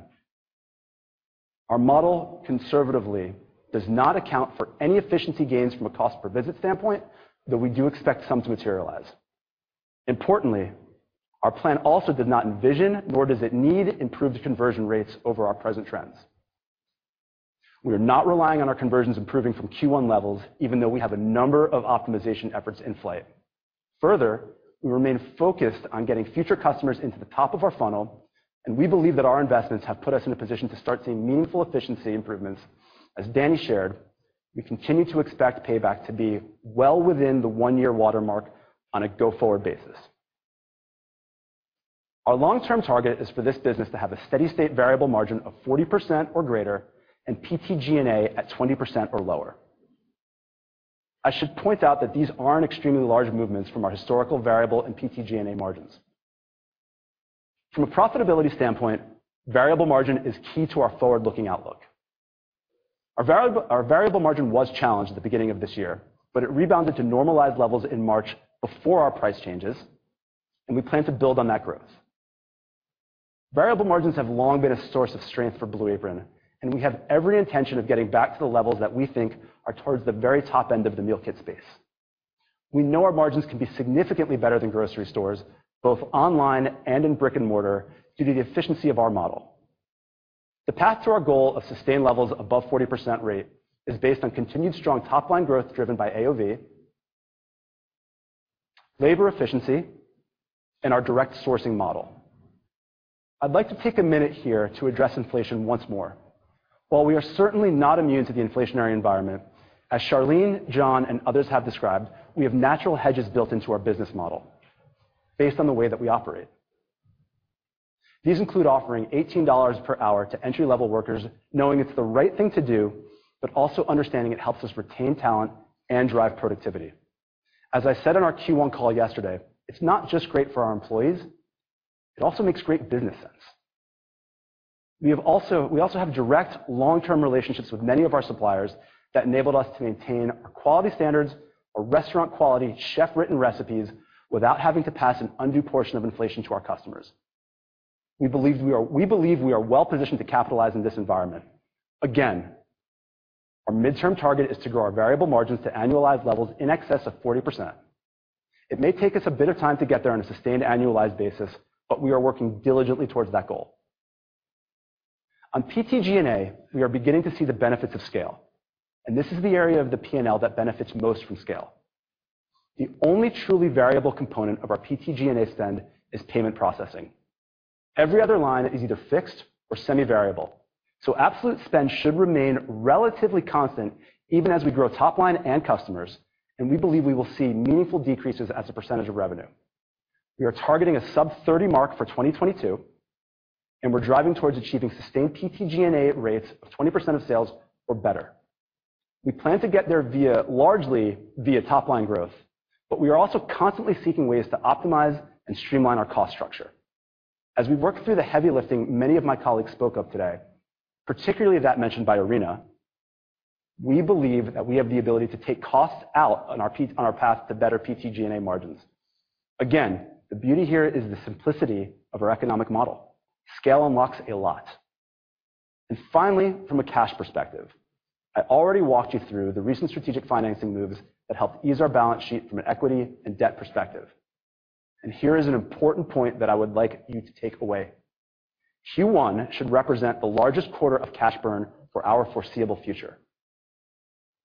Our model conservatively does not account for any efficiency gains from a cost per visit standpoint, though we do expect some to materialize. Importantly, our plan also did not envision, nor does it need improved conversion rates over our present trends. We are not relying on our conversions improving from Q1 levels, even though we have a number of optimization efforts in flight. Further, we remain focused on getting future customers into the top of our funnel, and we believe that our investments have put us in a position to start seeing meaningful efficiency improvements. As Dani shared, we continue to expect payback to be well within the 1-year watermark on a go-forward basis. Our long-term target is for this business to have a steady-state variable margin of 40% or greater and PTG&A at 20% or lower. I should point out that these aren't extremely large movements from our historical variable and PTG&A margins. From a profitability standpoint, variable margin is key to our forward-looking outlook. Our variable margin was challenged at the beginning of this year, but it rebounded to normalized levels in March before our price changes, and we plan to build on that growth. Variable margins have long been a source of strength for Blue Apron, and we have every intention of getting back to the levels that we think are towards the very top end of the meal kit space. We know our margins can be significantly better than grocery stores, both online and in brick and mortar, due to the efficiency of our model. The path to our goal of sustained levels above 40% rate is based on continued strong top-line growth driven by AOV, labor efficiency, and our direct sourcing model. I'd like to take a minute here to address inflation once more. While we are certainly not immune to the inflationary environment, as Charlean, John, and others have described, we have natural hedges built into our business model based on the way that we operate. These include offering $18 per hour to entry-level workers, knowing it's the right thing to do, but also understanding it helps us retain talent and drive productivity. As I said on our Q1 call yesterday, it's not just great for our employees, it also makes great business sense. We also have direct long-term relationships with many of our suppliers that enabled us to maintain our quality standards, our restaurant quality chef-written recipes without having to pass an undue portion of inflation to our customers. We believe we are well-positioned to capitalize in this environment. Again, our midterm target is to grow our variable margins to annualized levels in excess of 40%. It may take us a bit of time to get there on a sustained annualized basis, but we are working diligently towards that goal. On PTG&A, we are beginning to see the benefits of scale, and this is the area of the P&L that benefits most from scale. The only truly variable component of our PTG&A spend is payment processing. Every other line is either fixed or semi-variable, so absolute spend should remain relatively constant even as we grow top line and customers, and we believe we will see meaningful decreases as a percentage of revenue. We are targeting a sub-30 mark for 2022, and we're driving towards achieving sustained PTG&A rates of 20% of sales or better. We plan to get there via largely top-line growth, but we are also constantly seeking ways to optimize and streamline our cost structure. As we work through the heavy lifting many of my colleagues spoke of today, particularly that mentioned by Irina, we believe that we have the ability to take costs out on our path to better PTG&A margins. Again, the beauty here is the simplicity of our economic model. Scale unlocks a lot. Finally, from a cash perspective, I already walked you through the recent strategic financing moves that helped ease our balance sheet from an equity and debt perspective. Here is an important point that I would like you to take away. Q1 should represent the largest quarter of cash burn for our foreseeable future.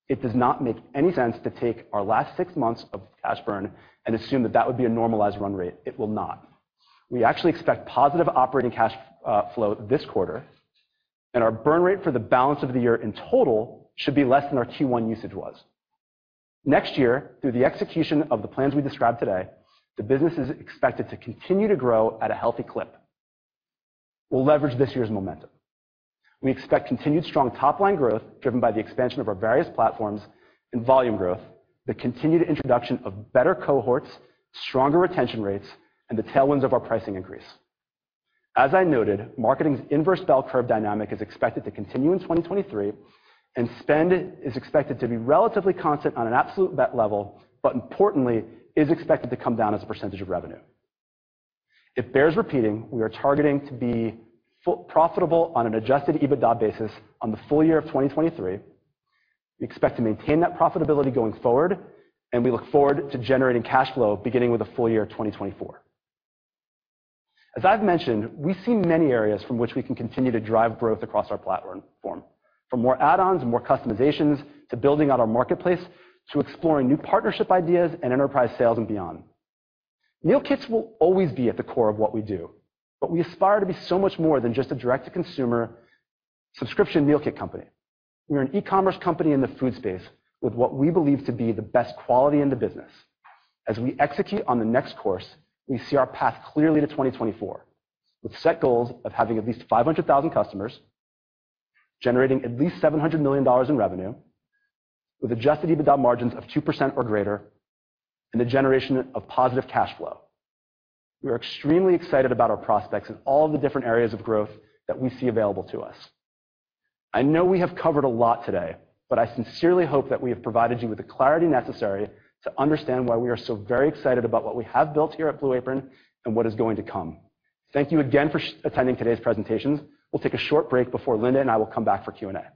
It does not make any sense to take our last 6 months of cash burn and assume that that would be a normalized run rate. It will not. We actually expect positive operating cash flow this quarter, and our burn rate for the balance of the year in total should be less than our Q1 usage was. Next year, through the execution of the plans we described today, the business is expected to continue to grow at a healthy clip. We'll leverage this year's momentum. We expect continued strong top-line growth driven by the expansion of our various platforms and volume growth, the continued introduction of better cohorts, stronger retention rates, and the tailwinds of our pricing increase. As I noted, marketing's inverse bell curve dynamic is expected to continue in 2023, and spend is expected to be relatively constant on an absolute basis, but importantly, is expected to come down as a percentage of revenue. It bears repeating, we are targeting to be EBITDA-profitable on an adjusted EBITDA basis on the full year of 2023. We expect to maintain that profitability going forward, and we look forward to generating cash flow beginning with the full year of 2024. As I've mentioned, we see many areas from which we can continue to drive growth across our platform, from more add-ons and more customizations, to building out our marketplace, to exploring new partnership ideas and enterprise sales and beyond. Meal kits will always be at the core of what we do, but we aspire to be so much more than just a direct-to-consumer subscription meal kit company. We're an e-commerce company in the food space with what we believe to be the best quality in the business. As we execute on the Next Course, we see our path clearly to 2024, with set goals of having at least 500,000 customers, generating at least $700 million in revenue, with adjusted EBITDA margins of 2% or greater, and a generation of positive cash flow. We are extremely excited about our prospects in all the different areas of growth that we see available to us. I know we have covered a lot today, but I sincerely hope that we have provided you with the clarity necessary to understand why we are so very excited about what we have built here at Blue Apron and what is going to come. Thank you again for attending today's presentations. We'll take a short break before Linda and I will come back for Q&A. Hi,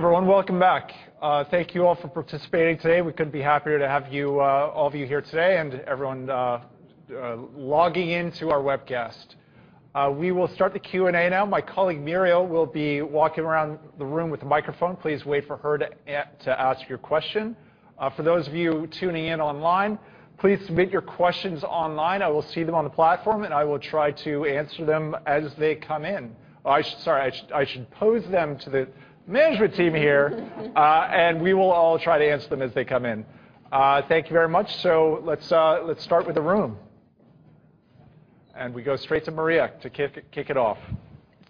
everyone. Welcome back. Thank you all for participating today. We couldn't be happier to have you all of you here today and everyone logging into our webcast. We will start the Q&A now. My colleague, Muriel, will be walking around the room with a microphone. Please wait for her to ask your question. For those of you tuning in online, please submit your questions online. I will see them on the platform, and I will try to answer them as they come in. Sorry, I should pose them to the management team here. We will all try to answer them as they come in. Thank you very much. Let's start with the room. We go straight to Maria to kick it off.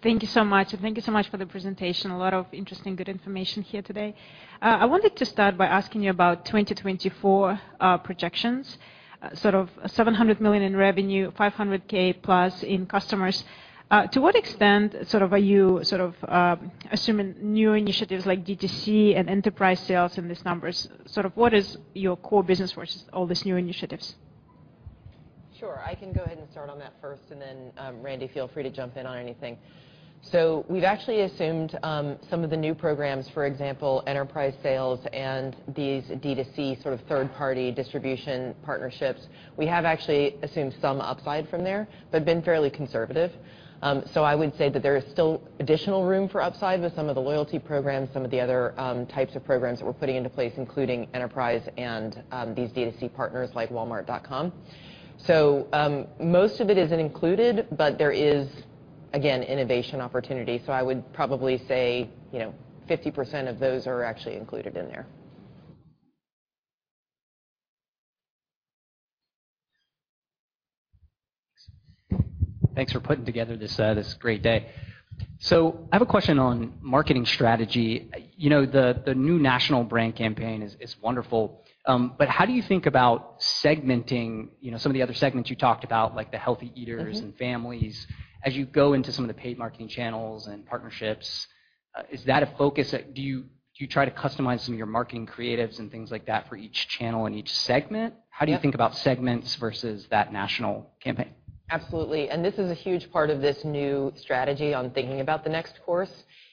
Thank you so much, and thank you so much for the presentation. A lot of interesting, good information here today. I wanted to start by asking you about 2024 projections. Sort of $700 million in revenue, 500k+ in customers. To what extent sort of are you sort of assuming new initiatives like D2C and enterprise sales in these numbers? Sort of what is your core business versus all these new initiatives? Sure. I can go ahead and start on that first and then, Randy, feel free to jump in on anything. We've actually assumed some of the new programs, for example, enterprise sales and these D2C sort of third-party distribution partnerships. We have actually assumed some upside from there, but been fairly conservative. I would say that there is still additional room for upside with some of the loyalty programs, some of the other types of programs that we're putting into place, including enterprise and these D2C partners like Walmart.com. Most of it isn't included, but there is again, innovation opportunity. I would probably say, you know, 50% of those are actually included in there. Thanks for putting together this great day. I have a question on marketing strategy. The new national brand campaign is wonderful. How do you think about segmenting, you know, some of the other segments you talked about, like the healthy eaters? families as you go into some of the paid marketing channels and partnerships, is that a focus? Do you try to customize some of your marketing creatives and things like that for each channel and each segment? How do you think about segments versus that national campaign? Absolutely. This is a huge part of this new strategy on thinking about the next course,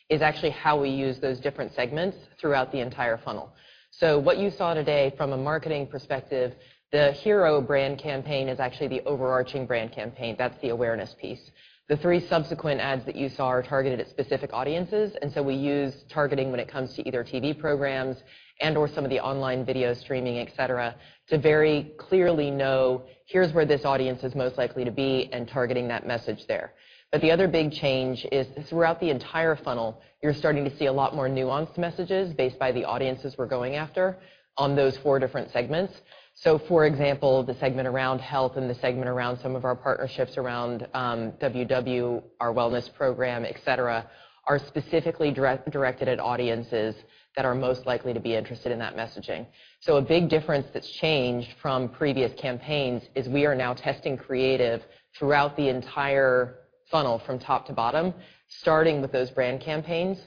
is actually how we use those different segments throughout the entire funnel. What you saw today from a marketing perspective, the hero brand campaign is actually the overarching brand campaign. That's the awareness piece. The three subsequent ads that you saw are targeted at specific audiences, and so we use targeting when it comes to either TV programs and/or some of the online video streaming, et cetera, to very clearly know here's where this audience is most likely to be and targeting that message there. The other big change is throughout the entire funnel, you're starting to see a lot more nuanced messages based by the audiences we're going after on those four different segments. For example, the segment around health and the segment around some of our partnerships around, WW, our wellness program, et cetera, are specifically directed at audiences that are most likely to be interested in that messaging. A big difference that's changed from previous campaigns is we are now testing creative throughout the entire funnel from top to bottom, starting with those brand campaigns.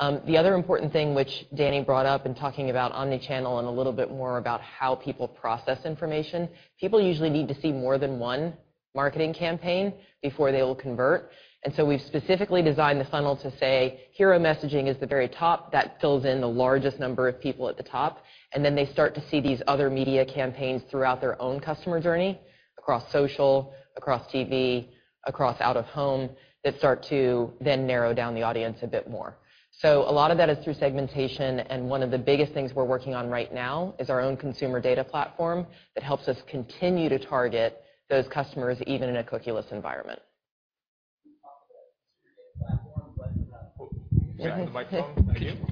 The other important thing which Dani brought up in talking about omni-channel and a little bit more about how people process information, people usually need to see more than one marketing campaign before they'll convert. We've specifically designed the funnel to say, hero messaging is the very top that fills in the largest number of people at the top, and then they start to see these other media campaigns throughout their own customer journey, across social, across TV, across out of home, that start to then narrow down the audience a bit more. A lot of that is through segmentation, and one of the biggest things we're working on right now is our own consumer data platform that helps us continue to target those customers even in a cookieless environment.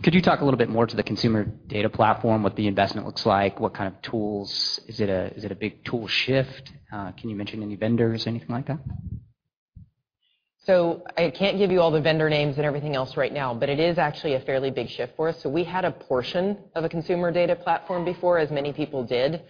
Could you talk a little bit more to the consumer data platform, what the investment looks like? What kind of tools? Is it a big tool shift? Can you mention any vendors, anything like that? I can't give you all the vendor names and everything else right now, but it is actually a fairly big shift for us. We had a portion of a consumer data platform before, as many people did,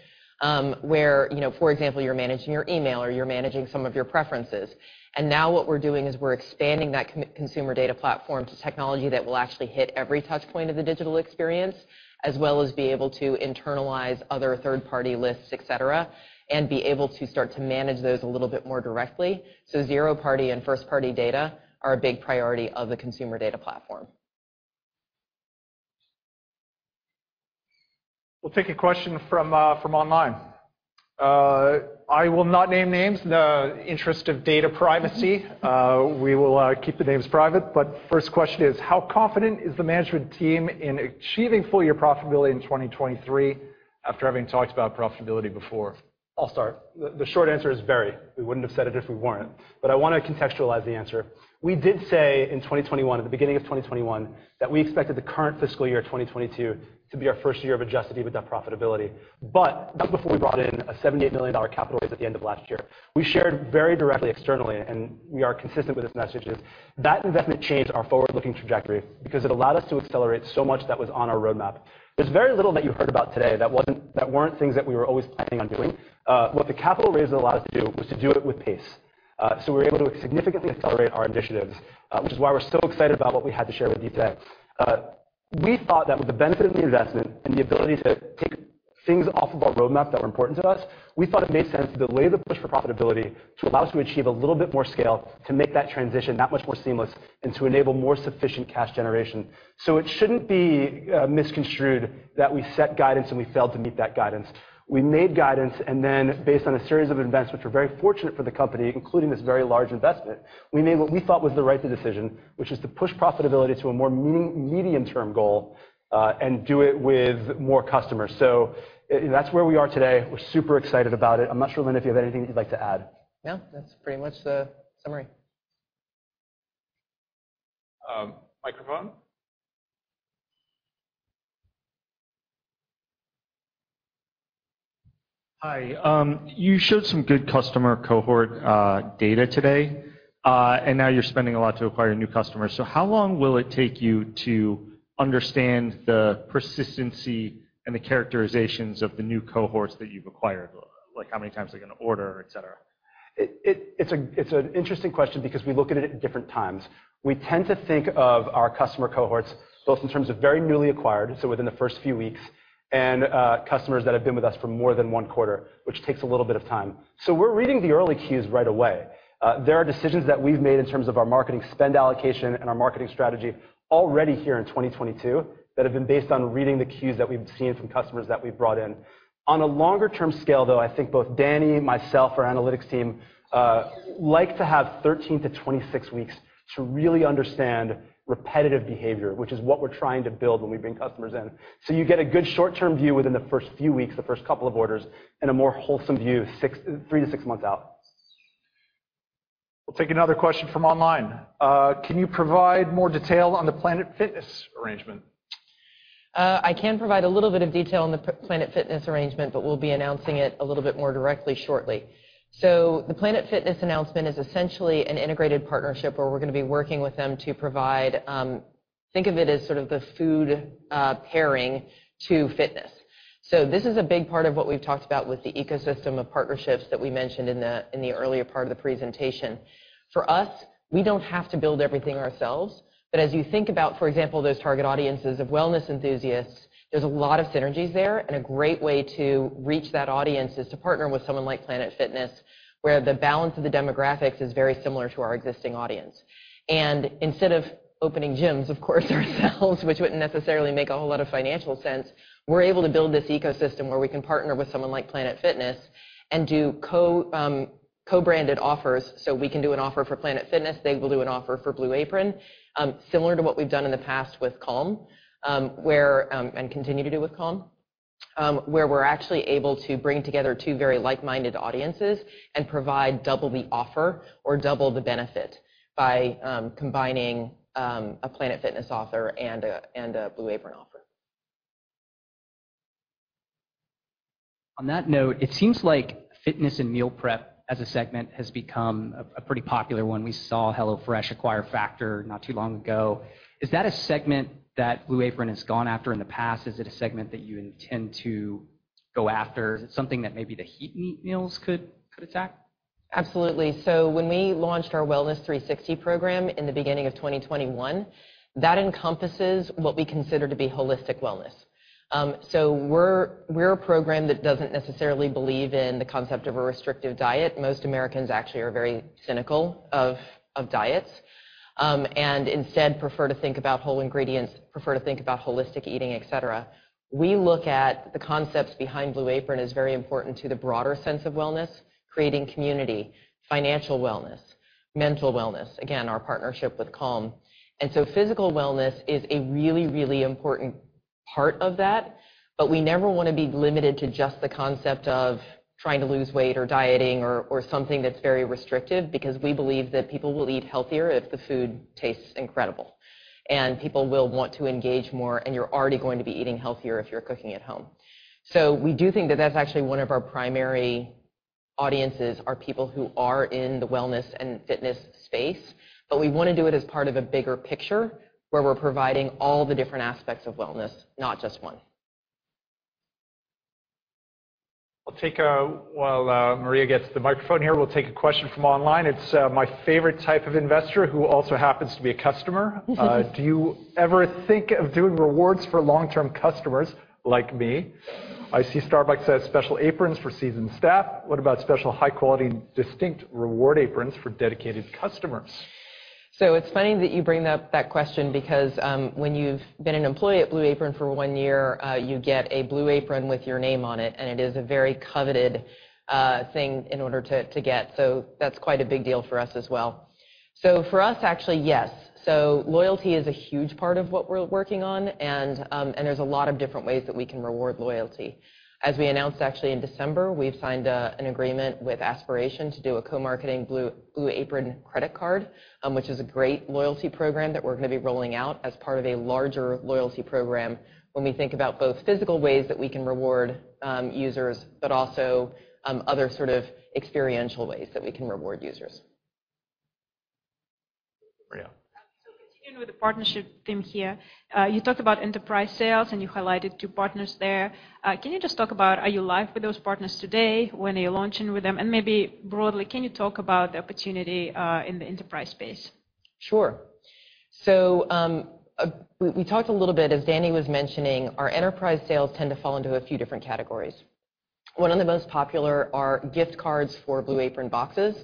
where, you know, for example, you're managing your email or you're managing some of your preferences. Now what we're doing is we're expanding that consumer data platform to technology that will actually hit every touch point of the digital experience, as well as be able to internalize other third-party lists, et cetera, and be able to start to manage those a little bit more directly. Zero party and first party data are a big priority of the consumer data platform. We'll take a question from online. I will not name names in the interest of data privacy. We will keep the names private, but first question is, how confident is the management team in achieving full year profitability in 2023 after having talked about profitability before? I'll start. The short answer is very. We wouldn't have said it if we weren't. I wanna contextualize the answer. We did say in 2021, at the beginning of 2021, that we expected the current fiscal year, 2022, to be our first year of adjusted EBITDA profitability. That's before we brought in a $78 million capital raise at the end of last year. We shared very directly externally, and we are consistent with this message, is that investment changed our forward-looking trajectory because it allowed us to accelerate so much that was on our roadmap. There's very little that you heard about today that weren't things that we were always planning on doing. What the capital raise allowed us to do was to do it with pace. We were able to significantly accelerate our initiatives, which is why we're so excited about what we had to share with you today. We thought that with the benefit of the investment and the ability to take things off of our roadmap that were important to us, we thought it made sense to delay the push for profitability to allow us to achieve a little bit more scale to make that transition that much more seamless and to enable more sufficient cash generation. It shouldn't be misconstrued that we set guidance and we failed to meet that guidance. We made guidance and then based on a series of events, which were very fortunate for the company, including this very large investment, we made what we thought was the right decision, which is to push profitability to a more medium term goal, and do it with more customers. That's where we are today. We're super excited about it. I'm not sure, Linda, if you have anything that you'd like to add. No. That's pretty much the summary. Hi, you showed some good customer cohort data today. Now you're spending a lot to acquire new customers. How long will it take you to understand the persistency and the characterizations of the new cohorts that you've acquired? Like, how many times they're gonna order, et cetera. It's an interesting question because we look at it at different times. We tend to think of our customer cohorts, both in terms of very newly acquired, so within the first few weeks, and customers that have been with us for more than one quarter, which takes a little bit of time. We're reading the early cues right away. There are decisions that we've made in terms of our marketing spend allocation and our marketing strategy already here in 2022 that have been based on reading the cues that we've seen from customers that we've brought in. On a longer term scale, though, I think both Danielle, myself, our analytics team, like to have 13-26 weeks to really understand repetitive behavior, which is what we're trying to build when we bring customers in. You get a good short-term view within the first few weeks, the first couple of orders, and a more wholesome view 3-6 months out. We'll take another question from online. Can you provide more detail on the Planet Fitness arrangement? I can provide a little bit of detail on the Planet Fitness arrangement, but we'll be announcing it a little bit more directly shortly. The Planet Fitness announcement is essentially an integrated partnership where we're gonna be working with them to provide, think of it as sort of the food pairing to fitness. This is a big part of what we've talked about with the ecosystem of partnerships that we mentioned in the earlier part of the presentation. For us, we don't have to build everything ourselves, but as you think about, for example, those target audiences of wellness enthusiasts, there's a lot of synergies there, and a great way to reach that audience is to partner with someone like Planet Fitness, where the balance of the demographics is very similar to our existing audience. Instead of opening gyms, of course, ourselves, which wouldn't necessarily make a whole lot of financial sense, we're able to build this ecosystem where we can partner with someone like Planet Fitness and do co-branded offers. We can do an offer for Planet Fitness, they will do an offer for Blue Apron, similar to what we've done in the past with Calm and continue to do with Calm, where we're actually able to bring together two very like-minded audiences and provide double the offer or double the benefit by combining a Planet Fitness offer and a Blue Apron offer. On that note, it seems like fitness and meal prep as a segment has become a pretty popular one. We saw HelloFresh acquire Factor not too long ago. Is that a segment that Blue Apron has gone after in the past? Is it a segment that you intend to go after? Is it something that maybe the Heat & Eat meals could attack? Absolutely. When we launched our Wellness 360 program in the beginning of 2021, that encompasses what we consider to be holistic wellness. We're a program that doesn't necessarily believe in the concept of a restrictive diet. Most Americans actually are very cynical of diets, and instead prefer to think about whole ingredients, prefer to think about holistic eating, et cetera. We look at the concepts behind Blue Apron as very important to the broader sense of wellness, creating community, financial wellness, mental wellness, again, our partnership with Calm. Physical wellness is a really, really important part of that, but we never wanna be limited to just the concept of trying to lose weight or dieting or something that's very restrictive because we believe that people will eat healthier if the food tastes incredible. People will want to engage more, and you're already going to be eating healthier if you're cooking at home. We do think that that's actually one of our primary audiences, are people who are in the wellness and fitness space, but we wanna do it as part of a bigger picture where we're providing all the different aspects of wellness, not just one. While Maria gets the microphone here, we'll take a question from online. It's my favorite type of investor who also happens to be a customer. Do you ever think of doing rewards for long-term customers like me? I see Starbucks has special aprons for seasoned staff. What about special high quality distinct reward aprons for dedicated customers? It's funny that you bring up that question because when you've been an employee at Blue Apron for one year, you get a blue apron with your name on it, and it is a very coveted thing in order to get, so that's quite a big deal for us as well. For us, actually, yes. Loyalty is a huge part of what we're working on, and there's a lot of different ways that we can reward loyalty. As we announced actually in December, we've signed an agreement with Aspiration to do a co-marketing Blue Apron credit card, which is a great loyalty program that we're gonna be rolling out as part of a larger loyalty program when we think about both physical ways that we can reward users, but also other sort of experiential ways that we can reward users. Maria. Continuing with the partnership theme here, you talked about enterprise sales, and you highlighted 2 partners there. Can you just talk about are you live with those partners today? When are you launching with them? Maybe broadly, can you talk about the opportunity in the enterprise space? Sure. We talked a little bit, as Dani was mentioning, our enterprise sales tend to fall into a few different categories. One of the most popular are gift cards for Blue Apron boxes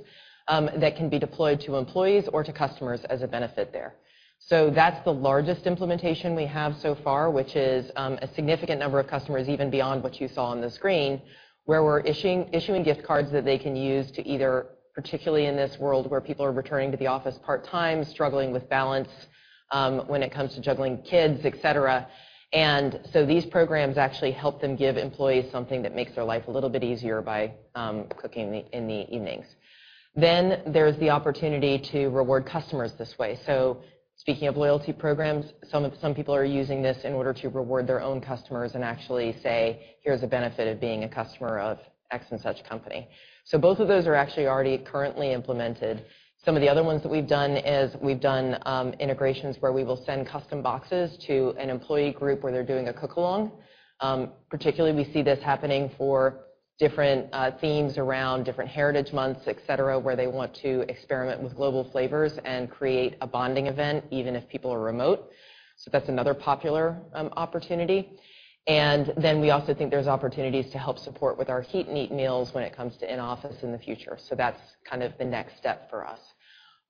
that can be deployed to employees or to customers as a benefit there. That's the largest implementation we have so far, which is a significant number of customers even beyond what you saw on the screen, where we're issuing gift cards that they can use to either particularly in this world where people are returning to the office part-time, struggling with balance when it comes to juggling kids, et cetera. These programs actually help them give employees something that makes their life a little bit easier by cooking in the evenings. There's the opportunity to reward customers this way. Speaking of loyalty programs, some people are using this in order to reward their own customers and actually say, "Here's a benefit of being a customer of X and such company." Both of those are actually already currently implemented. Some of the other ones that we've done, integrations where we will send custom boxes to an employee group where they're doing a cook along. Particularly, we see this happening for different themes around different heritage months, et cetera, where they want to experiment with global flavors and create a bonding event even if people are remote. That's another popular opportunity. Then we also think there's opportunities to help support with our Heat & Eat meals when it comes to in-office in the future. That's kind of the next step for us.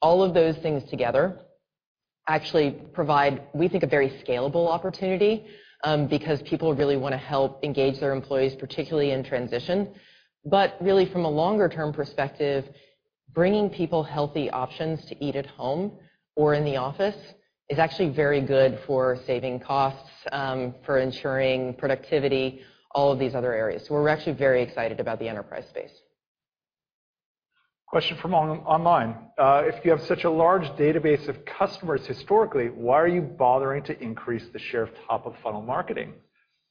All of those things together actually provide, we think, a very scalable opportunity, because people really wanna help engage their employees, particularly in transition. Really from a longer term perspective, bringing people healthy options to eat at home or in the office is actually very good for saving costs, for ensuring productivity, all of these other areas. We're actually very excited about the enterprise space. Question from online. If you have such a large database of customers historically, why are you bothering to increase the share of top of funnel marketing?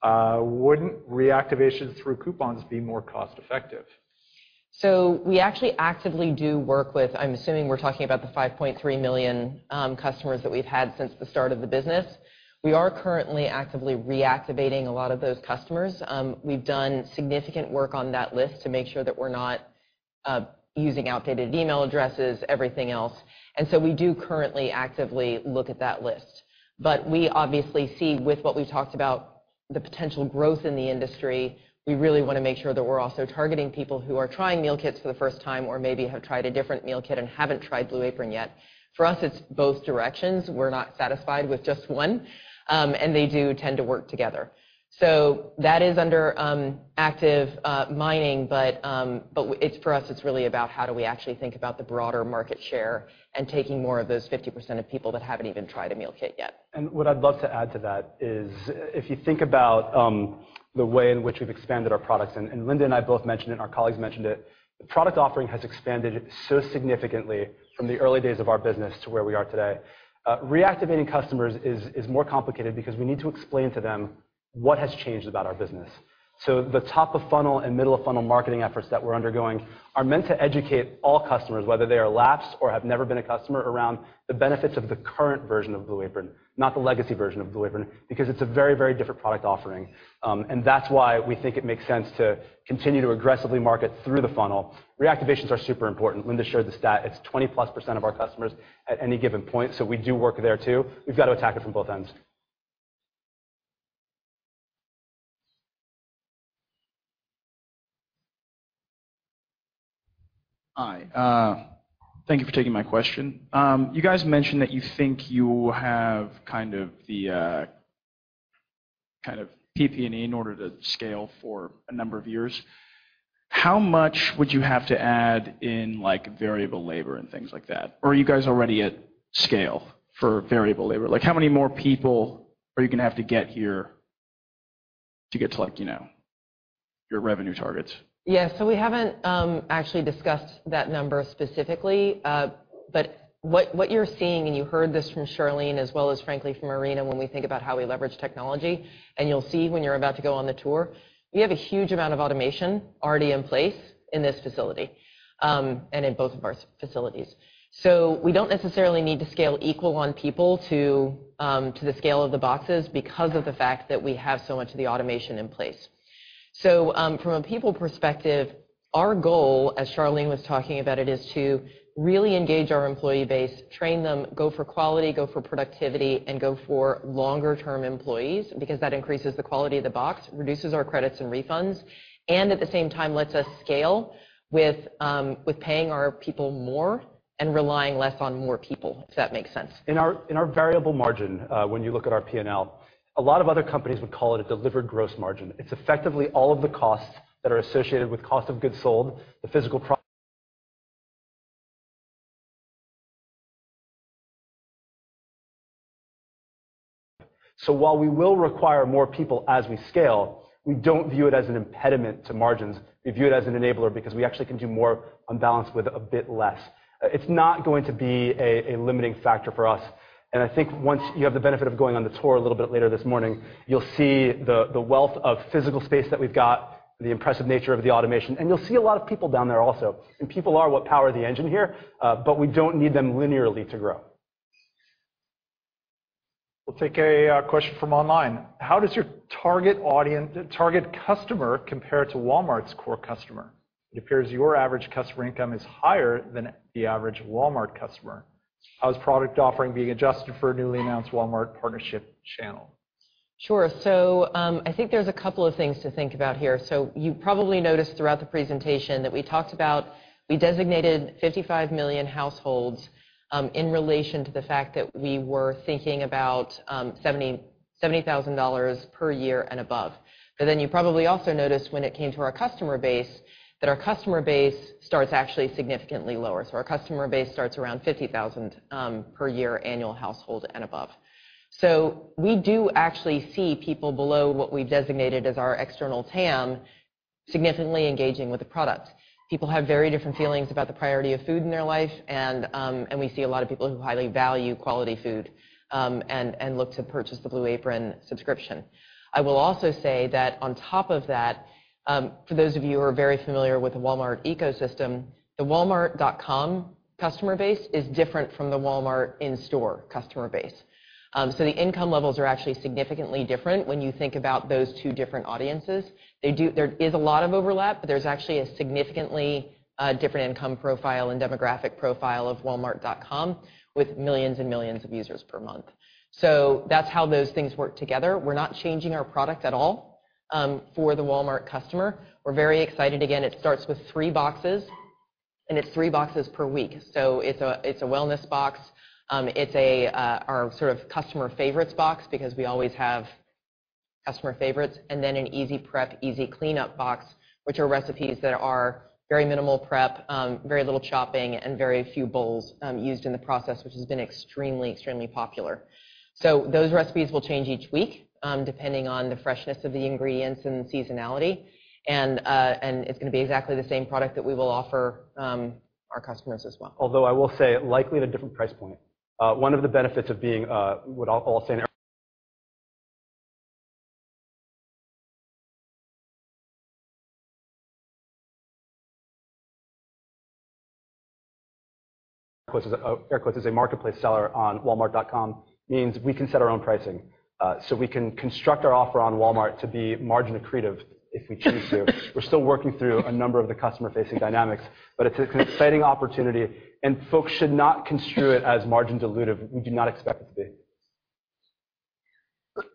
Wouldn't reactivation through coupons be more cost-effective? We actually actively do work with. I'm assuming we're talking about the 5.3 million customers that we've had since the start of the business. We are currently actively reactivating a lot of those customers. We've done significant work on that list to make sure that we're not using outdated email addresses, everything else. We do currently actively look at that list. We obviously see with what we've talked about, the potential growth in the industry, we really wanna make sure that we're also targeting people who are trying meal kits for the first time or maybe have tried a different meal kit and haven't tried Blue Apron yet. For us, it's both directions. We're not satisfied with just one, and they do tend to work together. That is under active management, but for us, it's really about how do we actually think about the broader market share and taking more of those 50% of people that haven't even tried a meal kit yet. What I'd love to add to that is if you think about the way in which we've expanded our products, and Linda and I both mentioned it, our colleagues mentioned it, the product offering has expanded so significantly from the early days of our business to where we are today. Reactivating customers is more complicated because we need to explain to them what has changed about our business. The top of funnel and middle of funnel marketing efforts that we're undergoing are meant to educate all customers, whether they are lapsed or have never been a customer, around the benefits of the current version of Blue Apron, not the legacy version of Blue Apron, because it's a very, very different product offering. That's why we think it makes sense to continue to aggressively market through the funnel. Reactivations are super important. Linda showed the stat. It's 20%+ of our customers at any given point, so we do work there too. We've got to attack it from both ends. Hi. Thank you for taking my question. You guys mentioned that you think you have kind of the kind of PP&E in order to scale for a number of years. How much would you have to add in, like, variable labor and things like that? Or are you guys already at scale for variable labor? Like, how many more people are you gonna have to get here to get to, like, you know, your revenue targets? Yeah. We haven't actually discussed that number specifically. But what you're seeing, and you heard this from Charlean as well as frankly from Irina, when we think about how we leverage technology, and you'll see when you're about to go on the tour, we have a huge amount of automation already in place in this facility, and in both of our facilities. We don't necessarily need to scale equal on people to the scale of the boxes because of the fact that we have so much of the automation in place. From a people perspective, our goal, as Charlean was talking about it, is to really engage our employee base, train them, go for quality, go for productivity, and go for longer term employees, because that increases the quality of the box, reduces our credits and refunds, and at the same time, lets us scale with paying our people more and relying less on more people, if that makes sense. In our variable margin, when you look at our P&L, a lot of other companies would call it a delivered gross margin. It's effectively all of the costs that are associated with cost of goods sold. While we will require more people as we scale, we don't view it as an impediment to margins. We view it as an enabler because we actually can do more on balance with a bit less. It's not going to be a limiting factor for us, and I think once you have the benefit of going on the tour a little bit later this morning, you'll see the wealth of physical space that we've got, the impressive nature of the automation, and you'll see a lot of people down there also. People are what power the engine here, but we don't need them linearly to grow. We'll take a question from online. How does your target customer compare to Walmart's core customer? It appears your average customer income is higher than the average Walmart customer. How is product offering being adjusted for a newly announced Walmart partnership channel? Sure. I think there's a couple of things to think about here. You probably noticed throughout the presentation that we designated 55 million households in relation to the fact that we were thinking about $70,000 per year and above. You probably also noticed when it came to our customer base, that our customer base starts actually significantly lower. Our customer base starts around $50,000 per year annual household and above. We do actually see people below what we've designated as our external TAM significantly engaging with the products. People have very different feelings about the priority of food in their life, and we see a lot of people who highly value quality food, and look to purchase the Blue Apron subscription. I will also say that on top of that, for those of you who are very familiar with the Walmart ecosystem, the Walmart.com customer base is different from the Walmart in-store customer base. The income levels are actually significantly different when you think about those two different audiences. There is a lot of overlap, but there's actually a significantly different income profile and demographic profile of Walmart.com with millions and millions of users per month. That's how those things work together. We're not changing our product at all, for the Walmart customer. We're very excited. Again, it starts with three boxes, and it's three boxes per week. It's a wellness box. It's our sort of customer favorites box because we always have customer favorites, and then an easy prep, easy cleanup box, which are recipes that are very minimal prep, very little chopping and very few bowls used in the process, which has been extremely popular. Those recipes will change each week depending on the freshness of the ingredients and seasonality. It's gonna be exactly the same product that we will offer our customers as well. Although I will say likely at a different price point. One of the benefits of being, what I'll say in air quotes, a marketplace seller on Walmart.com means we can set our own pricing. We can construct our offer on Walmart to be margin accretive if we choose to. We're still working through a number of the customer-facing dynamics, but it's an exciting opportunity, and folks should not construe it as margin dilutive. We do not expect it to be.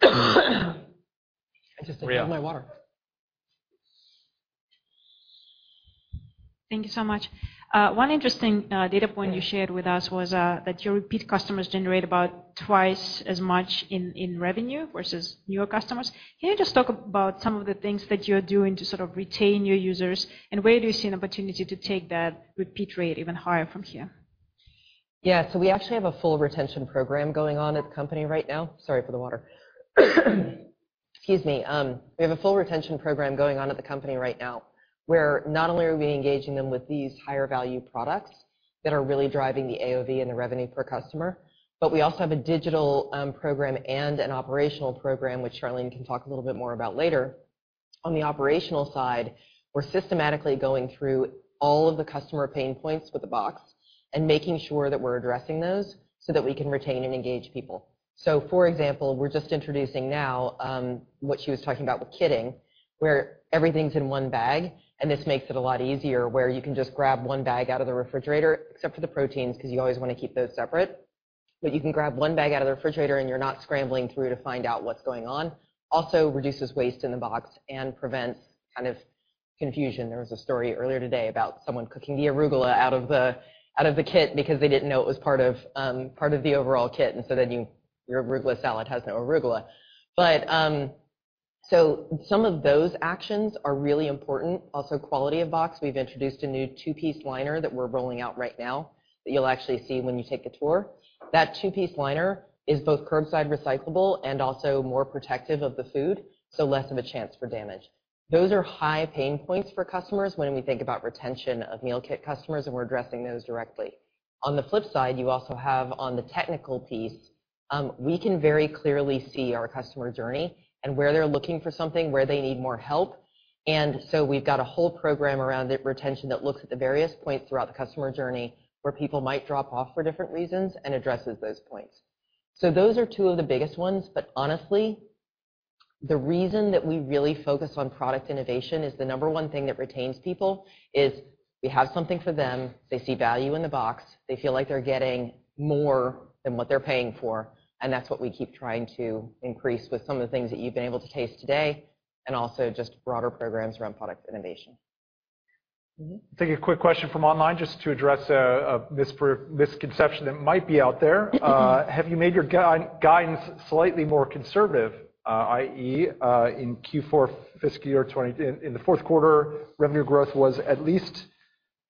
I just drank my water. Thank you so much. One interesting data point you shared with us was that your repeat customers generate about twice as much in revenue versus newer customers. Can you just talk about some of the things that you're doing to sort of retain your users, and where do you see an opportunity to take that repeat rate even higher from here? Yeah. We actually have a full retention program going on at the company right now. Sorry for the water. Excuse me. Where not only are we engaging them with these higher value products that are really driving the AOV and the revenue per customer, but we also have a digital program and an operational program, which Charlean can talk a little bit more about later. On the operational side, we're systematically going through all of the customer pain points with the box and making sure that we're addressing those so that we can retain and engage people. For example, we're just introducing now what she was talking about with kitting, where everything's in one bag, and this makes it a lot easier where you can just grab one bag out of the refrigerator, except for the proteins, 'cause you always wanna keep those separate. You can grab one bag out of the refrigerator, and you're not scrambling through to find out what's going on. Also reduces waste in the box and prevents kind of confusion. There was a story earlier today about someone cooking the arugula out of the kit because they didn't know it was part of the overall kit, and so then your arugula salad has no arugula. Some of those actions are really important. Quality of box, we've introduced a new two-piece liner that we're rolling out right now that you'll actually see when you take a tour. That two-piece liner is both curbside recyclable and also more protective of the food, so less of a chance for damage. Those are high pain points for customers when we think about retention of meal kit customers, and we're addressing those directly. On the flip side, you also have on the technical piece, we can very clearly see our customer journey and where they're looking for something, where they need more help. We've got a whole program around the retention that looks at the various points throughout the customer journey where people might drop off for different reasons and addresses those points. Those are two of the biggest ones. Honestly, the reason that we really focus on product innovation is the number one thing that retains people is we have something for them, they see value in the box, they feel like they're getting more than what they're paying for, and that's what we keep trying to increase with some of the things that you've been able to taste today, and also just broader programs around product innovation. Take a quick question from online just to address a misconception that might be out there. Have you made your guidance slightly more conservative, i.e., in Q4 fiscal year 2020. In the 4th quarter, revenue growth was at least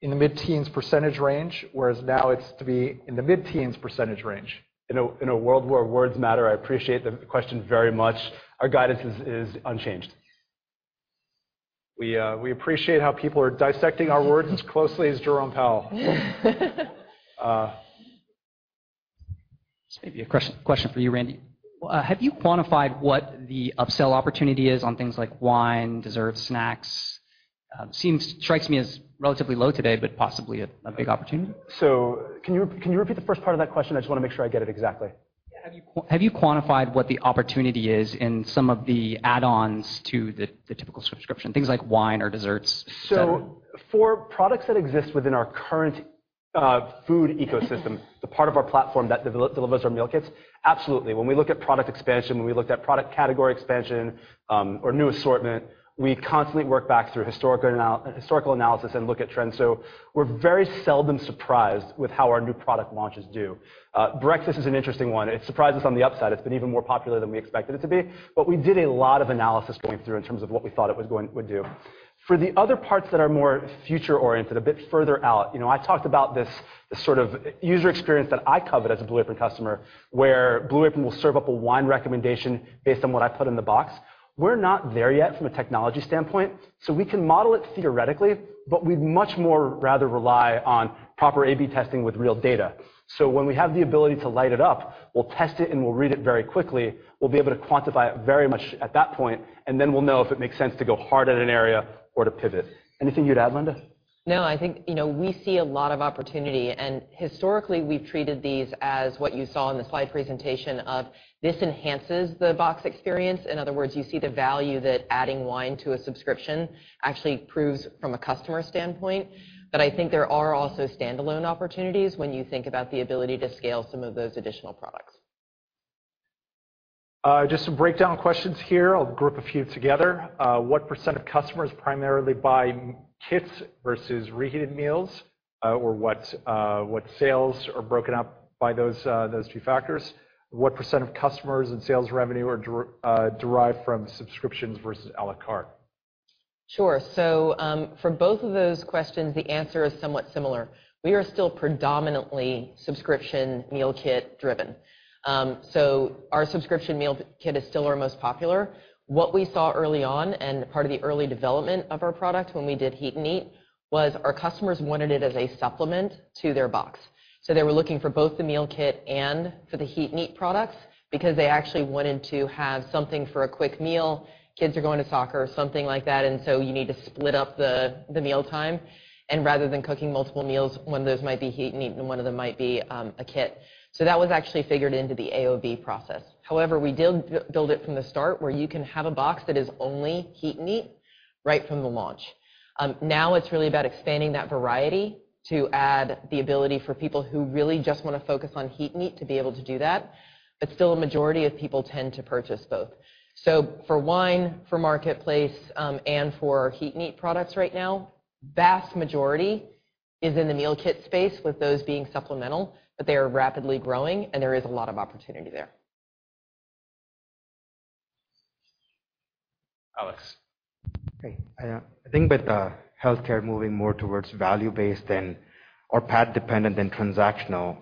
in the mid-teens % range, whereas now it's to be in the mid-teens % range. In a world where words matter, I appreciate the question very much. Our guidance is unchanged. We appreciate how people are dissecting our words as closely as Jerome Powell. This may be a question for you, Randy. Have you quantified what the upsell opportunity is on things like wine, dessert, snacks? It strikes me as relatively low today, but possibly a big opportunity. Can you repeat the first part of that question? I just wanna make sure I get it exactly. Yeah. Have you quantified what the opportunity is in some of the add-ons to the typical subscription, things like wine or desserts? For products that exist within our current food ecosystem, the part of our platform that delivers our meal kits, absolutely. When we look at product expansion, when we looked at product category expansion, or new assortment, we constantly work back through historical analysis and look at trends. We're very seldom surprised with how our new product launches do. Breakfast is an interesting one. It surprised us on the upside. It's been even more popular than we expected it to be, but we did a lot of analysis going through in terms of what we thought it would do. For the other parts that are more future-oriented, a bit further out, you know, I talked about this sort of user experience that I covet as a Blue Apron customer, where Blue Apron will serve up a wine recommendation based on what I put in the box. We're not there yet from a technology standpoint, so we can model it theoretically, but we'd much more rather rely on proper A/B testing with real data. When we have the ability to light it up, we'll test it and we'll read it very quickly. We'll be able to quantify it very much at that point, and then we'll know if it makes sense to go hard at an area or to pivot. Anything you'd add, Linda? No, I think, you know, we see a lot of opportunity, and historically, we've treated these as what you saw in the slide presentation of how this enhances the box experience. In other words, you see the value that adding wine to a subscription actually proves from a customer standpoint. But I think there are also standalone opportunities when you think about the ability to scale some of those additional products. Just some breakdown questions here. I'll group a few together. What percent of customers primarily buy kits versus reheated meals? Or what sales are broken up by those two factors? What percent of customers and sales revenue are derived from subscriptions versus à la carte? Sure. For both of those questions, the answer is somewhat similar. We are still predominantly subscription meal kit driven. Our subscription meal kit is still our most popular. What we saw early on and part of the early development of our product when we did Heat & Eat, was our customers wanted it as a supplement to their box. They were looking for both the meal kit and for the Heat & Eat products because they actually wanted to have something for a quick meal. Kids are going to soccer or something like that, and so you need to split up the meal time. Rather than cooking multiple meals, one of those might be Heat & Eat and one of them might be a kit. That was actually figured into the AOV process. However, we did build it from the start, where you can have a box that is only Heat & Eat right from the launch. Now it's really about expanding that variety to add the ability for people who really just wanna focus on Heat & Eat, to be able to do that. Still a majority of people tend to purchase both. For Wine, for Marketplace, and for Heat & Eat products right now, vast majority is in the meal kit space, with those being supplemental, but they are rapidly growing, and there is a lot of opportunity there. Alex. Okay. I think with healthcare moving more towards value-based or PAT dependent than transactional,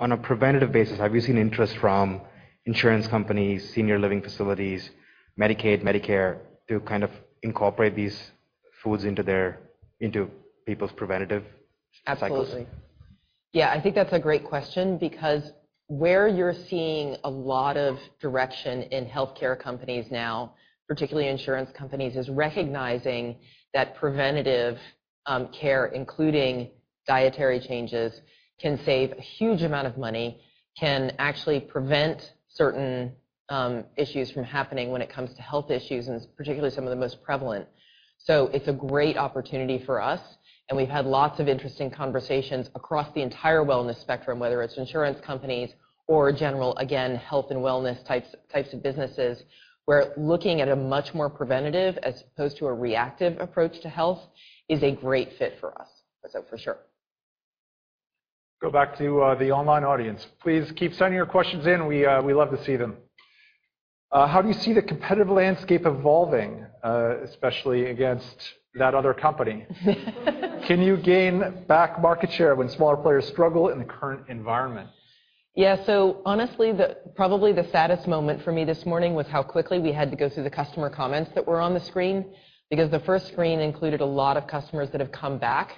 on a preventative basis, have you seen interest from insurance companies, senior living facilities, Medicaid, Medicare, to kind of incorporate these foods into people's preventative cycles? Absolutely. Yeah. I think that's a great question, because where you're seeing a lot of direction in healthcare companies now, particularly insurance companies, is recognizing that preventative care, including dietary changes, can save a huge amount of money, can actually prevent certain issues from happening when it comes to health issues, and particularly some of the most prevalent. It's a great opportunity for us, and we've had lots of interesting conversations across the entire wellness spectrum, whether it's insurance companies or general, again, health and wellness types of businesses, where looking at a much more preventative as opposed to a reactive approach to health is a great fit for us. For sure. Go back to the online audience. Please keep sending your questions in. We love to see them. How do you see the competitive landscape evolving, especially against that other company? Can you gain back market share when smaller players struggle in the current environment? Yeah. Honestly, probably the saddest moment for me this morning was how quickly we had to go through the customer comments that were on the screen, because the first screen included a lot of customers that have come back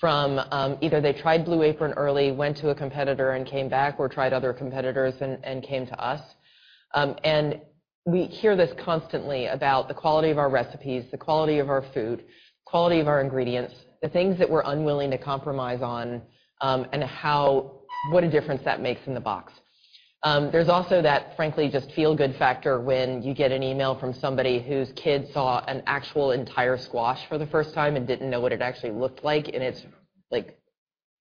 from either they tried Blue Apron early, went to a competitor and came back, or tried other competitors and came to us. We hear this constantly about the quality of our recipes, the quality of our food, quality of our ingredients, the things that we're unwilling to compromise on, and how, what a difference that makes in the box. There's also that, frankly, just feel-good factor when you get an email from somebody whose kid saw an actual entire squash for the first time and didn't know what it actually looked like in its like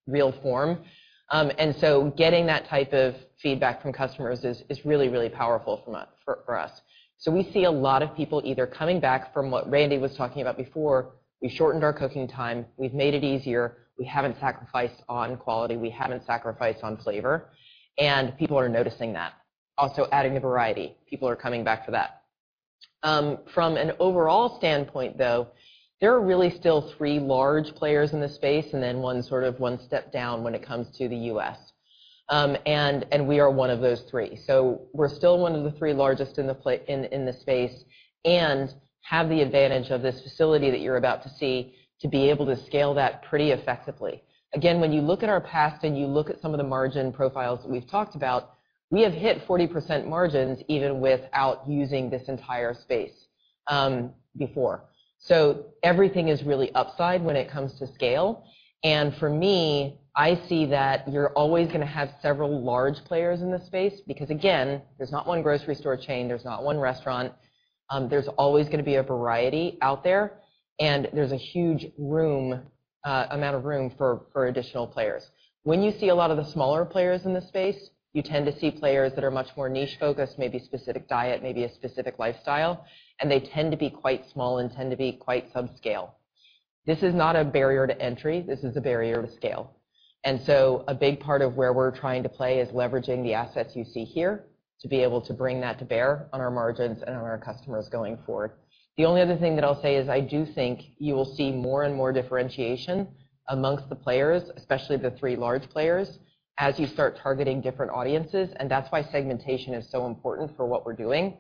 real form. Getting that type of feedback from customers is really powerful for us. We see a lot of people either coming back from what Randy was talking about before. We shortened our cooking time. We've made it easier. We haven't sacrificed on quality. We haven't sacrificed on flavor, and people are noticing that. Also adding the variety. People are coming back for that. From an overall standpoint, though, there are really still three large players in this space, and then one sort of one step down when it comes to the U.S. We are one of those three. We're still one of the three largest in the space and have the advantage of this facility that you're about to see, to be able to scale that pretty effectively. Again, when you look at our past and you look at some of the margin profiles that we've talked about, we have hit 40% margins even without using this entire space before. Everything is really upside when it comes to scale. For me, I see that you're always gonna have several large players in this space because again, there's not one grocery store chain, there's not one restaurant, there's always gonna be a variety out there, and there's a huge room, amount of room for additional players. When you see a lot of the smaller players in the space, you tend to see players that are much more niche-focused, maybe specific diet, maybe a specific lifestyle, and they tend to be quite small and tend to be quite subscale. This is not a barrier to entry, this is a barrier to scale. A big part of where we're trying to play is leveraging the assets you see here to be able to bring that to bear on our margins and on our customers going forward. The only other thing that I'll say is I do think you will see more and more differentiation amongst the players, especially the three large players, as you start targeting different audiences. That's why segmentation is so important for what we're doing,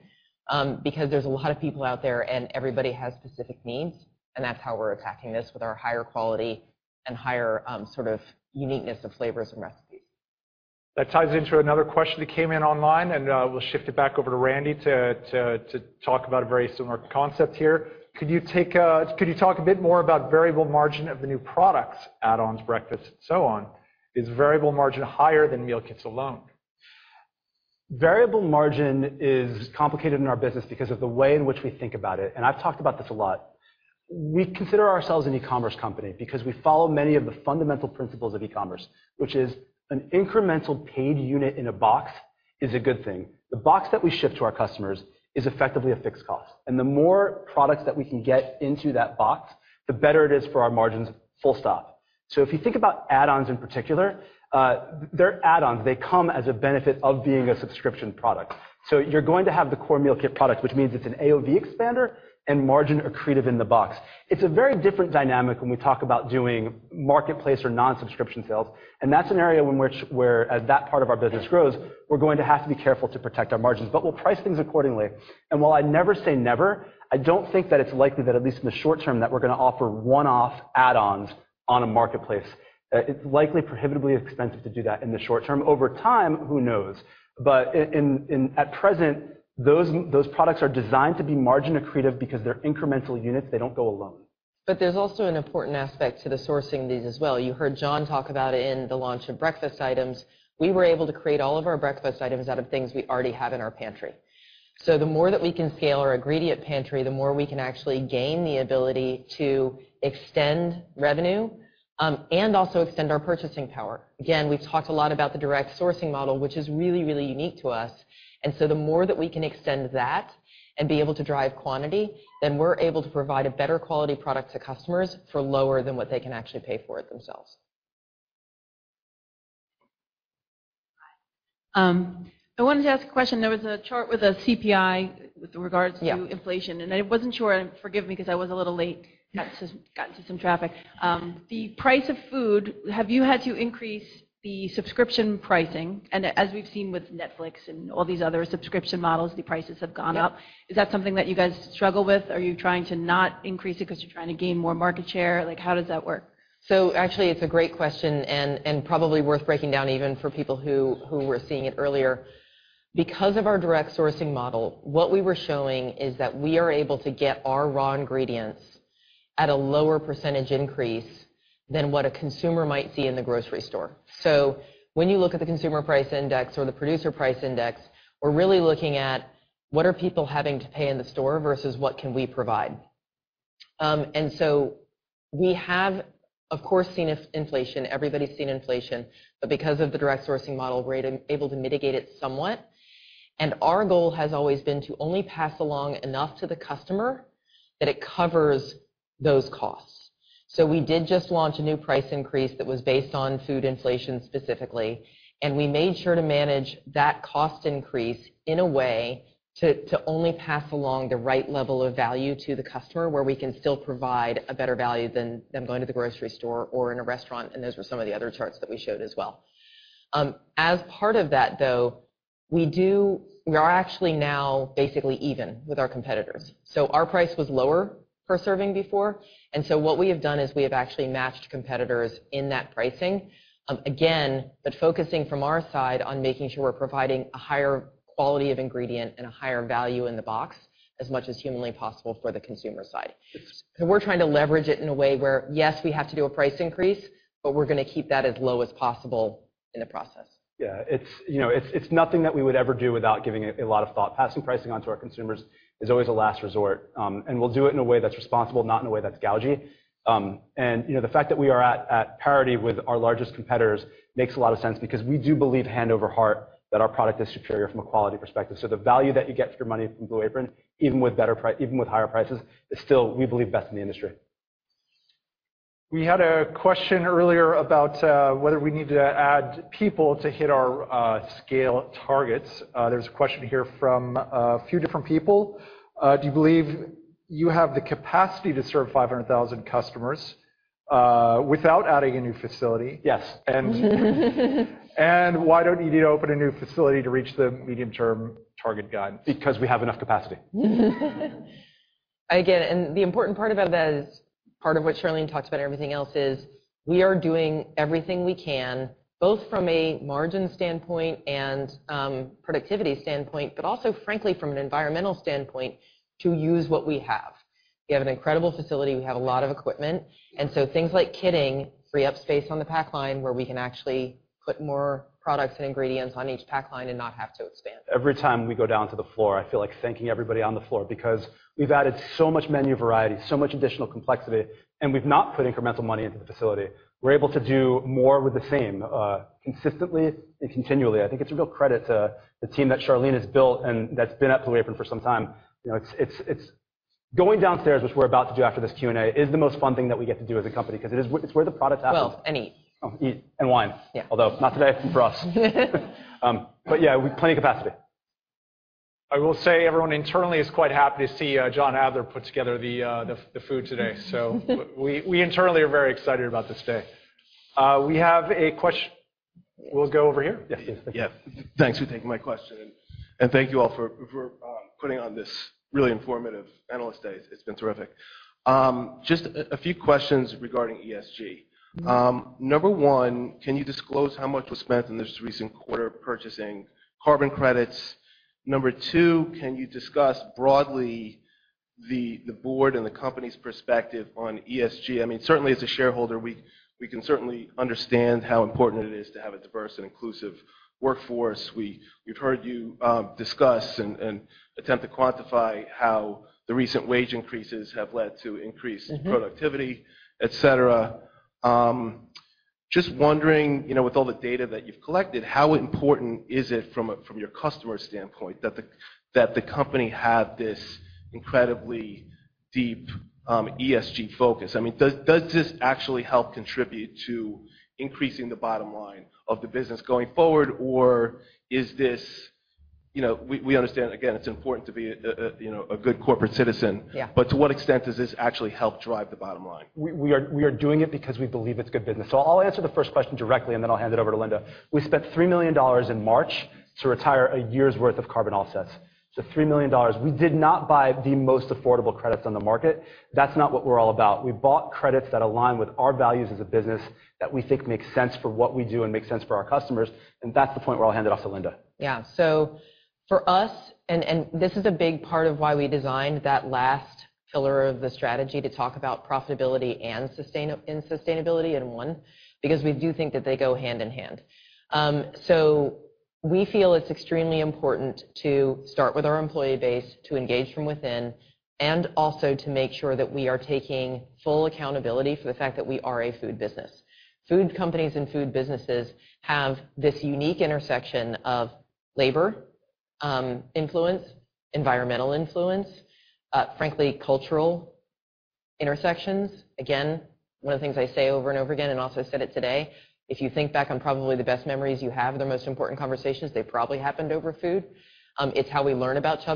because there's a lot of people out there, and everybody has specific needs, and that's how we're attacking this with our higher quality and higher, sort of uniqueness of flavors and recipes. That ties into another question that came in online, and we'll shift it back over to Randy to talk about a very similar concept here. Could you talk a bit more about variable margin of the new products, add-ons, breakfasts, and so on? Is variable margin higher than meal kits alone? Variable margin is complicated in our business because of the way in which we think about it, and I've talked about this a lot. We consider ourselves an e-commerce company because we follow many of the fundamental principles of e-commerce, which is an incremental paid unit in a box is a good thing. The box that we ship to our customers is effectively a fixed cost, and the more products that we can get into that box, the better it is for our margins, full stop. If you think about add-ons in particular, they're add-ons. They come as a benefit of being a subscription product. You're going to have the core meal kit product, which means it's an AOV expander and margin accretive in the box. It's a very different dynamic when we talk about doing marketplace or non-subscription sales, and that's an area whereas that part of our business grows, we're going to have to be careful to protect our margins. We'll price things accordingly, and while I never say never, I don't think that it's likely that at least in the short term, that we're gonna offer one-off add-ons on a marketplace. It's likely prohibitively expensive to do that in the short term. Over time, who knows? At present, those products are designed to be margin accretive because they're incremental units, they don't go alone. There's also an important aspect to the sourcing these as well. You heard John talk about in the launch of breakfast items, we were able to create all of our breakfast items out of things we already have in our pantry. The more that we can scale our ingredient pantry, the more we can actually gain the ability to extend revenue, and also extend our purchasing power. Again, we've talked a lot about the direct sourcing model, which is really, really unique to us. The more that we can extend that and be able to drive quantity, then we're able to provide a better quality product to customers for lower than what they can actually pay for it themselves. Hi. I wanted to ask a question. There was a chart with a CPI with regards- Yeah. due to inflation, and I wasn't sure, and forgive me because I was a little late. Yeah. Got into some traffic. The price of food, have you had to increase the subscription pricing? As we've seen with Netflix and all these other subscription models, the prices have gone up. Yeah. Is that something that you guys struggle with? Are you trying to not increase it 'cause you're trying to gain more market share? Like, how does that work? Actually, it's a great question and probably worth breaking down even for people who were seeing it earlier. Because of our direct sourcing model, what we were showing is that we are able to get our raw ingredients at a lower percentage increase than what a consumer might see in the grocery store. When you look at the Consumer Price Index or the Producer Price Index, we're really looking at what are people having to pay in the store versus what can we provide. We have, of course, seen inflation, everybody's seen inflation, but because of the direct sourcing model, we're able to mitigate it somewhat. Our goal has always been to only pass along enough to the customer that it covers those costs. We did just launch a new price increase that was based on food inflation specifically, and we made sure to manage that cost increase in a way to only pass along the right level of value to the customer, where we can still provide a better value than them going to the grocery store or in a restaurant, and those were some of the other charts that we showed as well. As part of that, though, we are actually now basically even with our competitors. Our price was lower per serving before, and so what we have done is we have actually matched competitors in that pricing. Again, but focusing from our side on making sure we're providing a higher quality of ingredient and a higher value in the box as much as humanly possible for the consumer side. We're trying to leverage it in a way where, yes, we have to do a price increase, but we're gonna keep that as low as possible in the process. Yeah. It's, you know, it's nothing that we would ever do without giving it a lot of thought. Passing pricing onto our consumers is always a last resort, and we'll do it in a way that's responsible, not in a way that's gougy. You know, the fact that we are at parity with our largest competitors makes a lot of sense because we do believe hand over heart that our product is superior from a quality perspective. The value that you get for your money from Blue Apron, even with higher prices, is still, we believe, best in the industry. We had a question earlier about whether we need to add people to hit our scale targets. There's a question here from a few different people. Do you believe you have the capacity to serve 500,000 customers without adding a new facility? Yes. Why don't you need to open a new facility to reach the medium-term target guidance? Because we have enough capacity. Again, the important part about that is part of what Charlean talked about. Everything else is we are doing everything we can, both from a margin standpoint and productivity standpoint, but also frankly from an environmental standpoint, to use what we have. We have an incredible facility. We have a lot of equipment. Things like kitting free up space on the pack line where we can actually put more products and ingredients on each pack line and not have to expand. Every time we go down to the floor, I feel like thanking everybody on the floor because we've added so much menu variety, so much additional complexity, and we've not put incremental money into the facility. We're able to do more with the same, consistently and continually. I think it's a real credit to the team that Charlean has built and that's been at Blue Apron for some time. You know, it's going downstairs, which we're about to do after this Q&A, is the most fun thing that we get to do as a company 'cause it is, it's where the product happens. Well, eat. Oh, eat. Wine. Yeah. Although not today for us. Plenty of capacity. I will say everyone internally is quite happy to see John Adler put together the food today. We internally are very excited about this day. We'll go over here. Yes. Yeah. Thanks for taking my question, and thank you all for putting on this really informative analyst day. It's been terrific. Just a few questions regarding ESG. Number one, can you disclose how much was spent in this recent quarter purchasing carbon credits? Number two, can you discuss broadly the board and the company's perspective on ESG? I mean, certainly as a shareholder, we can certainly understand how important it is to have a diverse and inclusive workforce. We've heard you discuss and attempt to quantify how the recent wage increases have led to increased- productivity, et cetera. Just wondering, you know, with all the data that you've collected, how important is it from your customer standpoint that the company have this incredibly deep ESG focus? I mean, does this actually help contribute to increasing the bottom line of the business going forward? Or is this? You know, we understand, again, it's important to be a, you know, a good corporate citizen. Yeah. To what extent does this actually help drive the bottom line? We are doing it because we believe it's good business. I'll answer the first question directly, and then I'll hand it over to Linda. We spent $3 million in March to retire a year's worth of carbon offsets. $3 million. We did not buy the most affordable credits on the market. That's not what we're all about. We bought credits that align with our values as a business that we think makes sense for what we do and makes sense for our customers, and that's the point where I'll hand it off to Linda. Yeah. For us, and this is a big part of why we designed that last pillar of the strategy to talk about profitability and sustainability in one, because we do think that they go hand in hand. We feel it's extremely important to start with our employee base, to engage from within, and also to make sure that we are taking full accountability for the fact that we are a food business. Food companies and food businesses have this unique intersection of labor, influence, environmental influence, frankly, cultural intersections. Again, one of the things I say over and over again, and also I said it today, if you think back on probably the best memories you have, the most important conversations, they probably happened over food. It's how we learn about each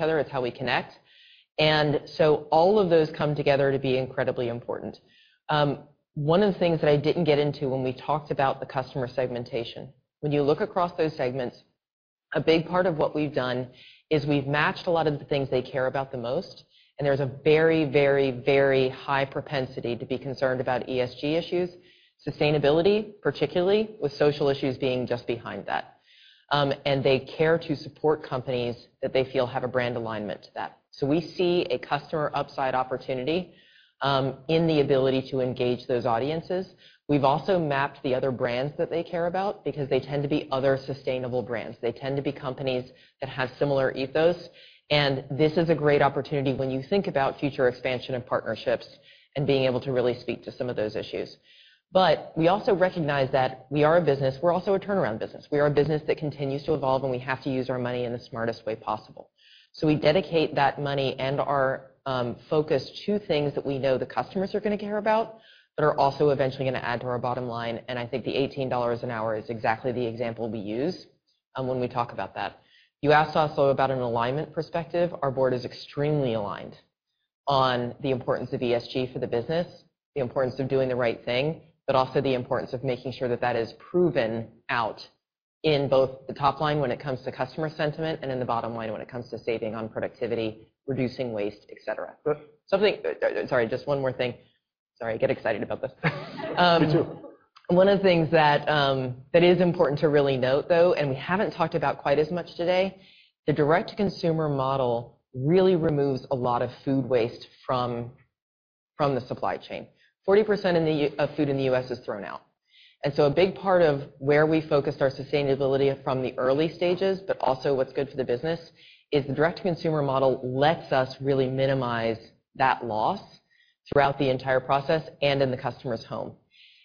other. It's how we connect. All of those come together to be incredibly important. One of the things that I didn't get into when we talked about the customer segmentation, when you look across those segments, a big part of what we've done is we've matched a lot of the things they care about the most, and there's a very high propensity to be concerned about ESG issues, sustainability, particularly with social issues being just behind that. They care to support companies that they feel have a brand alignment to that. We see a customer upside opportunity in the ability to engage those audiences. We've also mapped the other brands that they care about because they tend to be other sustainable brands. They tend to be companies that have similar ethos, and this is a great opportunity when you think about future expansion and partnerships and being able to really speak to some of those issues. We also recognize that we are a business, we're also a turnaround business. We are a business that continues to evolve, and we have to use our money in the smartest way possible. We dedicate that money and our focus to things that we know the customers are gonna care about, but are also eventually gonna add to our bottom line, and I think the $18 an hour is exactly the example we use when we talk about that. You asked also about an alignment perspective. Our board is extremely aligned on the importance of ESG for the business, the importance of doing the right thing, but also the importance of making sure that that is proven out in both the top line when it comes to customer sentiment and in the bottom line when it comes to saving on productivity, reducing waste, et cetera. But- Sorry, just one more thing. Sorry, I get excited about this. Me too. One of the things that is important to really note, though, and we haven't talked about quite as much today, the direct-to-consumer model really removes a lot of food waste from the supply chain. 40% of food in the U.S. is thrown out. A big part of where we focused our sustainability from the early stages, but also what's good for the business, is the direct-to-consumer model lets us really minimize that loss throughout the entire process and in the customer's home.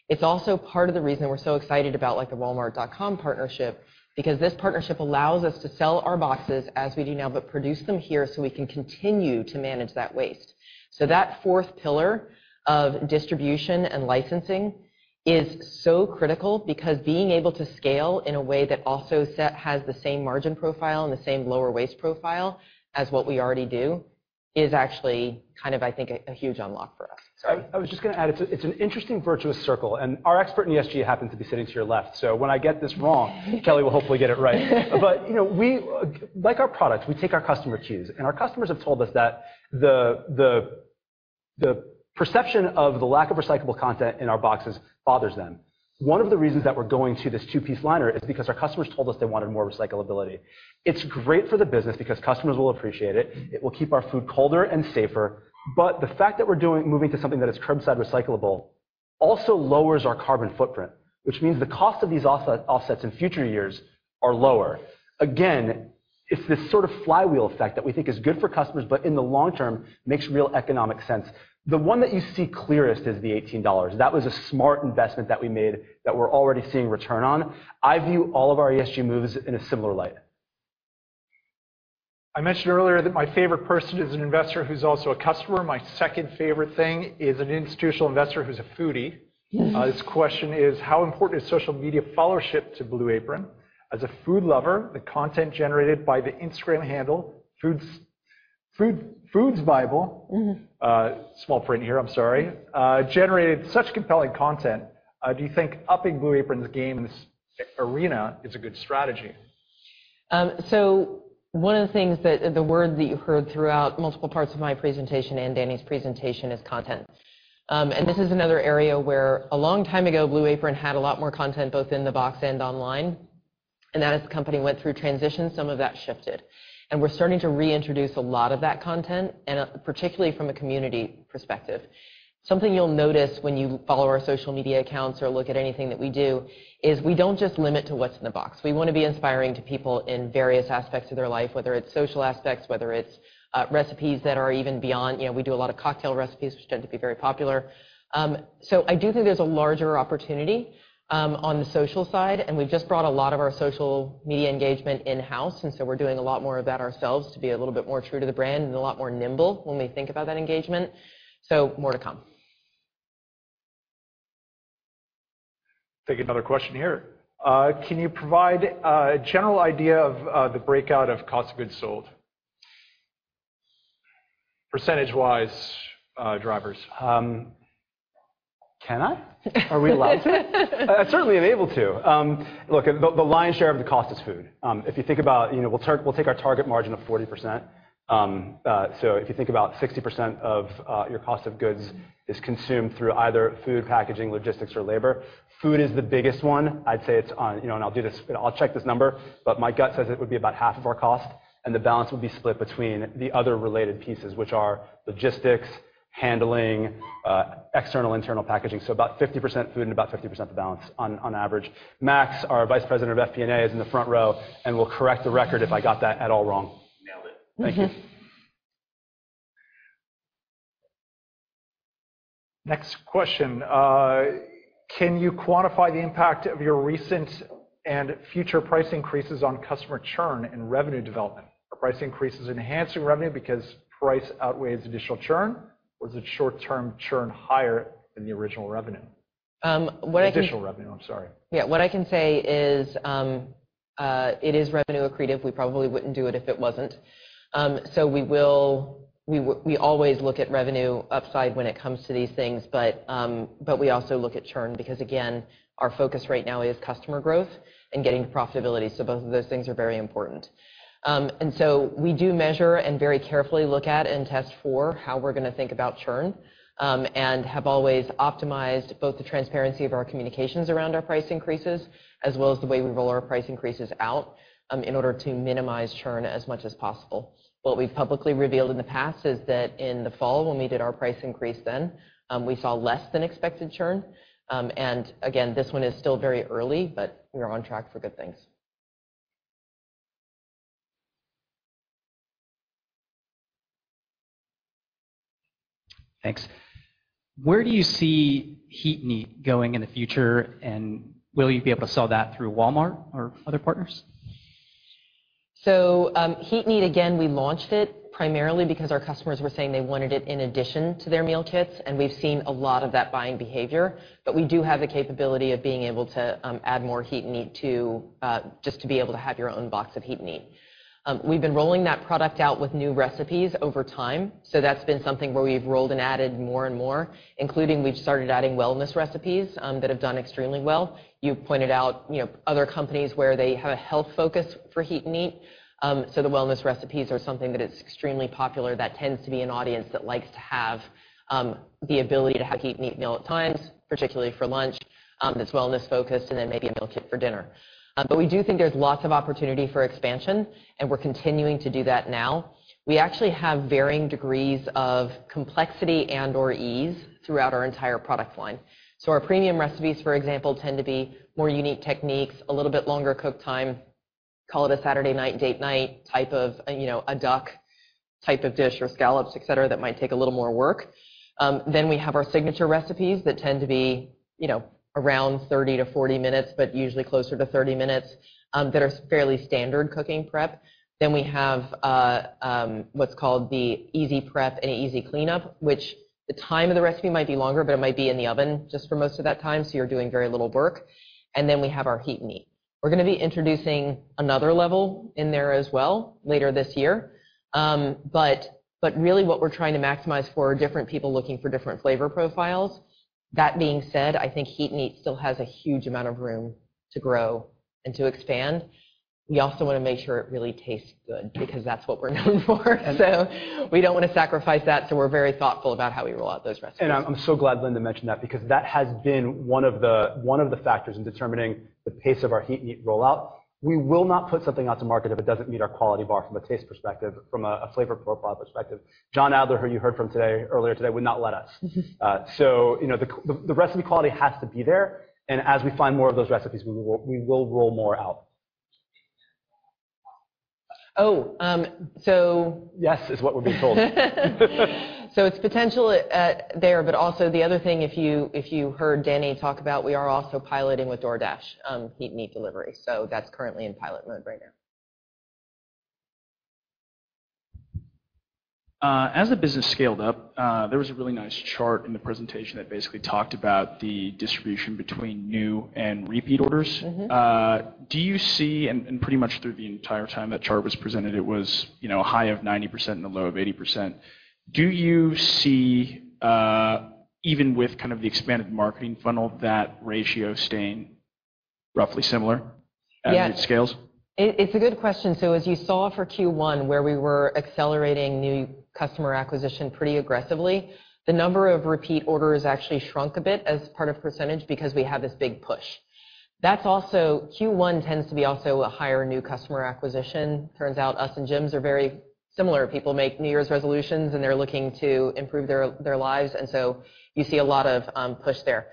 It's also part of the reason we're so excited about, like, the Walmart.com partnership, because this partnership allows us to sell our boxes as we do now, but produce them here so we can continue to manage that waste. that fourth pillar of distribution and licensing is so critical because being able to scale in a way that also has the same margin profile and the same lower waste profile as what we already do is actually kind of, I think, a huge unlock for us. Sorry. I was just gonna add, it's an interesting virtuous circle, and our expert in ESG happens to be sitting to your left, so when I get this wrong, Kelly will hopefully get it right. You know, we like our product, we take our customer cues, and our customers have told us that the perception of the lack of recyclable content in our boxes bothers them. One of the reasons that we're going to this two-piece liner is because our customers told us they wanted more recyclability. It's great for the business because customers will appreciate it. It will keep our food colder and safer. The fact that we're moving to something that is curbside recyclable also lowers our carbon footprint, which means the cost of these offsets in future years are lower. Again, it's this sort of flywheel effect that we think is good for customers, but in the long term makes real economic sense. The one that you see clearest is the $18. That was a smart investment that we made that we're already seeing return on. I view all of our ESG moves in a similar light. I mentioned earlier that my favorite person is an investor who's also a customer. My second favorite thing is an institutional investor who's a foodie. Yes. This question is, how important is social media followership to Blue Apron? As a food lover, the content generated by the Instagram handle FOODbible- small print here, I'm sorry, generated such compelling content. Do you think upping Blue Apron's game in this arena is a good strategy? One of the things that, the word that you heard throughout multiple parts of my presentation and Dani's presentation is content. This is another area where a long time ago, Blue Apron had a lot more content, both in the box and online, and as the company went through transition, some of that shifted. We're starting to reintroduce a lot of that content, and particularly from a community perspective. Something you'll notice when you follow our social media accounts or look at anything that we do, is we don't just limit to what's in the box. We wanna be inspiring to people in various aspects of their life, whether it's social aspects, whether it's recipes that are even beyond, you know, we do a lot of cocktail recipes, which tend to be very popular. I do think there's a larger opportunity on the social side, and we've just brought a lot of our social media engagement in-house, and so we're doing a lot more of that ourselves to be a little bit more true to the brand and a lot more nimble when we think about that engagement. More to come. Take another question here. Can you provide a general idea of the breakout of cost of goods sold? Percentage-wise, drivers. Can I? Are we allowed to? I certainly am able to. Look, the lion's share of the cost is food. If you think about, you know, we'll take our target margin of 40%. If you think about 60% of your cost of goods is consumed through either food, packaging, logistics, or labor. Food is the biggest one. I'd say it's on, you know, and I'll do this, I'll check this number, but my gut says it would be about half of our cost, and the balance would be split between the other related pieces, which are logistics, handling, external internal packaging. About 50% food and about 50% the balance on average. Max, our Vice President of FP&A is in the front row and will correct the record if I got that at all wrong. Nailed it. Thank you. Next question. Can you quantify the impact of your recent and future price increases on customer churn and revenue development? Are price increases enhancing revenue because price outweighs additional churn, or is it short-term churn higher than the original revenue? Um, what I can- Additional revenue, I'm sorry. Yeah. What I can say is, it is revenue accretive. We probably wouldn't do it if it wasn't. We always look at revenue upside when it comes to these things, but we also look at churn because again, our focus right now is customer growth and getting to profitability. Both of those things are very important. We do measure and very carefully look at and test for how we're gonna think about churn, and have always optimized both the transparency of our communications around our price increases, as well as the way we roll our price increases out, in order to minimize churn as much as possible. What we've publicly revealed in the past is that in the fall when we did our price increase then, we saw less than expected churn. This one is still very early, but we are on track for good things. Thanks. Where do you see Heat & Eat going in the future, and will you be able to sell that through Walmart or other partners? Heat & Eat, again, we launched it primarily because our customers were saying they wanted it in addition to their meal kits, and we've seen a lot of that buying behavior. We do have the capability of being able to add more Heat & Eat to just to be able to have your own box of Heat & Eat. We've been rolling that product out with new recipes over time, so that's been something where we've rolled and added more and more, including we've started adding wellness recipes that have done extremely well. You pointed out, you know, other companies where they have a health focus for Heat & Eat. The wellness recipes are something that is extremely popular that tends to be an audience that likes to have the ability to have Heat & Eat meal at times, particularly for lunch, that's wellness focused, and then maybe a meal kit for dinner. We do think there's lots of opportunity for expansion, and we're continuing to do that now. We actually have varying degrees of complexity and or ease throughout our entire product line. Our premium recipes, for example, tend to be more unique techniques, a little bit longer cook time, call it a Saturday night date night type of, you know, a duck type of dish or scallops, et cetera, that might take a little more work. We have our signature recipes that tend to be, you know, around 30-40 minutes, but usually closer to 30 minutes, that are fairly standard cooking prep. We have what's called the easy prep and easy cleanup, which the time of the recipe might be longer, but it might be in the oven just for most of that time, so you're doing very little work. We have our Heat & Eat. We're gonna be introducing another level in there as well later this year. Really what we're trying to maximize for are different people looking for different flavor profiles. That being said, I think Heat & Eat still has a huge amount of room to grow and to expand. We also wanna make sure it really tastes good because that's what we're known for. We don't wanna sacrifice that, so we're very thoughtful about how we roll out those recipes. I'm so glad Linda mentioned that because that has been one of the factors in determining the pace of our Heat & Eat rollout. We will not put something out to market if it doesn't meet our quality bar from a taste perspective, from a flavor profile perspective. John Adler, who you heard from today, earlier today, would not let us. You know, the recipe quality has to be there, and as we find more of those recipes, we will roll more out. Oh, um, so- Yes. It's what we're being told. It's potential there, but also the other thing, if you heard Dani talk about, we are also piloting with DoorDash, Heat & Eat delivery. That's currently in pilot mode right now. As the business scaled up, there was a really nice chart in the presentation that basically talked about the distribution between new and repeat orders. Do you see pretty much through the entire time that chart was presented, it was, you know, a high of 90% and a low of 80%. Do you see even with kind of the expanded marketing funnel, that ratio staying roughly similar- Yeah As it scales? It's a good question. As you saw for Q1, where we were accelerating new customer acquisition pretty aggressively, the number of repeat orders actually shrunk a bit as a percentage because we had this big push. That's also Q1 tends to be also a higher new customer acquisition. Turns out us and gyms are very similar. People make New Year's resolutions, and they're looking to improve their lives, and so you see a lot of push there.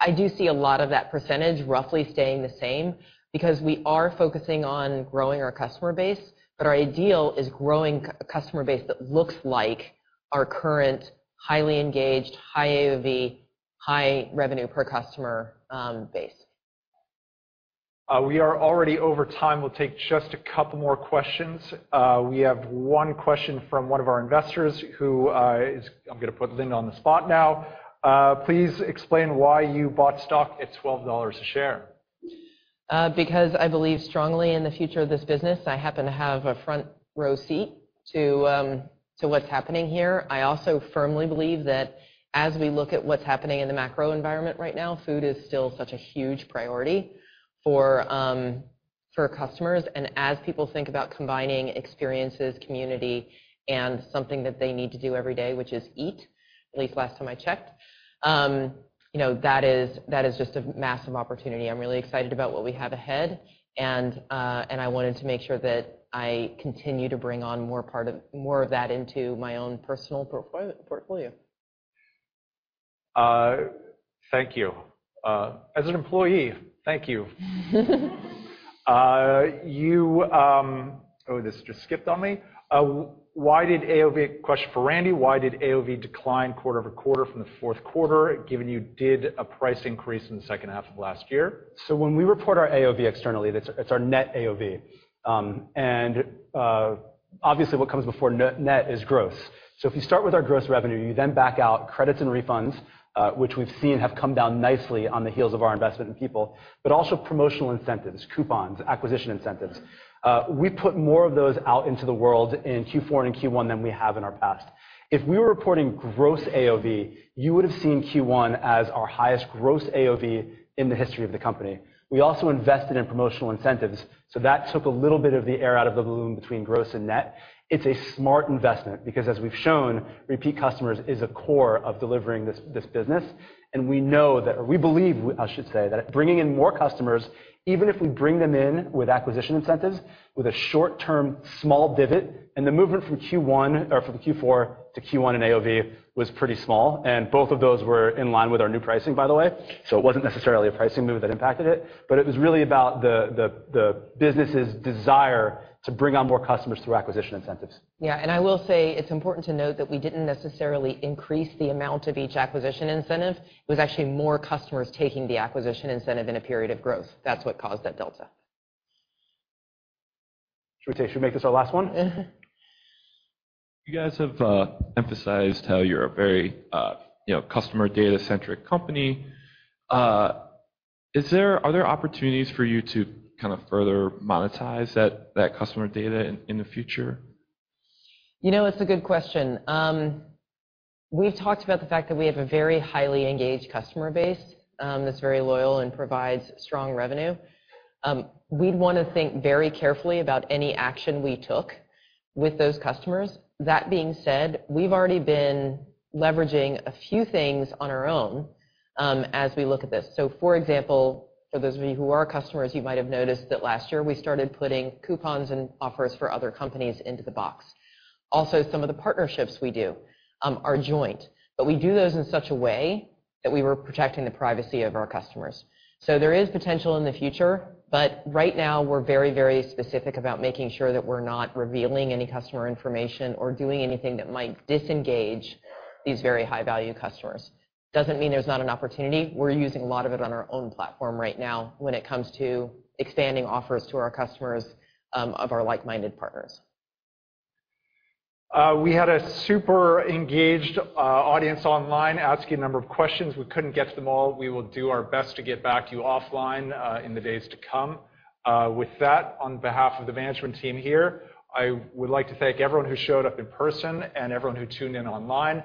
I do see a lot of that percentage roughly staying the same because we are focusing on growing our customer base, but our ideal is growing customer base that looks like our current highly engaged, high AOV, high revenue per customer base. We are already over time. We'll take just a couple more questions. We have one question from one of our investors who is. I'm gonna put Linda on the spot now. Please explain why you bought stock at $12 a share. Because I believe strongly in the future of this business. I happen to have a front row seat to what's happening here. I also firmly believe that as we look at what's happening in the macro environment right now, food is still such a huge priority for customers. As people think about combining experiences, community, and something that they need to do every day, which is eat, at least last time I checked, you know, that is just a massive opportunity. I'm really excited about what we have ahead, and I wanted to make sure that I continue to bring on more of that into my own personal portfolio. Thank you. As an employee, thank you. This just skipped on me. Question for Randy. Why did AOV decline quarter-over-quarter from the 4th quarter, given you did a price increase in the second half of last year? When we report our AOV externally, that's, it's our net AOV. Obviously, what comes before net is gross. If you start with our gross revenue, you then back out credits and refunds, which we've seen have come down nicely on the heels of our investment in people, but also promotional incentives, coupons, acquisition incentives. We put more of those out into the world in Q4 and in Q1 than we have in our past. If we were reporting gross AOV, you would've seen Q1 as our highest gross AOV in the history of the company. We also invested in promotional incentives, so that took a little bit of the air out of the balloon between gross and net. It's a smart investment because as we've shown, repeat customers is a core of delivering this business, and we know that. We believe, I should say, that bringing in more customers, even if we bring them in with acquisition incentives, with a short-term small divot, and the movement from Q1 or from Q4 to Q1 in AOV was pretty small, and both of those were in line with our new pricing, by the way. It wasn't necessarily a pricing move that impacted it, but it was really about the business's desire to bring on more customers through acquisition incentives. Yeah. I will say it's important to note that we didn't necessarily increase the amount of each acquisition incentive. It was actually more customers taking the acquisition incentive in a period of growth. That's what caused that delta. Should we make this our last one? You guys have emphasized how you're a very, you know, customer data-centric company. Are there opportunities for you to kind of further monetize that customer data in the future? You know, it's a good question. We've talked about the fact that we have a very highly engaged customer base, that's very loyal and provides strong revenue. We'd wanna think very carefully about any action we took with those customers. That being said, we've already been leveraging a few things on our own, as we look at this. For example, for those of you who are customers, you might have noticed that last year we started putting coupons and offers for other companies into the box. Also, some of the partnerships we do, are joint, but we do those in such a way that we were protecting the privacy of our customers. There is potential in the future, but right now, we're very, very specific about making sure that we're not revealing any customer information or doing anything that might disengage these very high-value customers. Doesn't mean there's not an opportunity. We're using a lot of it on our own platform right now when it comes to expanding offers to our customers, of our like-minded partners. We had a super engaged audience online asking a number of questions. We couldn't get to them all. We will do our best to get back to you offline in the days to come. With that, on behalf of the management team here, I would like to thank everyone who showed up in person and everyone who tuned in online.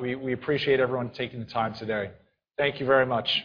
We appreciate everyone taking the time today. Thank you very much.